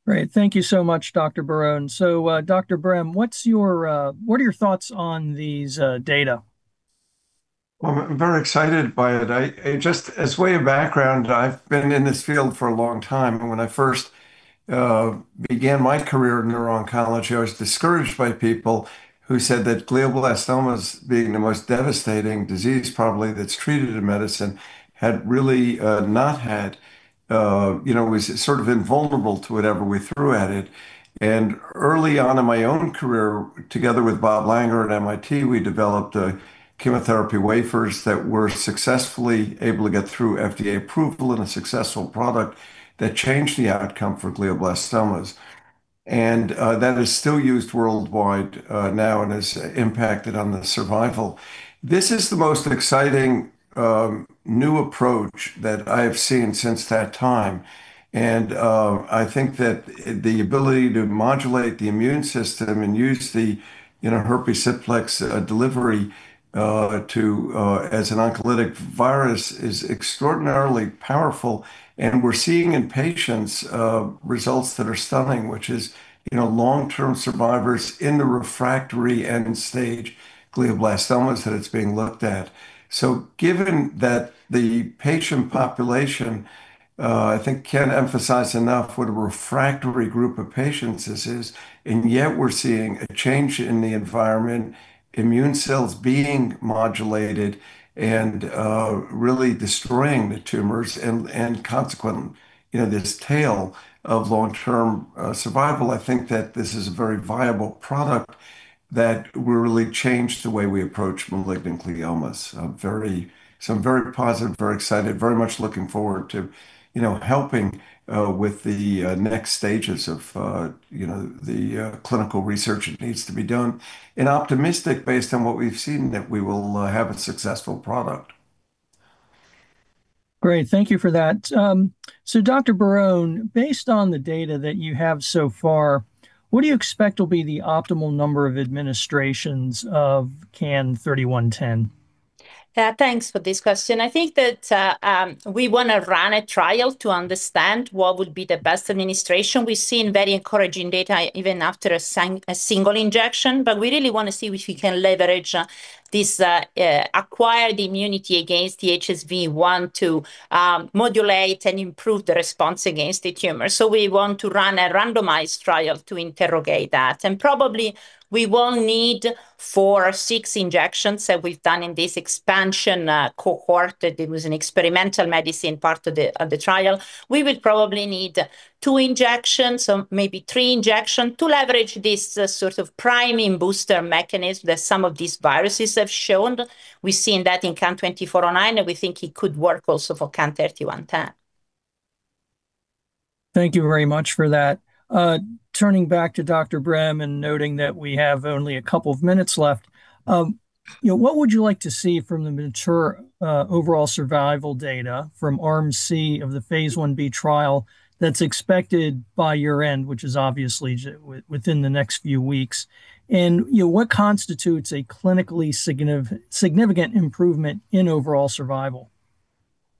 Great. Thank you so much, Dr. Barone. So Dr. Brem, what are your thoughts on these data? I'm very excited by it. Just by way of background, I've been in this field for a long time. When I first began my career in neuro-oncology, I was discouraged by people who said that glioblastomas, being the most devastating disease probably that's treated in medicine, had really not had, you know, was sort of invulnerable to whatever we threw at it, and early on in my own career, together with Bob Langer at MIT, we developed chemotherapy wafers that were successfully able to get through FDA approval and a successful product that changed the outcome for glioblastomas. And that is still used worldwide now and has impacted on the survival. This is the most exciting new approach that I have seen since that time, and I think that the ability to modulate the immune system and use the herpes simplex virus delivery as an oncolytic virus is extraordinarily powerful. And we're seeing in patients results that are stunning, which is long-term survivors in the refractory end-stage glioblastomas that it's being looked at. So given that the patient population, I think I can't emphasize enough what a refractory group of patients this is. And yet we're seeing a change in the environment, immune cells being modulated and really destroying the tumors. And consequently, this tail of long-term survival, I think that this is a very viable product that will really change the way we approach malignant gliomas. So very positive, very excited, very much looking forward to helping with the next stages of the clinical research that needs to be done. And optimistic based on what we've seen that we will have a successful product. Great. Thank you for that. So Dr. Barone, based on the data that you have so far, what do you expect will be the optimal number of administrations of CAN-3110? Thanks for this question. I think that we want to run a trial to understand what would be the best administration. We've seen very encouraging data even after a single injection, but we really want to see if we can leverage this, acquire the immunity against the HSV-1 to modulate and improve the response against the tumor, so we want to run a randomized trial to interrogate that, and probably we won't need four or six injections that we've done in this expansion cohort that was an experimental medicine part of the trial. We will probably need two injections, maybe three injections to leverage this sort of priming booster mechanism that some of these viruses have shown. We've seen that in CAN-2409, and we think it could work also for CAN-3110. Thank you very much for that. Turning back to Dr. Brem and noting that we have only a couple of minutes left, what would you like to see from the mature overall survival data from Arm C of the phase IB trial that's expected by year-end, which is obviously within the next few weeks? And what constitutes a clinically significant improvement in overall survival?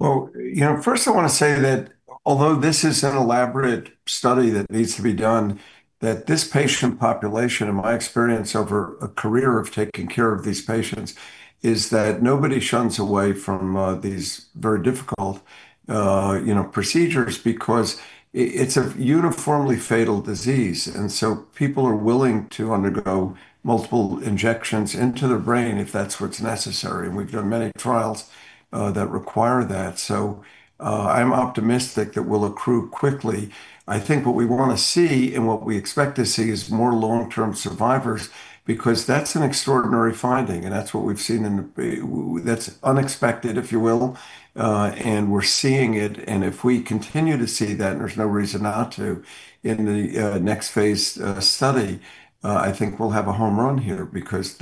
You know, first I want to say that although this is an elaborate study that needs to be done, that this patient population, in my experience over a career of taking care of these patients, is that nobody shuns away from these very difficult procedures because it's a uniformly fatal disease. And so people are willing to undergo multiple injections into the brain if that's what's necessary. And we've done many trials that require that. So I'm optimistic that we'll accrue quickly. I think what we want to see and what we expect to see is more long-term survivors because that's an extraordinary finding. And that's what we've seen in the—that's unexpected, if you will. And we're seeing it. If we continue to see that, and there's no reason not to, in the next phase study, I think we'll have a home run here because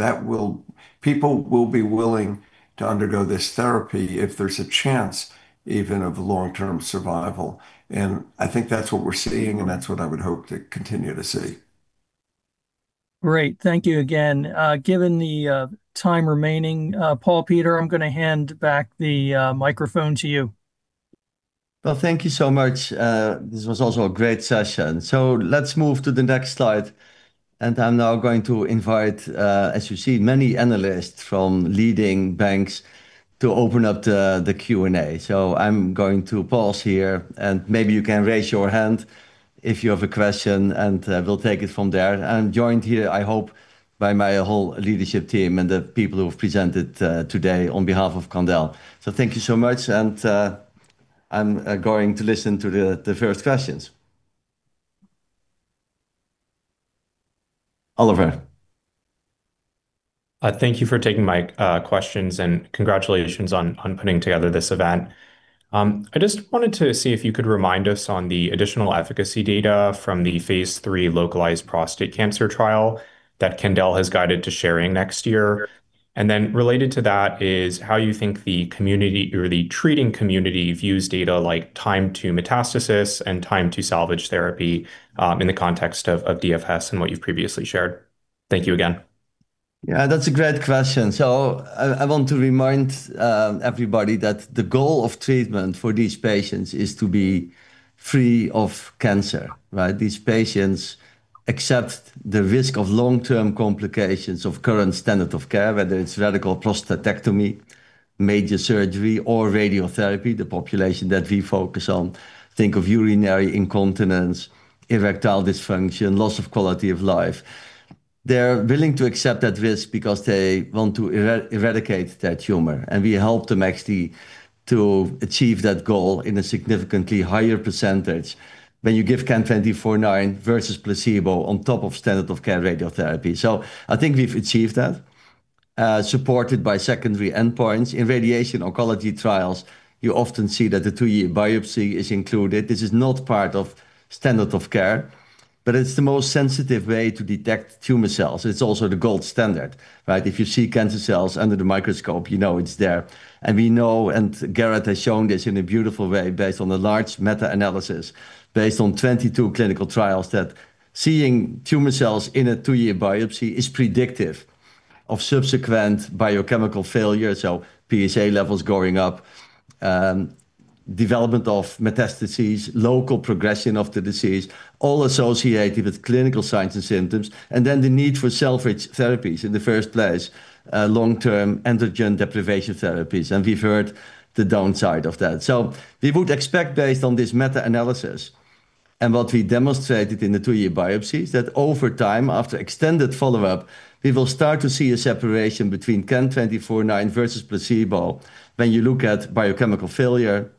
people will be willing to undergo this therapy if there's a chance even of long-term survival. I think that's what we're seeing, and that's what I would hope to continue to see. Great. Thank you again. Given the time remaining, Paul Peter, I'm going to hand back the microphone to you. Thank you so much. This was also a great session. Let's move to the next slide. I'm now going to invite, as you see, many analysts from leading banks to open up the Q&A. I'm going to pause here, and maybe you can raise your hand if you have a question, and we'll take it from there. I'm joined here, I hope, by my whole leadership team and the people who have presented today on behalf of Candel. Thank you so much. I'm going to listen to the first questions. Oliver. Thank you for taking my questions and congratulations on putting together this event. I just wanted to see if you could remind us on the additional efficacy data from the phase III localized prostate cancer trial that Candel has guided to sharing next year? And then related to that is how you think the community or the treating community views data like time to metastasis and time to salvage therapy in the context of DFS and what you've previously shared? Thank you again. Yeah, that's a great question. So I want to remind everybody that the goal of treatment for these patients is to be free of cancer. These patients accept the risk of long-term complications of current standard of care, whether it's radical prostatectomy, major surgery, or radiotherapy. The population that we focus on, think of urinary incontinence, erectile dysfunction, loss of quality of life. They're willing to accept that risk because they want to eradicate that tumor. And we help them actually to achieve that goal in a significantly higher percentage when you give CAN-2409 versus placebo on top of standard of care radiotherapy. So I think we've achieved that, supported by secondary endpoints. In radiation oncology trials, you often see that the two-year biopsy is included. This is not part of standard of care, but it's the most sensitive way to detect tumor cells. It's also the gold standard. If you see cancer cells under the microscope, you know it's there, and we know, and Garrett has shown this in a beautiful way based on a large meta-analysis based on 22 clinical trials, that seeing tumor cells in a two-year biopsy is predictive of subsequent biochemical failure, so PSA levels going up, development ofmetastasis, local progression of the disease, all associated with clinical signs and symptoms, and then the need for salvage therapies in the first place, long-term androgen deprivation therapies. We've heard the downside of that, so we would expect, based on this meta-analysis and what we demonstrated in the two-year biopsy, that over time, after extended follow-up, we will start to see a separation between CAN-2409 versus placebo when you look at biochemical failure,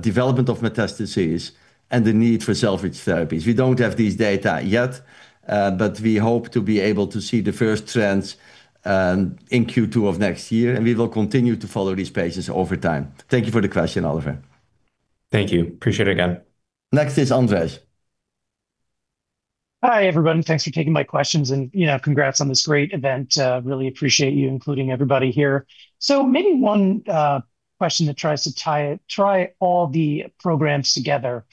development ofmetastasis, and the need for salvage therapies. We don't have these data yet, but we hope to be able to see the first trends in Q2 of next year, and we will continue to follow these patients over time. Thank you for the question, Oliver. Thank you. Appreciate it again. Next is Andres. Hi, everyone. Thanks for taking my questions and congrats on this great event. Really appreciate you including everybody here so maybe one question that tries to tie all the programs together.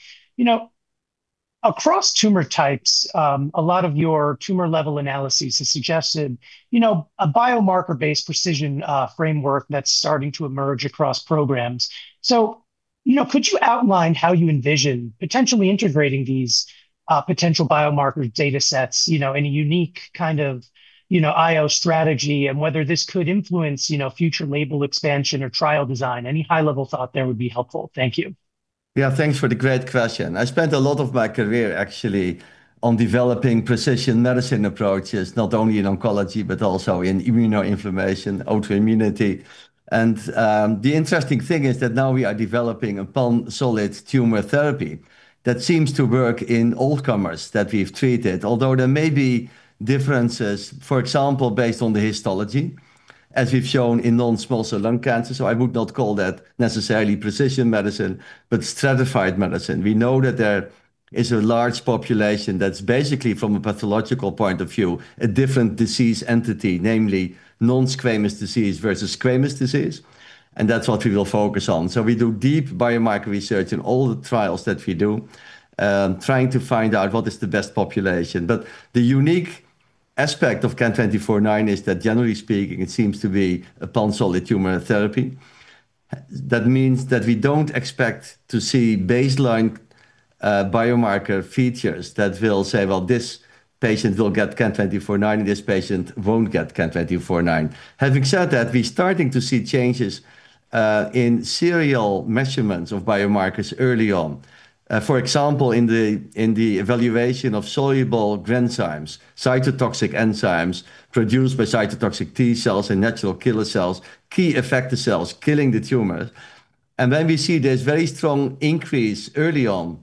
Across tumor types, a lot of your tumor level analyses have suggested a biomarker-based precision framework that's starting to emerge across programs so could you outline how you envision potentially integrating these potential biomarker data sets, any unique kind of IO strategy, and whether this could influence future label expansion or trial design? Any high-level thought there would be helpful. Thank you. Yeah, thanks for the great question. I spent a lot of my career, actually, on developing precision medicine approaches, not only in oncology, but also in immunoinflammation, autoimmunity, and the interesting thing is that now we are developing a pan-solid tumor therapy that seems to work in all comers that we've treated, although there may be differences, for example, based on the histology, as we've shown in non-small cell lung cancer, so I would not call that necessarily precision medicine, but stratified medicine. We know that there is a large population that's basically, from a pathological point of view, a different disease entity, namely non-squamous disease versus squamous disease. And that's what we will focus on, so we do deep biomarker research in all the trials that we do, trying to find out what is the best population. But the unique aspect of CAN-2409 is that, generally speaking, it seems to be a pan-solid tumor therapy. That means that we don't expect to see baseline biomarker features that will say, well, this patient will get CAN-2409, and this patient won't get CAN-2409. Having said that, we're starting to see changes in serial measurements of biomarkers early on. For example, in the evaluation of soluble granzymes, cytotoxic enzymes produced by cytotoxic T cells and natural killer cells, key effector cells killing the tumor. And then we see there's very strong increase early on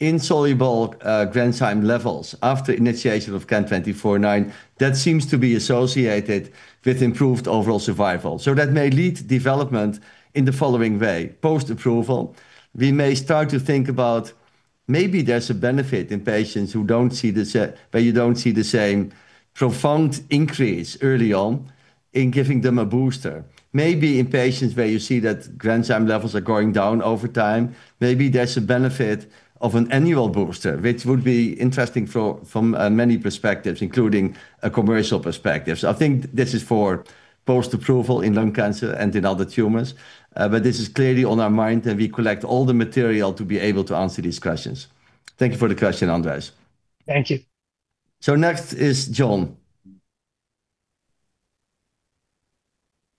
in soluble granzyme levels after initiation of CAN-2409 that seems to be associated with improved overall survival. So that may lead development in the following way. Post-approval, we may start to think about maybe there's a benefit in patients who don't see the same profound increase early on in giving them a booster. Maybe in patients where you see that granzyme levels are going down over time, maybe there's a benefit of an annual booster, which would be interesting from many perspectives, including a commercial perspective. So I think this is for post-approval in lung cancer and in other tumors. But this is clearly on our mind, and we collect all the material to be able to answer these questions. Thank you for the question, Andres. Thank you. So next is John.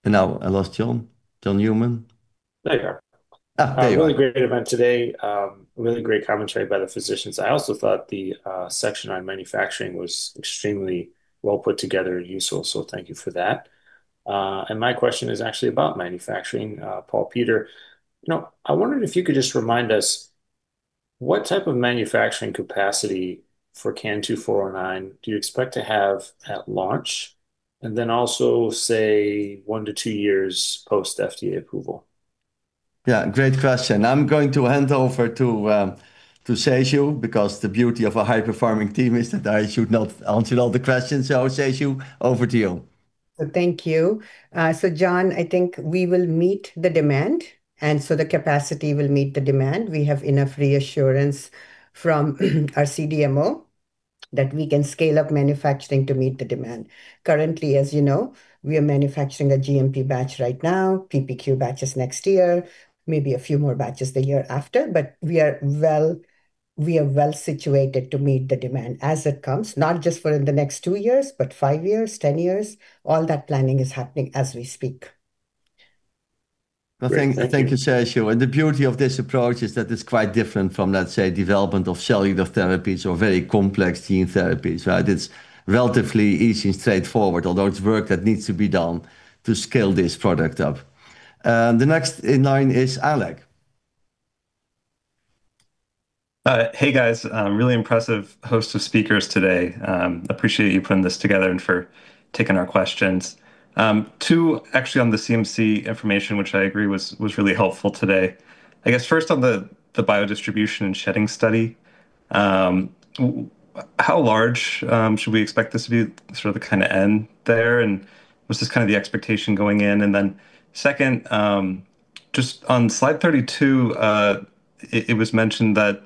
And now I lost John. John Newman. Hey, Guys. Hey, you're welcome. Really great event today. Really great commentary by the physicians. I also thought the section on manufacturing was extremely well put together and useful, so thank you for that. And my question is actually about manufacturing, Paul Peter. I wondered if you could just remind us what type of manufacturing capacity for CAN-2409 do you expect to have at launch and then also, say, one to two years post-FDA approval? Yeah, great question. I'm going to hand over to Seshu because the beauty of a high-performing team is that I should not answer all the questions. Seshu, over to you. So thank you. So John, I think we will meet the demand. And so the capacity will meet the demand. We have enough reassurance from our CDMO that we can scale up manufacturing to meet the demand. Currently, as you know, we are manufacturing a GMP batch right now, PPQ batches next year, maybe a few more batches the year after. But we are well situated to meet the demand as it comes, not just for the next two years, but five years, 10 years. All that planning is happening as we speak. I thank you, Seshu. And the beauty of this approach is that it's quite different from, let's say, development of cellular therapies or very complex gene therapies, right? It's relatively easy and straightforward, although it's work that needs to be done to scale this product up. The next in line is Alec. Hey, guys. Really impressive host of speakers today. Appreciate you putting this together and for taking our questions. Two, actually, on the CMC information, which I agree was really helpful today. I guess first on the biodistribution and shedding study, how large should we expect this to be, sort of the kind of endpoint there? And was this kind of the expectation going in? And then second, just on slide 32, it was mentioned that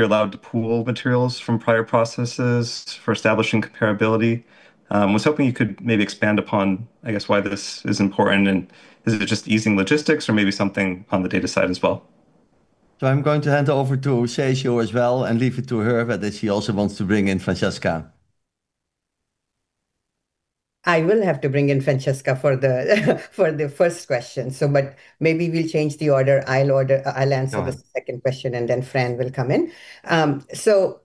you're allowed to pool materials from prior processes for establishing comparability. I was hoping you could maybe expand upon, I guess, why this is important. And is it just easing logistics or maybe something on the data side as well? So I'm going to hand it over to Seshu as well and leave it to her whether she also wants to bring in Francesca. I will have to bring in Francesca for the first question. But maybe we'll change the order. I'll answer the second question, and then Fran will come in. So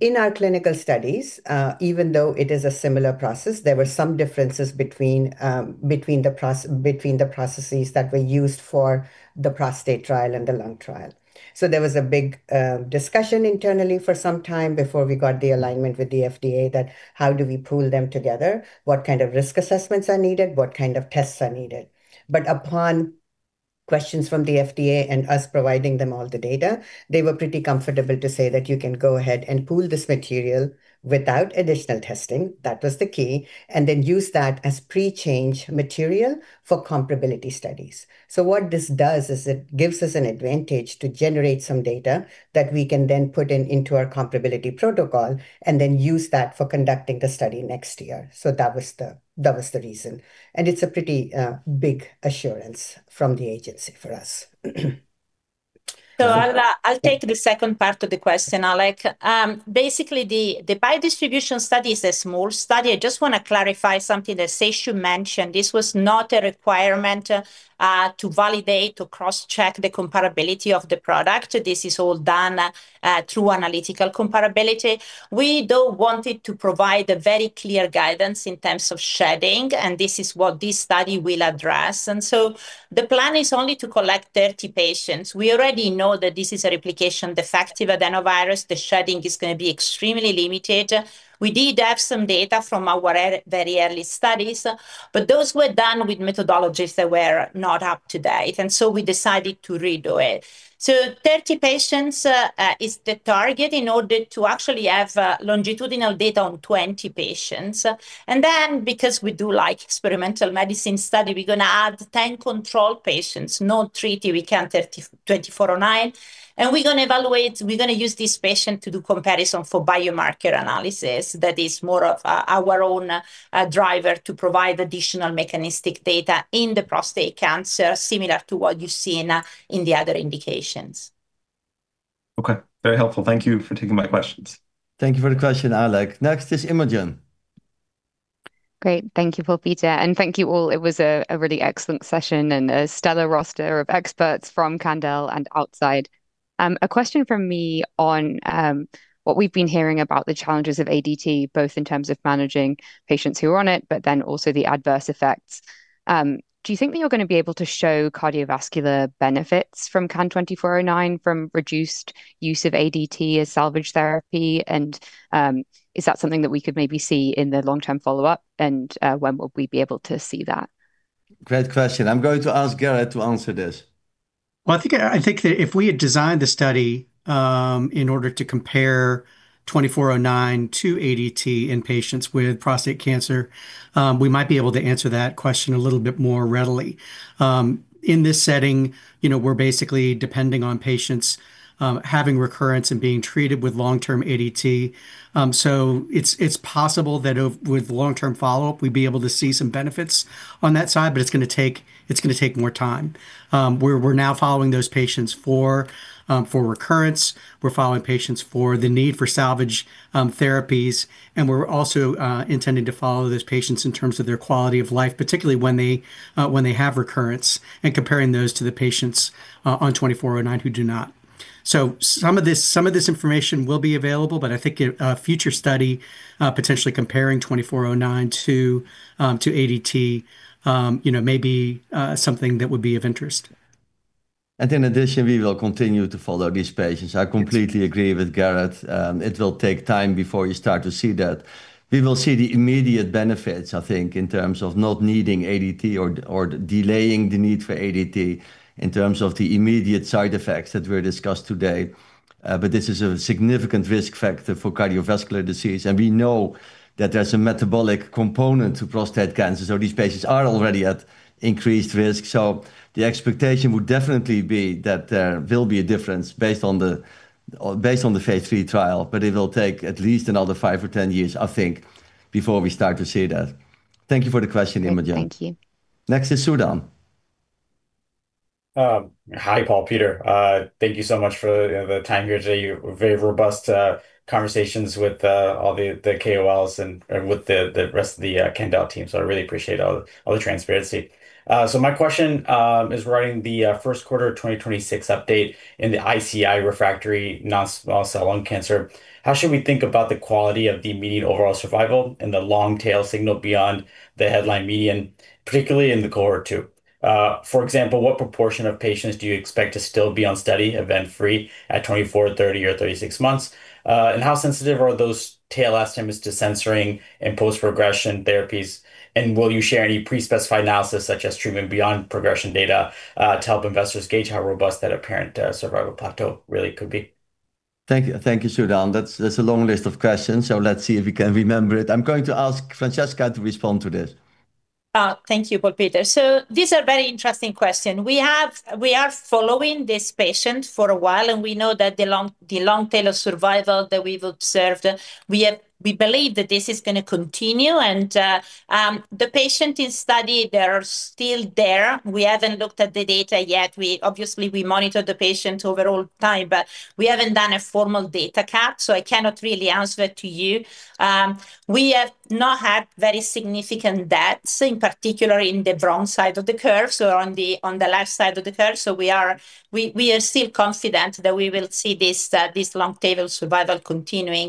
in our clinical studies, even though it is a similar process, there were some differences between the processes that were used for the prostate trial and the lung trial. So there was a big discussion internally for some time before we got the alignment with the FDA that how do we pool them together, what kind of risk assessments are needed, what kind of tests are needed. But upon questions from the FDA and us providing them all the data, they were pretty comfortable to say that you can go ahead and pool this material without additional testing. That was the key. And then use that as pre-change material for comparability studies. So what this does is it gives us an advantage to generate some data that we can then put into our comparability protocol and then use that for conducting the study next year. So that was the reason. And it's a pretty big assurance from the agency for us. So I'll take the second part of the question, Alec. Basically, the biodistribution study is a small study. I just want to clarify something that Seshu mentioned. This was not a requirement to validate, to cross-check the comparability of the product. This is all done through analytical comparability. We don't want it to provide a very clear guidance in terms of shedding. And this is what this study will address. And so the plan is only to collect 30 patients. We already know that this is a replication defective adenovirus. The shedding is going to be extremely limited. We did have some data from our very early studies, but those were done with methodologies that were not up to date. And so we decided to redo it. So 30 patients is the target in order to actually have longitudinal data on 20 patients. And then, because we do like an experimental medicine study, we're going to add 10 control patients, not treated with CAN-2409. And we're going to evaluate. We're going to use these patients to do a comparison for biomarker analysis. That is more of our own driver to provide additional mechanistic data in the prostate cancer, similar to what you see in the other indications. OK, very helpful. Thank you for taking my questions. Thank you for the question, Alec. Next is Imogen. Great. Thank you, Paul Peter. And thank you all. It was a really excellent session and a stellar roster of experts from Candel and outside. A question from me on what we've been hearing about the challenges of ADT, both in terms of managing patients who are on it, but then also the adverse effects. Do you think that you're going to be able to show cardiovascular benefits from CAN-2409 from reduced use of ADT as salvage therapy? And is that something that we could maybe see in the long-term follow-up? And when will we be able to see that? Great question. I'm going to ask Garrett to answer this. I think that if we had designed the study in order to compare 2409 to ADT in patients with prostate cancer, we might be able to answer that question a little bit more readily. In this setting, we're basically depending on patients having recurrence and being treated with long-term ADT. It's possible that with long-term follow-up, we'd be able to see some benefits on that side, but it's going to take more time. We're now following those patients for recurrence. We're following patients for the need for salvage therapies. We're also intending to follow those patients in terms of their quality of life, particularly when they have recurrence, and comparing those to the patients on 2409 who do not. Some of this information will be available, but I think a future study potentially comparing 2409 to ADT may be something that would be of interest. And in addition, we will continue to follow these patients. I completely agree with Garrett. It will take time before you start to see that. We will see the immediate benefits, I think, in terms of not needing ADT or delaying the need for ADT in terms of the immediate side effects that were discussed today. But this is a significant risk factor for cardiovascular disease. And we know that there's a metabolic component to prostate cancer. So these patients are already at increased risk. So the expectation would definitely be that there will be a difference based on the phase three trial. But it will take at least another five or 10 years, I think, before we start to see that. Thank you for the question, Imogen. Thank you. Next is Sudan. Hi, Paul Peter. Thank you so much for the time here today. Very robust conversations with all the KOLs and with the rest of the Candel team, so I really appreciate all the transparency, so my question is regarding the first quarter 2026 update in the ICI refractory non-small cell lung cancer. How should we think about the quality of the median overall survival and the long tail signal beyond the headline median, particularly in the cohort two? For example, what proportion of patients do you expect to still be on study event-free at 24, 30, or 36 months? And how sensitive are those tail estimates to censoring and post-progression therapies? And will you share any pre-specified analysis, such as treatment beyond progression data, to help investors gauge how robust that apparent survival plateau really could be? Thank you, Sudan. That's a long list of questions. So let's see if we can remember it. I'm going to ask Francesca to respond to this. Thank you, Paul Peter. These are very interesting questions. We are following this patient for a while. We know that the long tail of survival that we've observed, we believe that this is going to continue. The patient in study, they are still there. We haven't looked at the data yet. Obviously, we monitor the patient over all time, but we haven't done a formal data cap. I cannot really answer to you. We have not had very significant deaths, in particular in the front side of the curve or on the left side of the curve. We are still confident that we will see this long tail of survival continuing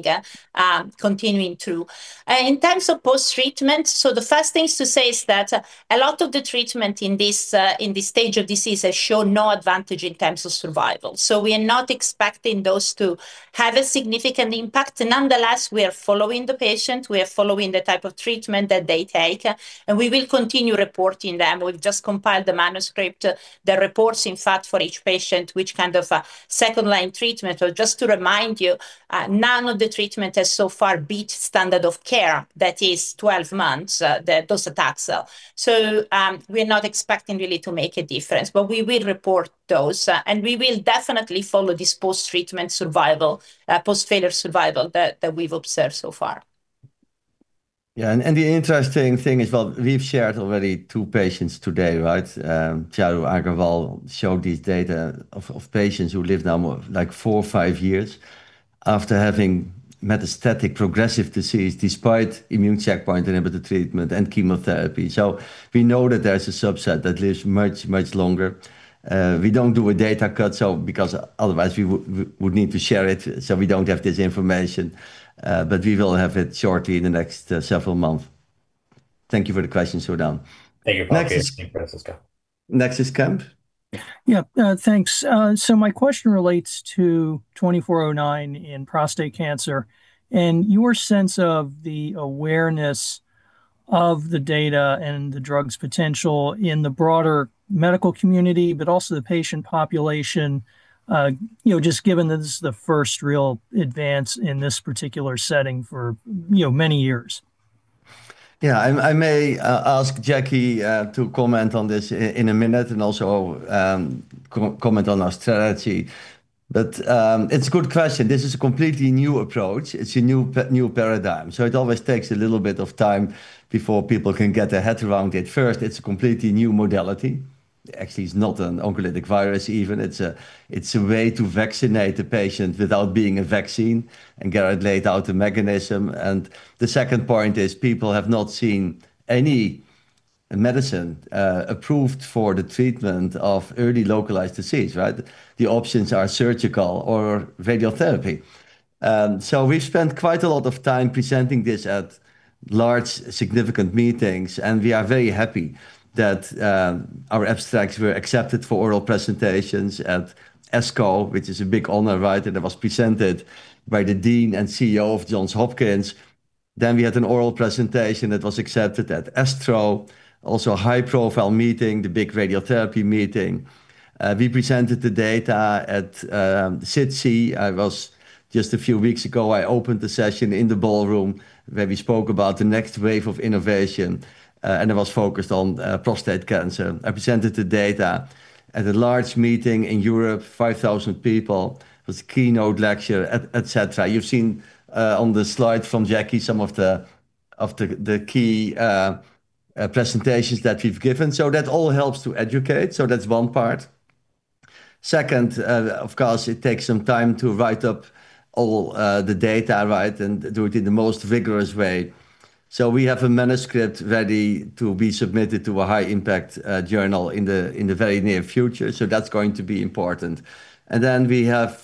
through. In terms of post-treatment, the first thing to say is that a lot of the treatment in this stage of disease has shown no advantage in terms of survival. So we are not expecting those to have a significant impact. Nonetheless, we are following the patient. We are following the type of treatment that they take. And we will continue reporting them. We've just compiled the manuscript that reports, in fact, for each patient which kind of second-line treatment. But just to remind you, none of the treatment has so far beat standard of care, that is 12 months, those outcomes. So we are not expecting really to make a difference. But we will report those. And we will definitely follow this post-treatment survival, post-failure survival that we've observed so far. Yeah, and the interesting thing is, well, we've shared already two patients today, right? Charu Aggarwal showed these data of patients who lived now like four or five years after having metastatic progressive disease despite immune checkpoint inhibitor treatment and chemotherapy, so we know that there's a subset that lives much, much longer. We don't do a data cut because otherwise we would need to share it, so we don't have this information, but we will have it shortly in the next several months. Thank you for the question, Sudan. Thank you, Paul Peter. Next is Francesca. Next is Kemp. Yeah, thanks. So my question relates to 2409 in prostate cancer. And your sense of the awareness of the data and the drug's potential in the broader medical community, but also the patient population, just given that this is the first real advance in this particular setting for many years? Yeah, I may ask Jackie to comment on this in a minute and also comment on our strategy. But it's a good question. This is a completely new approach. It's a new paradigm. So it always takes a little bit of time before people can get their head around it. First, it's a completely new modality. Actually, it's not an oncolytic virus even. It's a way to vaccinate the patient without being a vaccine and get a laid-out mechanism. And the second point is people have not seen any medicine approved for the treatment of early localized disease, right? The options are surgical or radiotherapy. So we've spent quite a lot of time presenting this at large, significant meetings. And we are very happy that our abstracts were accepted for oral presentations at ASTRO, which is a big honor, right? It was presented by the dean and CEO of Johns Hopkins. Then we had an oral presentation that was accepted at ASTRO, also a high-profile meeting, the big radiotherapy meeting. We presented the data at SITC. Just a few weeks ago, I opened the session in the ballroom where we spoke about the next wave of innovation. And it was focused on prostate cancer. I presented the data at a large meeting in Europe, 5,000 people, with keynote lecture, et cetera. You've seen on the slide from Jackie some of the key presentations that we've given. So that all helps to educate. So that's one part. Second, of course, it takes some time to write up all the data, right, and do it in the most rigorous way. So we have a manuscript ready to be submitted to a high-impact journal in the very near future. So that's going to be important. And then we have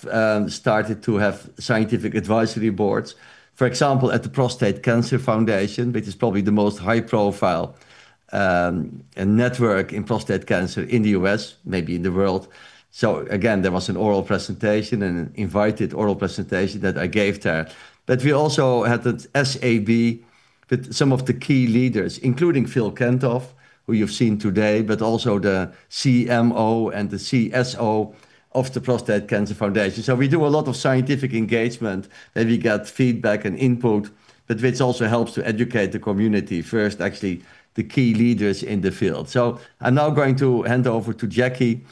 started to have scientific advisory boards, for example, at the Prostate Cancer Foundation, which is probably the most high-profile network in prostate cancer in the U.S., maybe in the world. So again, there was an oral presentation, an invited oral presentation that I gave there. But we also had an SAB with some of the key leaders, including Phil Kantoff, who you've seen today, but also the CMO and the CSO of the Prostate Cancer Foundation. So we do a lot of scientific engagement. Then we get feedback and input, but which also helps to educate the community, first, actually, the key leaders in the field. So I'm now going to hand over to Jackie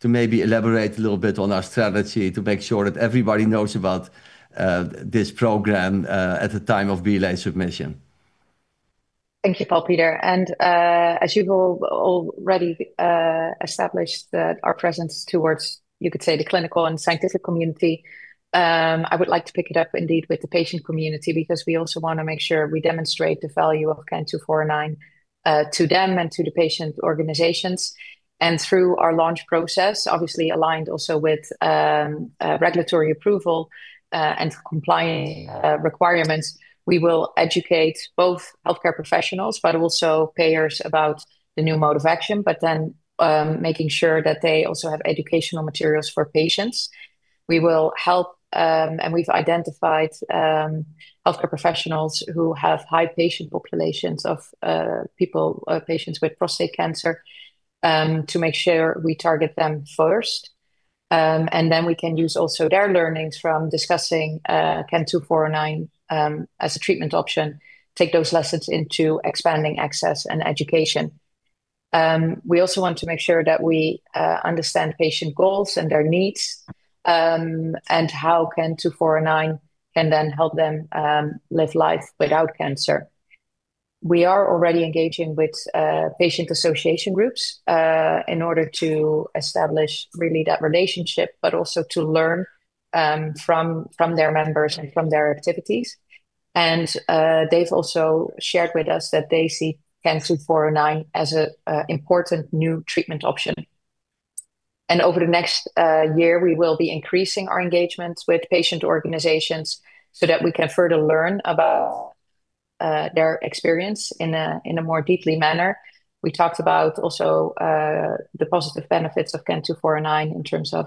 to maybe elaborate a little bit on our strategy to make sure that everybody knows about this program at the time of BLA submission. Thank you, Paul Peter. And as you've already established our presence towards, you could say, the clinical and scientific community, I would like to pick it up indeed with the patient community because we also want to make sure we demonstrate the value of CAN-2409 to them and to the patient organizations. And through our launch process, obviously aligned also with regulatory approval and compliance requirements, we will educate both health care professionals, but also payers about the new mode of action, but then making sure that they also have educational materials for patients. We will help, and we've identified health care professionals who have high patient populations of patients with prostate cancer to make sure we target them first. And then we can use also their learnings from discussing CAN-2409 as a treatment option, take those lessons into expanding access and education. We also want to make sure that we understand patient goals and their needs and how CAN-2409 can then help them live life without cancer. We are already engaging with patient association groups in order to establish really that relationship, but also to learn from their members and from their activities. And they've also shared with us that they see CAN-2409 as an important new treatment option. And over the next year, we will be increasing our engagements with patient organizations so that we can further learn about their experience in a more in-depth manner. We talked about also the positive benefits of CAN-2409 in terms of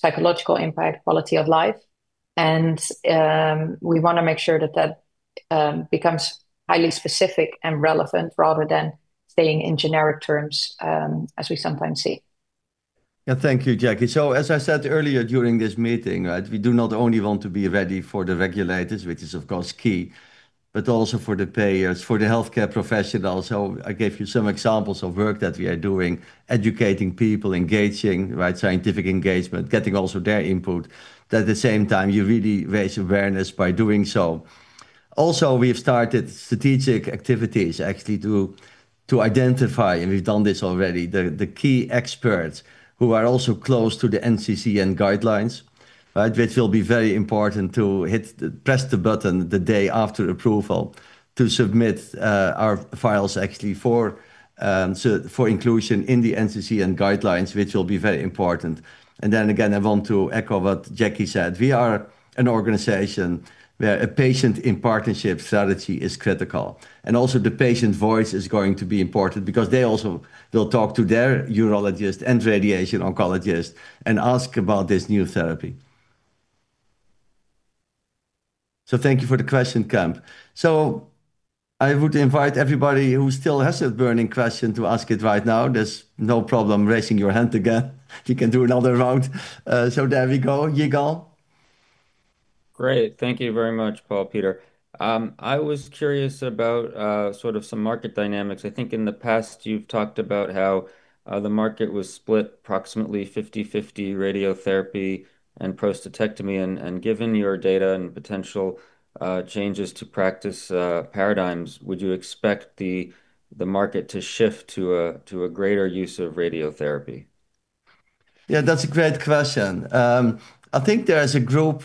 psychological impact, quality of life. And we want to make sure that that becomes highly specific and relevant rather than staying in generic terms, as we sometimes see. Yeah, thank you, Jackie, so as I said earlier during this meeting, we do not only want to be ready for the regulators, which is, of course, key, but also for the payers, for the health care professionals, so I gave you some examples of work that we are doing, educating people, engaging, right, scientific engagement, getting also their input. At the same time, you really raise awareness by doing so. Also, we've started strategic activities, actually, to identify, and we've done this already, the key experts who are also close to the NCCN guidelines, right, which will be very important to press the button the day after approval to submit our files, actually, for inclusion in the NCCN guidelines, which will be very important, and then again, I want to echo what Jackie said. We are an organization where a patient-in-partnership strategy is critical. And also, the patient voice is going to be important because they also will talk to their urologist and radiation oncologist and ask about this new therapy. So thank you for the question, Kemp. So I would invite everybody who still has a burning question to ask it right now. There's no problem raising your hand again. You can do another round. So there we go. Yigal. Great. Thank you very much, Paul Peter. I was curious about sort of some market dynamics. I think in the past, you've talked about how the market was split approximately 50/50, radiotherapy and prostatectomy. And given your data and potential changes to practice paradigms, would you expect the market to shift to a greater use of radiotherapy? Yeah, that's a great question. I think there is a group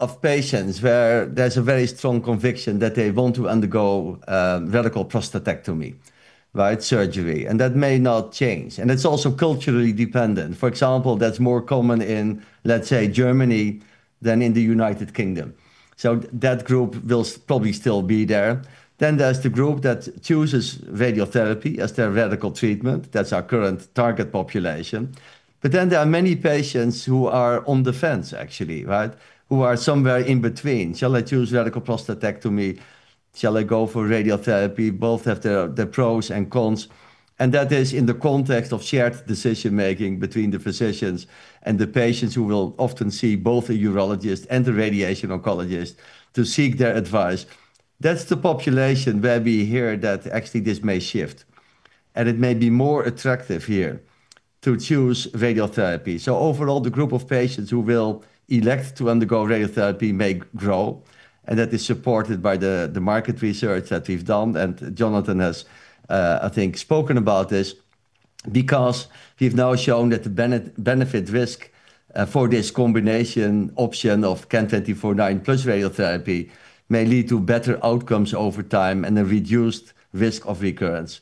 of patients where there's a very strong conviction that they want to undergo radical prostatectomy, right, surgery. And that may not change. And it's also culturally dependent. For example, that's more common in, let's say, Germany than in the United Kingdom. So that group will probably still be there. Then there's the group that chooses radiotherapy as their radical treatment. That's our current target population. But then there are many patients who are on the fence, actually, right, who are somewhere in between. Shall I choose radical prostatectomy? Shall I go for radiotherapy? Both have their pros and cons. And that is in the context of shared decision-making between the physicians and the patients who will often see both a urologist and a radiation oncologist to seek their advice. That's the population where we hear that actually this may shift, and it may be more attractive here to choose radiotherapy, so overall, the group of patients who will elect to undergo radiotherapy may grow, and that is supported by the market research that we've done, and Jonathon has, I think, spoken about this because we've now shown that the benefit-risk for this combination option of CAN-2409 plus radiotherapy may lead to better outcomes over time and a reduced risk of recurrence.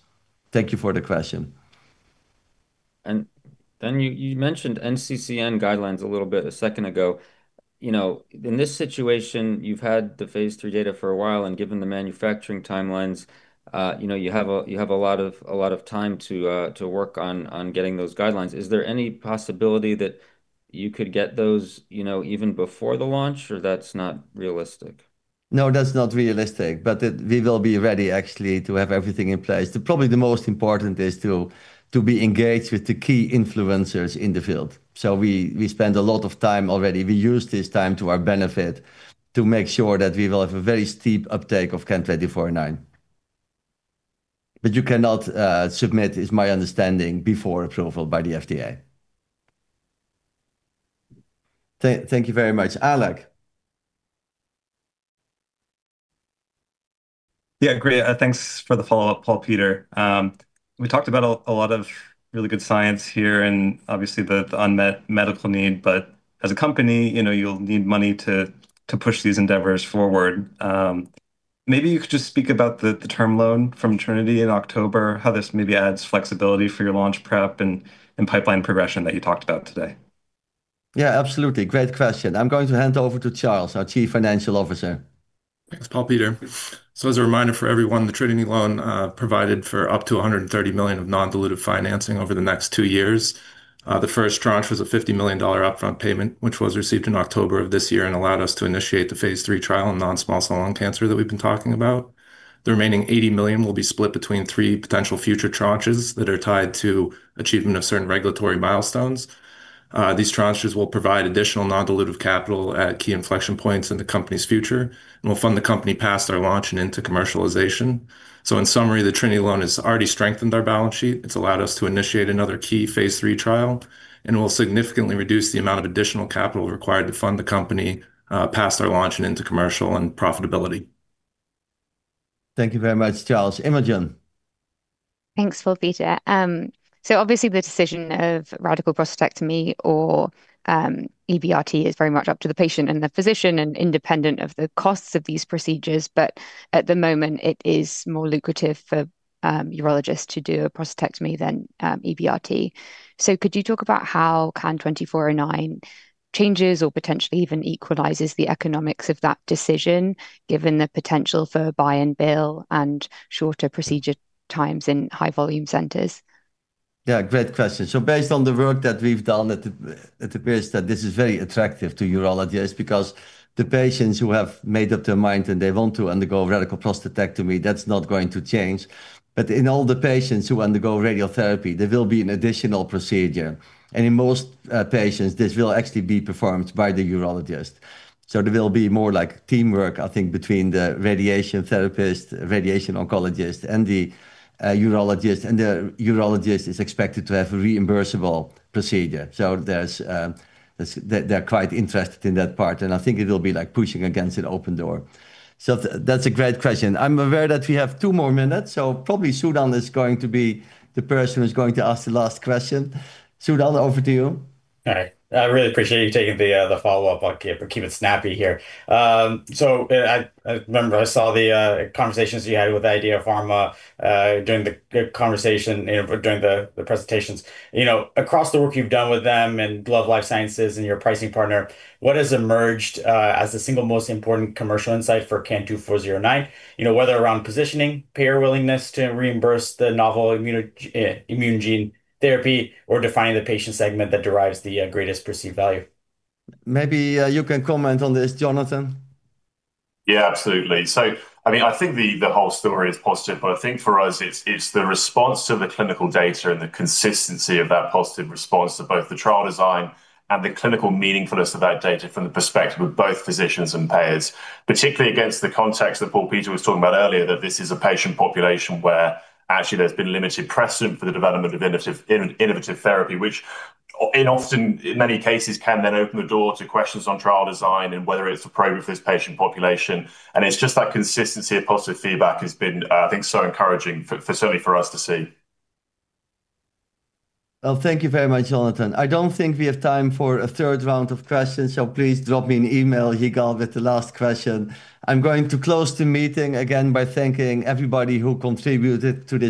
Thank you for the question. And then you mentioned NCCN guidelines a little bit a second ago. In this situation, you've had the phase III data for a while. And given the manufacturing timelines, you have a lot of time to work on getting those guidelines. Is there any possibility that you could get those even before the launch? Or that's not realistic? No, that's not realistic. But we will be ready, actually, to have everything in place. Probably the most important is to be engaged with the key influencers in the field. So we spend a lot of time already. We use this time to our benefit to make sure that we will have a very steep uptake of CAN-2409. But you cannot submit, is my understanding, before approval by the FDA. Thank you very much. Alec. Yeah, great. Thanks for the follow-up, Paul Peter. We talked about a lot of really good science here and obviously the unmet medical need. But as a company, you'll need money to push these endeavors forward. Maybe you could just speak about the term loan from Trinity in October, how this maybe adds flexibility for your launch prep and pipeline progression that you talked about today. Yeah, absolutely. Great question. I'm going to hand over to Charles, our Chief Financial Officer. Thanks, Paul Peter. So as a reminder for everyone, the Trinity loan provided for up to $130 million of non-dilutive financing over the next two years. The first tranche was a $50 million upfront payment, which was received in October of this year and allowed us to initiate the phase III trial in non-small cell lung cancer that we've been talking about. The remaining $80 million will be split between three potential future tranches that are tied to achievement of certain regulatory milestones. These tranches will provide additional non-dilutive capital at key inflection points in the company's future and will fund the company past our launch and into commercialization. So in summary, the Trinity loan has already strengthened our balance sheet. It's allowed us to initiate another key phase three trial and will significantly reduce the amount of additional capital required to fund the company past our launch and into commercial and profitability. Thank you very much, Charles. Imogen. Thanks, Paul Peter. So obviously, the decision of radical prostatectomy or EBRT is very much up to the patient and the physician and independent of the costs of these procedures. But at the moment, it is more lucrative for urologists to do a prostatectomy than EBRT. So could you talk about how CAN-2409 changes or potentially even equalizes the economics of that decision, given the potential for buy and bill and shorter procedure times in high-volume centers? Yeah, great question. So based on the work that we've done, it appears that this is very attractive to urologists because the patients who have made up their mind and they want to undergo radical prostatectomy, that's not going to change. But in all the patients who undergo radiotherapy, there will be an additional procedure. And in most patients, this will actually be performed by the urologist. So there will be more like teamwork, I think, between the radiation therapist, radiation oncologist, and the urologist. And the urologist is expected to have a reimbursable procedure. So they're quite interested in that part. And I think it will be like pushing against an open door. So that's a great question. I'm aware that we have two more minutes. So probably Sudan is going to be the person who's going to ask the last question. Sudan, over to you. Hi. I really appreciate you taking the follow-up on keeping it snappy here. So I remember I saw the conversations you had with IDEA Pharma during the conversation, during the presentations. Across the work you've done with them and Globe Life Sciences and your pricing partner, what has emerged as the single most important commercial insight for CAN-2409, whether around positioning, payer willingness to reimburse the novel immune gene therapy, or defining the patient segment that derives the greatest perceived value? Maybe you can comment on this, Jonathon. Yeah, absolutely. So I mean, I think the whole story is positive. But I think for us, it's the response to the clinical data and the consistency of that positive response to both the trial design and the clinical meaningfulness of that data from the perspective of both physicians and payers, particularly against the context that Paul Peter was talking about earlier, that this is a patient population where actually there's been limited precedent for the development of innovative therapy, which in often, in many cases, can then open the door to questions on trial design and whether it's appropriate for this patient population. And it's just that consistency of positive feedback has been, I think, so encouraging, certainly for us to see. Thank you very much, Jonathon. I don't think we have time for a third round of questions. Please drop me an email, Yigal, with the last question. I'm going to close the meeting again by thanking everybody who contributed to this.